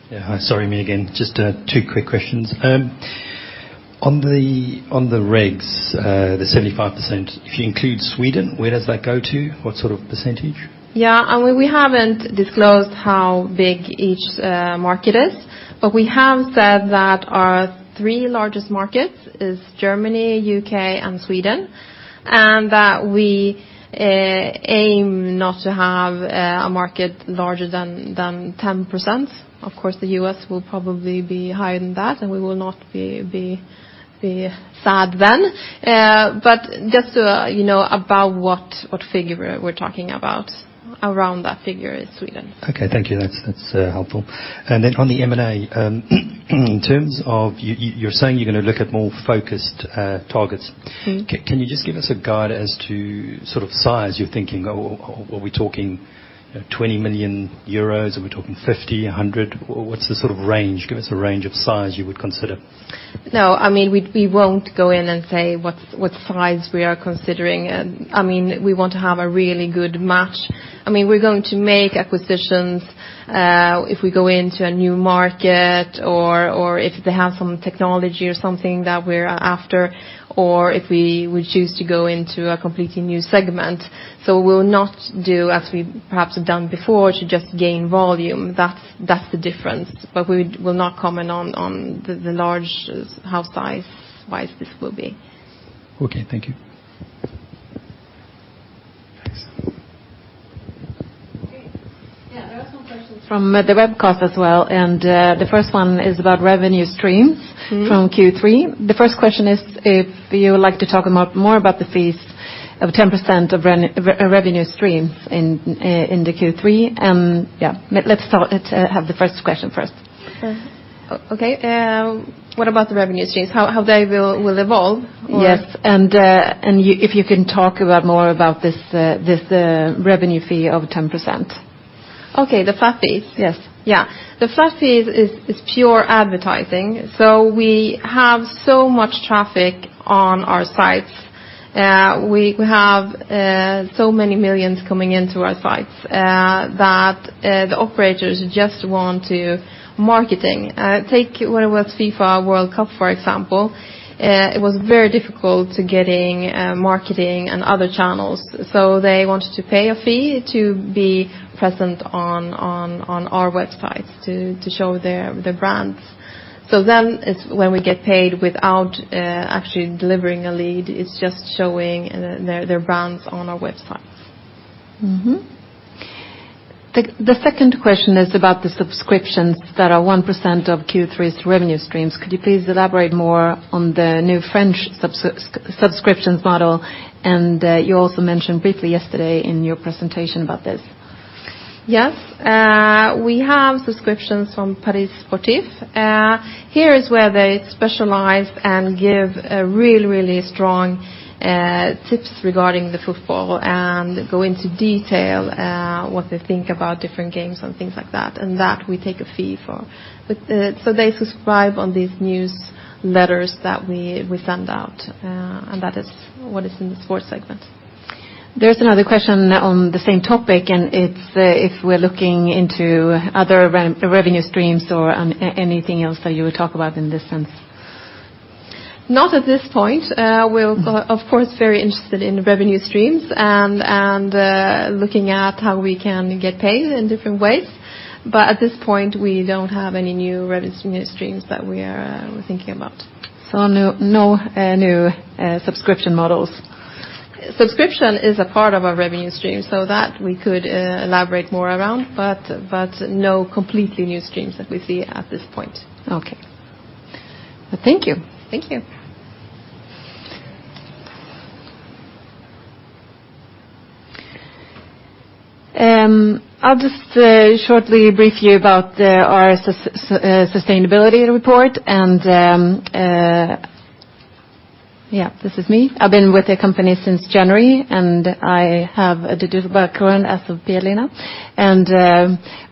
S5: Yeah. Hi. Sorry, me again. Just two quick questions. On the regs, the 75%, if you include Sweden, where does that go to? What sort of percentage?
S8: We haven't disclosed how big each market is, but we have said that our three largest markets is Germany, U.K., and Sweden, that we aim not to have a market larger than 10%. Of course, the U.S. will probably be higher than that, we will not be sad then. Just so you know about what figure we are talking about, around that figure is Sweden.
S5: Okay, thank you. That's helpful. On the M&A, in terms of you are saying you are going to look at more focused targets. Can you just give us a guide as to size you're thinking? Are we talking 20 million euros? Are we talking 50, 100? What's the sort of range? Give us a range of size you would consider.
S8: We won't go in and say what size we are considering. We want to have a really good match. We're going to make acquisitions if we go into a new market or if they have some technology or something that we're after, or if we choose to go into a completely new segment. We'll not do as we perhaps have done before to just gain volume. That's the difference. We will not comment on how large size-wise this will be.
S5: Thank you.
S8: Thanks.
S3: Yeah, there are some questions from the webcast as well, the first one is about revenue streams. From Q3. The first question is if you would like to talk more about the fees of 10% of revenue stream in the Q3. Yeah, let's have the first question first.
S8: Okay. What about the revenue streams? How they will evolve or-
S3: Yes, if you can talk more about this revenue fee of 10%.
S8: Okay, the flat fees?
S3: Yes.
S8: The flat fees is pure advertising. We have so much traffic on our sites. We have so many millions coming into our sites that the operators just want to market. Take when it was FIFA World Cup, for example. It was very difficult getting marketing on other channels. They wanted to pay a fee to be present on our websites to show their brands. Then it's when we get paid without actually delivering a lead, it's just showing their brands on our websites.
S3: The second question is about the subscriptions that are 1% of Q3's revenue streams. Could you please elaborate more on the new French subscriptions model? You also mentioned briefly yesterday in your presentation about this.
S8: Yes. We have subscriptions from Paris Sportifs. Here is where they specialize and give really, really strong tips regarding the football and go into detail what they think about different games and things like that, and that we take a fee for. They subscribe on these newsletters that we send out, that is what is in the sports segment.
S3: There's another question on the same topic, it's if we're looking into other revenue streams or anything else that you would talk about in this sense? Not at this point. We're, of course, very interested in revenue streams and looking at how we can get paid in different ways. At this point, we don't have any new revenue streams that we are thinking about. No new subscription models? Subscription is a part of our revenue stream, that we could elaborate more around, but no completely new streams that we see at this point. Okay. Thank you. Thank you. I'll just shortly brief you about our sustainability report. Yes, this is me. I've been with the company since January, I have a 15 years background as of Berlina,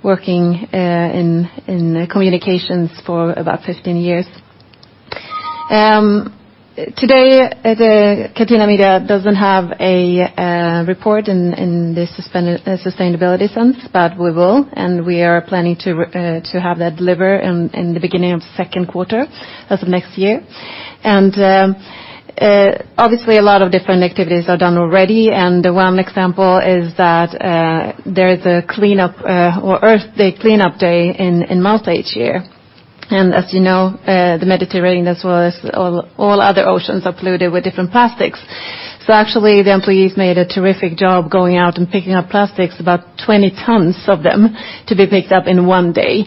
S3: working in communications for about 15 years. Today, Catena Media doesn't have a report in the sustainability sense, but we will, and we are planning to have that delivered in the beginning of second quarter as of next year. Obviously, a lot of different activities are done already, and one example is that there is a cleanup or Earth Day cleanup day in Malta each year. As you know, the Mediterranean, as well as all other oceans, are polluted with different plastics. Actually, the employees made a terrific job going out and picking up plastics, about 20 tons of them to be picked up in one day.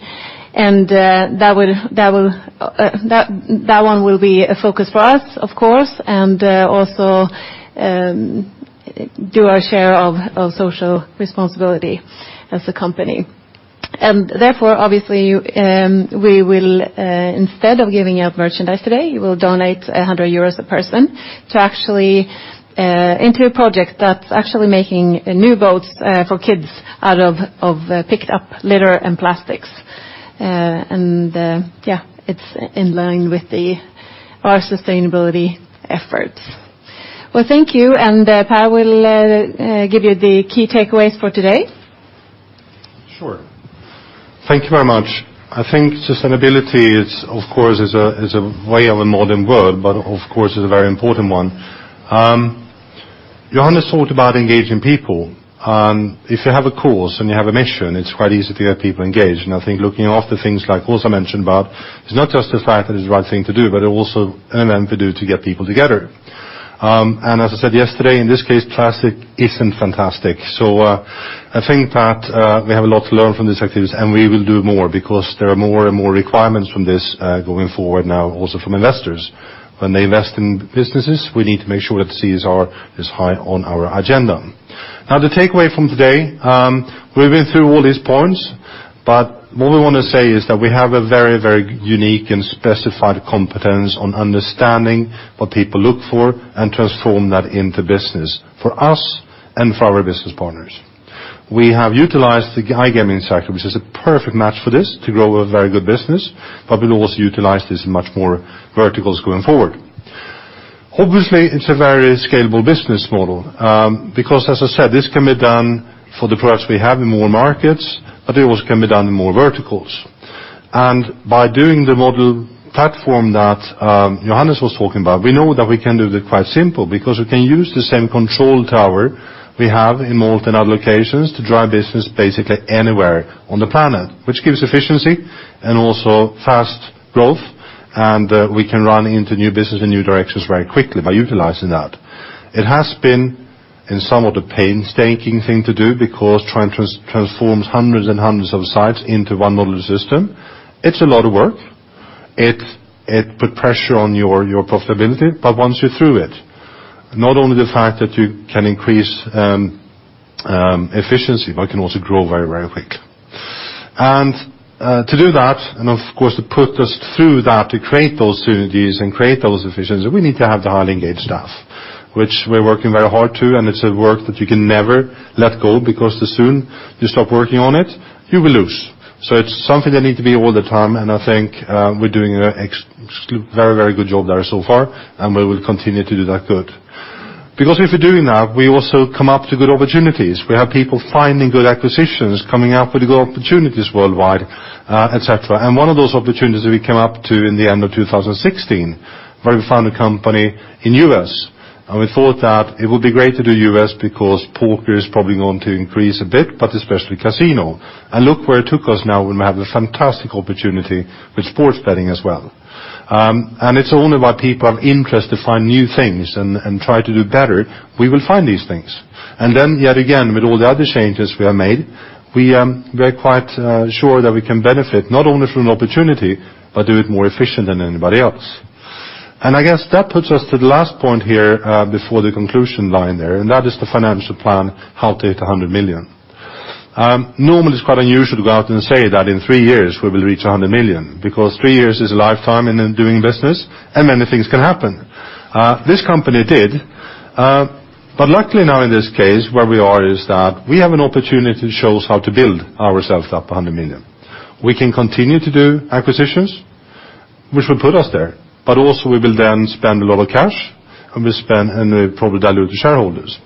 S3: That one will be a focus for us, of course, and also do our share of social responsibility as a company. Therefore, obviously, we will instead of giving out merchandise today, we will donate 100 euros a person to actually into a project that's actually making new boats for kids out of picked up litter and plastics. Yes, it's in line with our sustainability efforts. Well, thank you, and Per will give you the key takeaways for today.
S1: Sure. Thank you very much. I think sustainability is, of course, is a way of a modern world, but of course, is a very important one. Johannes thought about engaging people. If you have a cause and you have a mission, it's quite easy to get people engaged. I think looking after things like Åsa mentioned about, it's not just the fact that it's the right thing to do, but it also an event to do to get people together. As I said yesterday, in this case, plastic isn't fantastic. I think that we have a lot to learn from these activities, and we will do more because there are more and more requirements from this going forward now also from investors. When they invest in businesses, we need to make sure that CSR is high on our agenda. Now, the takeaway from today, we've been through all these points, but what we want to say is that we have a very, very unique and specified competence on understanding what people look for and transform that into business for us and for our business partners. We have utilized the iGaming sector, which is a perfect match for this to grow a very good business, but we'll also utilize this in much more verticals going forward. Obviously, it's a very scalable business model, because as I said, this can be done for the products we have in more markets, but it also can be done in more verticals. By doing the model platform that Johannes was talking about, we know that we can do it quite simple because we can use the same control tower we have in Malta and other locations to drive business basically anywhere on the planet, which gives efficiency and also fast growth, and we can run into new business and new directions very quickly by utilizing that. It has been in some of the painstaking thing to do because trying to transform hundreds and hundreds of sites into one model system, it's a lot of work. It put pressure on your profitability, but once you're through it, not only the fact that you can increase efficiency, but it can also grow very, very quick. To do that, and of course, to put us through that, to create those synergies and create those efficiencies, we need to have the highly engaged staff, which we're working very hard to, and it's a work that you can never let go because the soon you stop working on it, you will lose. It's something that need to be all the time, and I think we're doing a very, very good job there so far, and we will continue to do that good. If we're doing that, we also come up to good opportunities. We have people finding good acquisitions, coming up with good opportunities worldwide, et cetera. One of those opportunities that we came up to in the end of 2016, where we found a company in U.S., and we thought that it would be great to do U.S. because poker is probably going to increase a bit, but especially casino. Look where it took us now when we have the fantastic opportunity with sports betting as well. It's only by people of interest to find new things and try to do better, we will find these things. Then yet again, with all the other changes we have made, we are quite sure that we can benefit not only from an opportunity, but do it more efficient than anybody else. I guess that puts us to the last point here before the conclusion line there, and that is the financial plan, how to hit 100 million. Normally, it's quite unusual to go out and say that in three years we will reach 100 million because three years is a lifetime in doing business and many things can happen. This company did, but luckily now in this case, where we are is that we have an opportunity to show us how to build ourselves up 100 million. We can continue to do acquisitions, which will put us there, but also we will then spend a lot of cash, and we spend and probably dilute the shareholders.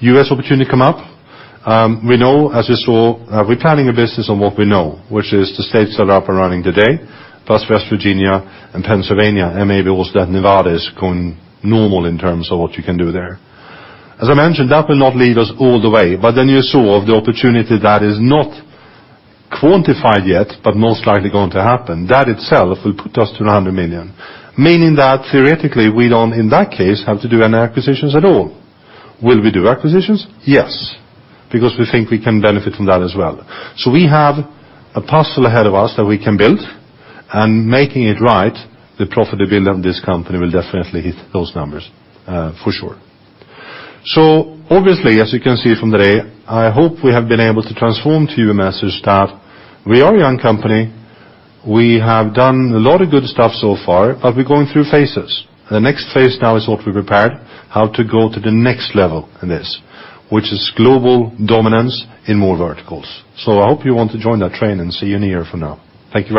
S1: U.S. opportunity come up. We know as we saw, we're planning a business on what we know, which is the states that are up and running today, plus West Virginia and Pennsylvania, and maybe also that Nevada is going normal in terms of what you can do there. As I mentioned, that will not lead us all the way, you saw the opportunity that is not quantified yet, but most likely going to happen. That itself will put us to 100 million, meaning that theoretically, we don't, in that case, have to do any acquisitions at all. Will we do acquisitions? Yes, because we think we can benefit from that as well. We have a puzzle ahead of us that we can build, and making it right, the profitability of this company will definitely hit those numbers for sure. Obviously, as you can see from today, I hope we have been able to transform to you a message that we are a young company. We have done a lot of good stuff so far, but we're going through phases. The next phase now is what we prepared, how to go to the next level in this, which is global dominance in more verticals. I hope you want to join that train and see you in a year from now. Thank you very much